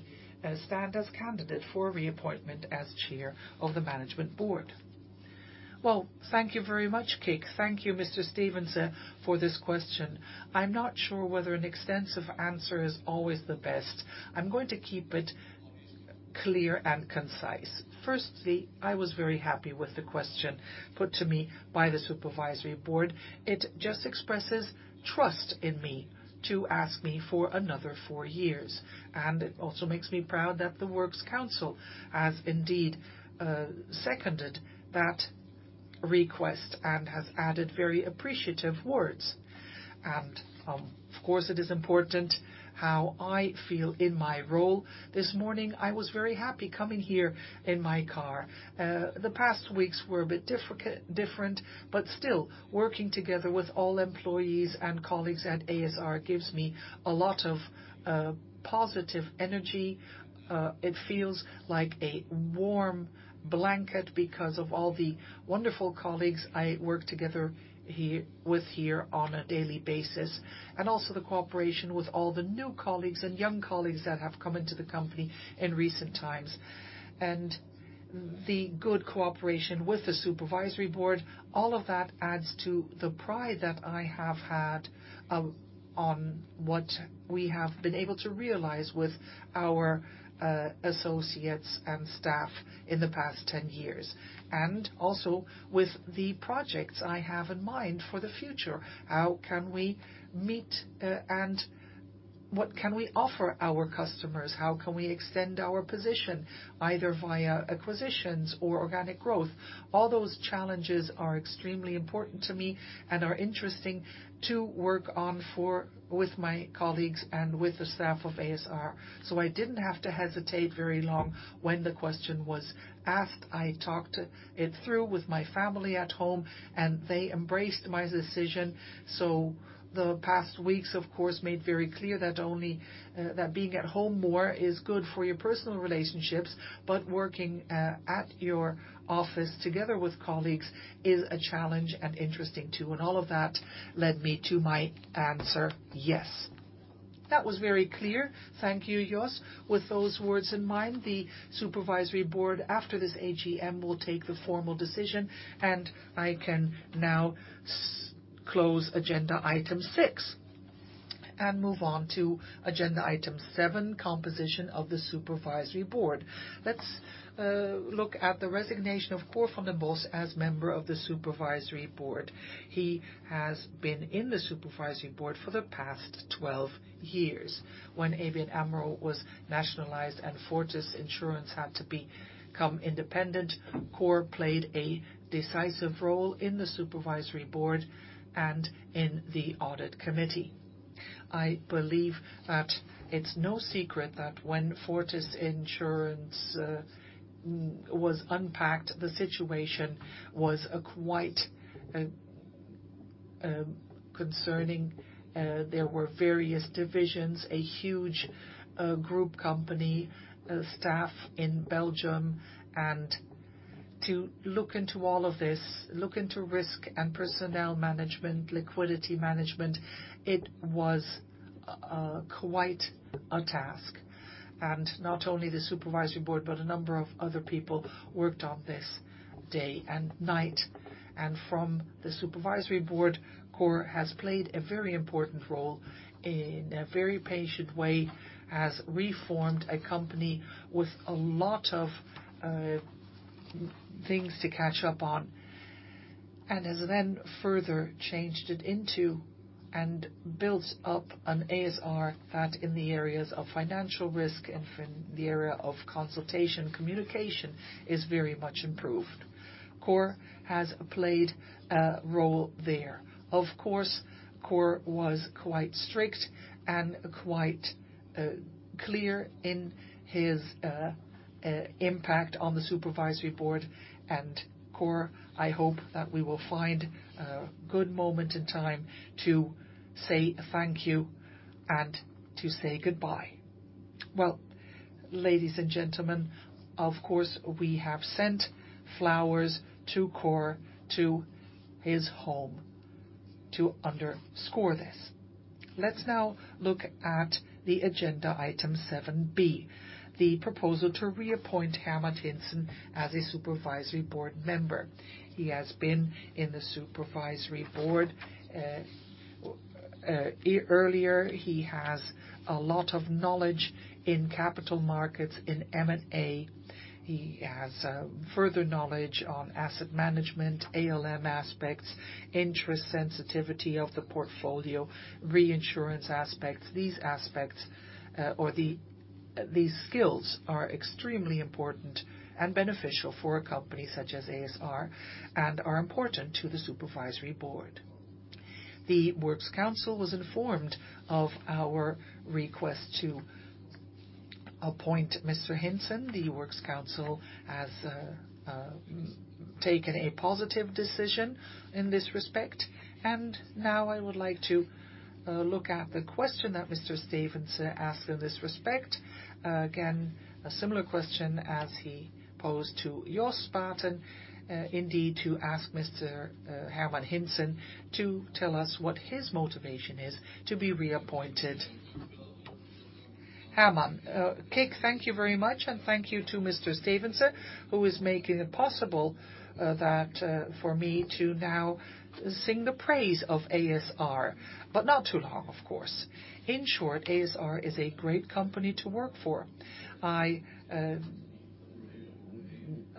stand as candidate for reappointment as Chair of the Management Board. Well, thank you very much, Kick. Thank you, Mr. Stevenson, for this question. I'm not sure whether an extensive answer is always the best. I'm going to keep it clear and concise. Firstly, I was very happy with the question put to me by the Supervisory Board. It just expresses trust in me to ask me for another four years. It also makes me proud that the works council has indeed seconded that request and has added very appreciative words. Of course, it is important how I feel in my role. This morning, I was very happy coming here in my car. The past weeks were a bit different, but still, working together with all employees and colleagues at ASR gives me a lot of positive energy. It feels like a warm blanket because of all the wonderful colleagues I work together with here on a daily basis, and also the cooperation with all the new colleagues and young colleagues that have come into the company in recent times. The good cooperation with the supervisory board, all of that adds to the pride that I have had on what we have been able to realize with our associates and staff in the past 10 years. Also with the projects I have in mind for the future. How can we meet and what can we offer our customers? How can we extend our position either via acquisitions or organic growth? All those challenges are extremely important to me and are interesting to work on with my colleagues and with the staff of ASR. I didn't have to hesitate very long when the question was asked. I talked it through with my family at home, and they embraced my decision. The past weeks, of course, made very clear that being at home more is good for your personal relationships, but working at your office together with colleagues is a challenge and interesting, too. All of that led me to my answer, yes. That was very clear. Thank you, Jos. With those words in mind, the supervisory board, after this AGM, will take the formal decision. I can now close agenda item 6 and move on to agenda item 7, composition of the supervisory board. Let's look at the resignation of Cor van den Bos as member of the supervisory board. He has been in the supervisory board for the past 12 years. When ABN AMRO was nationalized and Fortis Insurance had to become independent, Cor played a decisive role in the supervisory board and in the audit committee. I believe that it's no secret that when Fortis Insurance was unpacked, the situation was quite concerning. There were various divisions, a huge group company staff in Belgium. To look into all of this, look into risk and personnel management, liquidity management, it was quite a task. Not only the supervisory board, but a number of other people worked on this day and night. From the supervisory board, Cor has played a very important role in a very patient way, has reformed a company with a lot of things to catch up on. Has then further changed it into and built up an ASR that in the areas of financial risk and the area of consultation, communication is very much improved. Cor has played a role there. Of course, Cor was quite strict and quite clear in his impact on the supervisory board. Cor, I hope that we will find a good moment in time to say thank you and to say goodbye. Well, ladies and gentlemen, of course, we have sent flowers to Cor to his home to underscore this. Let's now look at the agenda item 7B, the proposal to reappoint Herman Hulst as a supervisory board member. He has been in the supervisory board earlier. He has a lot of knowledge in capital markets, in M&A. He has further knowledge on asset management, ALM aspects, interest sensitivity of the portfolio, reinsurance aspects. These aspects or these skills are extremely important and beneficial for a company such as ASR and are important to the supervisory board. The works council was informed of our request to appoint Mr. Hulst. The works council has taken a positive decision in this respect. Now I would like to look at the question that Mr. Stevens asked in this respect. Again, a similar question as he posed to Jos Baeten, indeed, to ask Mr. Herman Hulst to tell us what his motivation is to be reappointed. Herman. Kick, thank you very much, and thank you to Mr. Stevens, who is making it possible for me to now sing the praise of ASR, but not too long, of course. In short, ASR is a great company to work for. I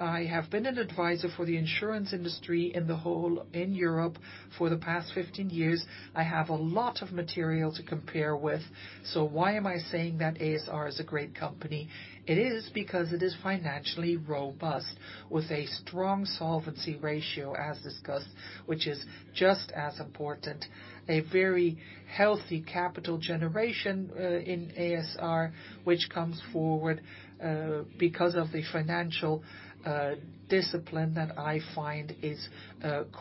have been an advisor for the insurance industry in the whole in Europe for the past 15 years. I have a lot of material to compare with. Why am I saying that ASR is a great company? It is because it is financially robust with a strong solvency ratio as discussed, which is just as important. A very healthy capital generation in ASR, which comes forward because of the financial discipline that I find is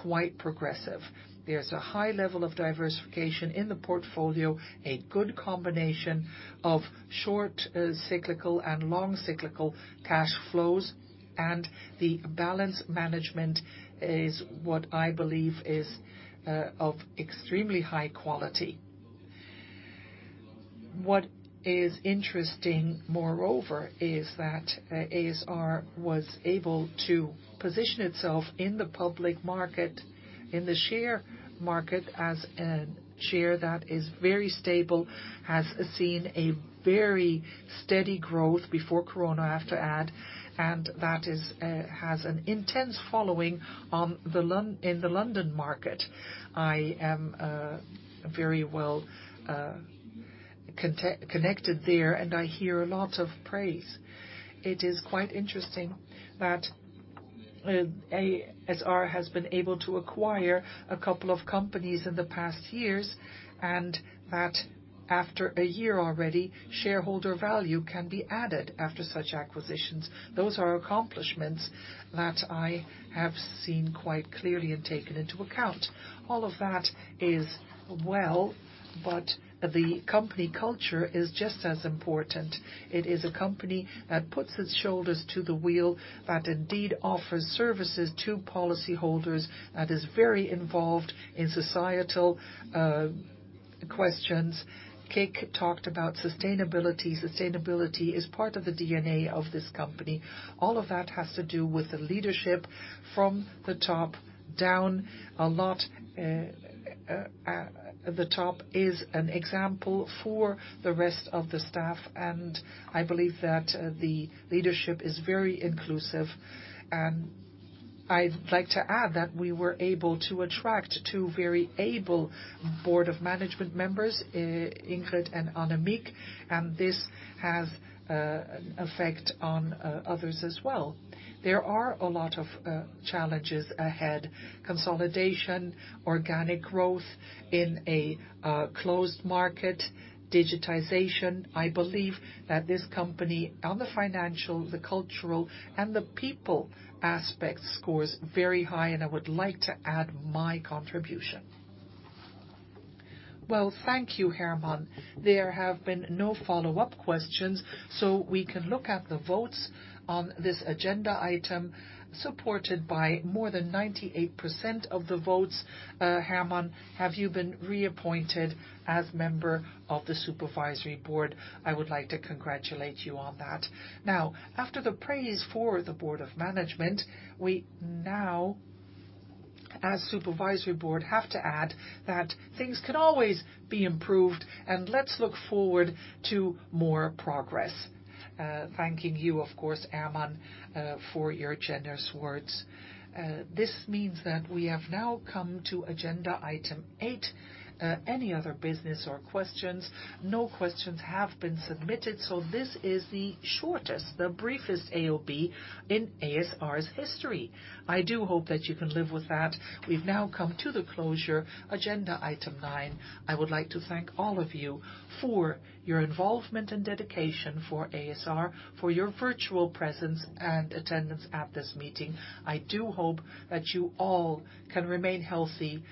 quite progressive. There's a high level of diversification in the portfolio, a good combination of short cyclical and long cyclical cash flows, and the balance management is what I believe is of extremely high quality. What is interesting, moreover, is that ASR was able to position itself in the public market, in the share market as a share that is very stable, has seen a very steady growth before Corona, I have to add, and that has an intense following in the London market. I am very well connected there, and I hear a lot of praise. It is quite interesting that ASR has been able to acquire a couple of companies in the past years, and that after a year already, shareholder value can be added after such acquisitions. Those are accomplishments that I have seen quite clearly and taken into account. All of that is well, but the company culture is just as important. It is a company that puts its shoulders to the wheel, that indeed offers services to policyholders, that is very involved in societal questions. Kick talked about sustainability. Sustainability is part of the DNA of this company. All of that has to do with the leadership from the top down. The top is an example for the rest of the staff, I believe that the leadership is very inclusive. I'd like to add that we were able to attract two very able board of management members, Ingrid and Annemiek, and this has an effect on others as well. There are a lot of challenges ahead. Consolidation, organic growth in a closed market, digitization. I believe that this company, on the financial, the cultural, and the people aspect, scores very high, and I would like to add my contribution. Well, thank you, Herman. There have been no follow-up questions, so we can look at the votes on this agenda item. Supported by more than 98% of the votes, Herman, have you been reappointed as member of the supervisory board. I would like to congratulate you on that. Now, after the praise for the board of management, we now, as supervisory board, have to add that things can always be improved, and let's look forward to more progress. Thanking you, of course, Herman, for your generous words. This means that we have now come to agenda item eight. Any other business or questions? No questions have been submitted, so this is the shortest, the briefest AOB in ASR's history. I do hope that you can live with that. We've now come to the closure, agenda item nine. I would like to thank all of you for your involvement and dedication for ASR, for your virtual presence and attendance at this meeting. I do hope that you all can remain healthy, and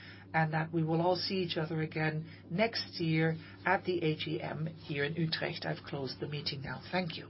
that we will all see each other again next year at the AGM here in Utrecht. I've closed the meeting now. Thank you.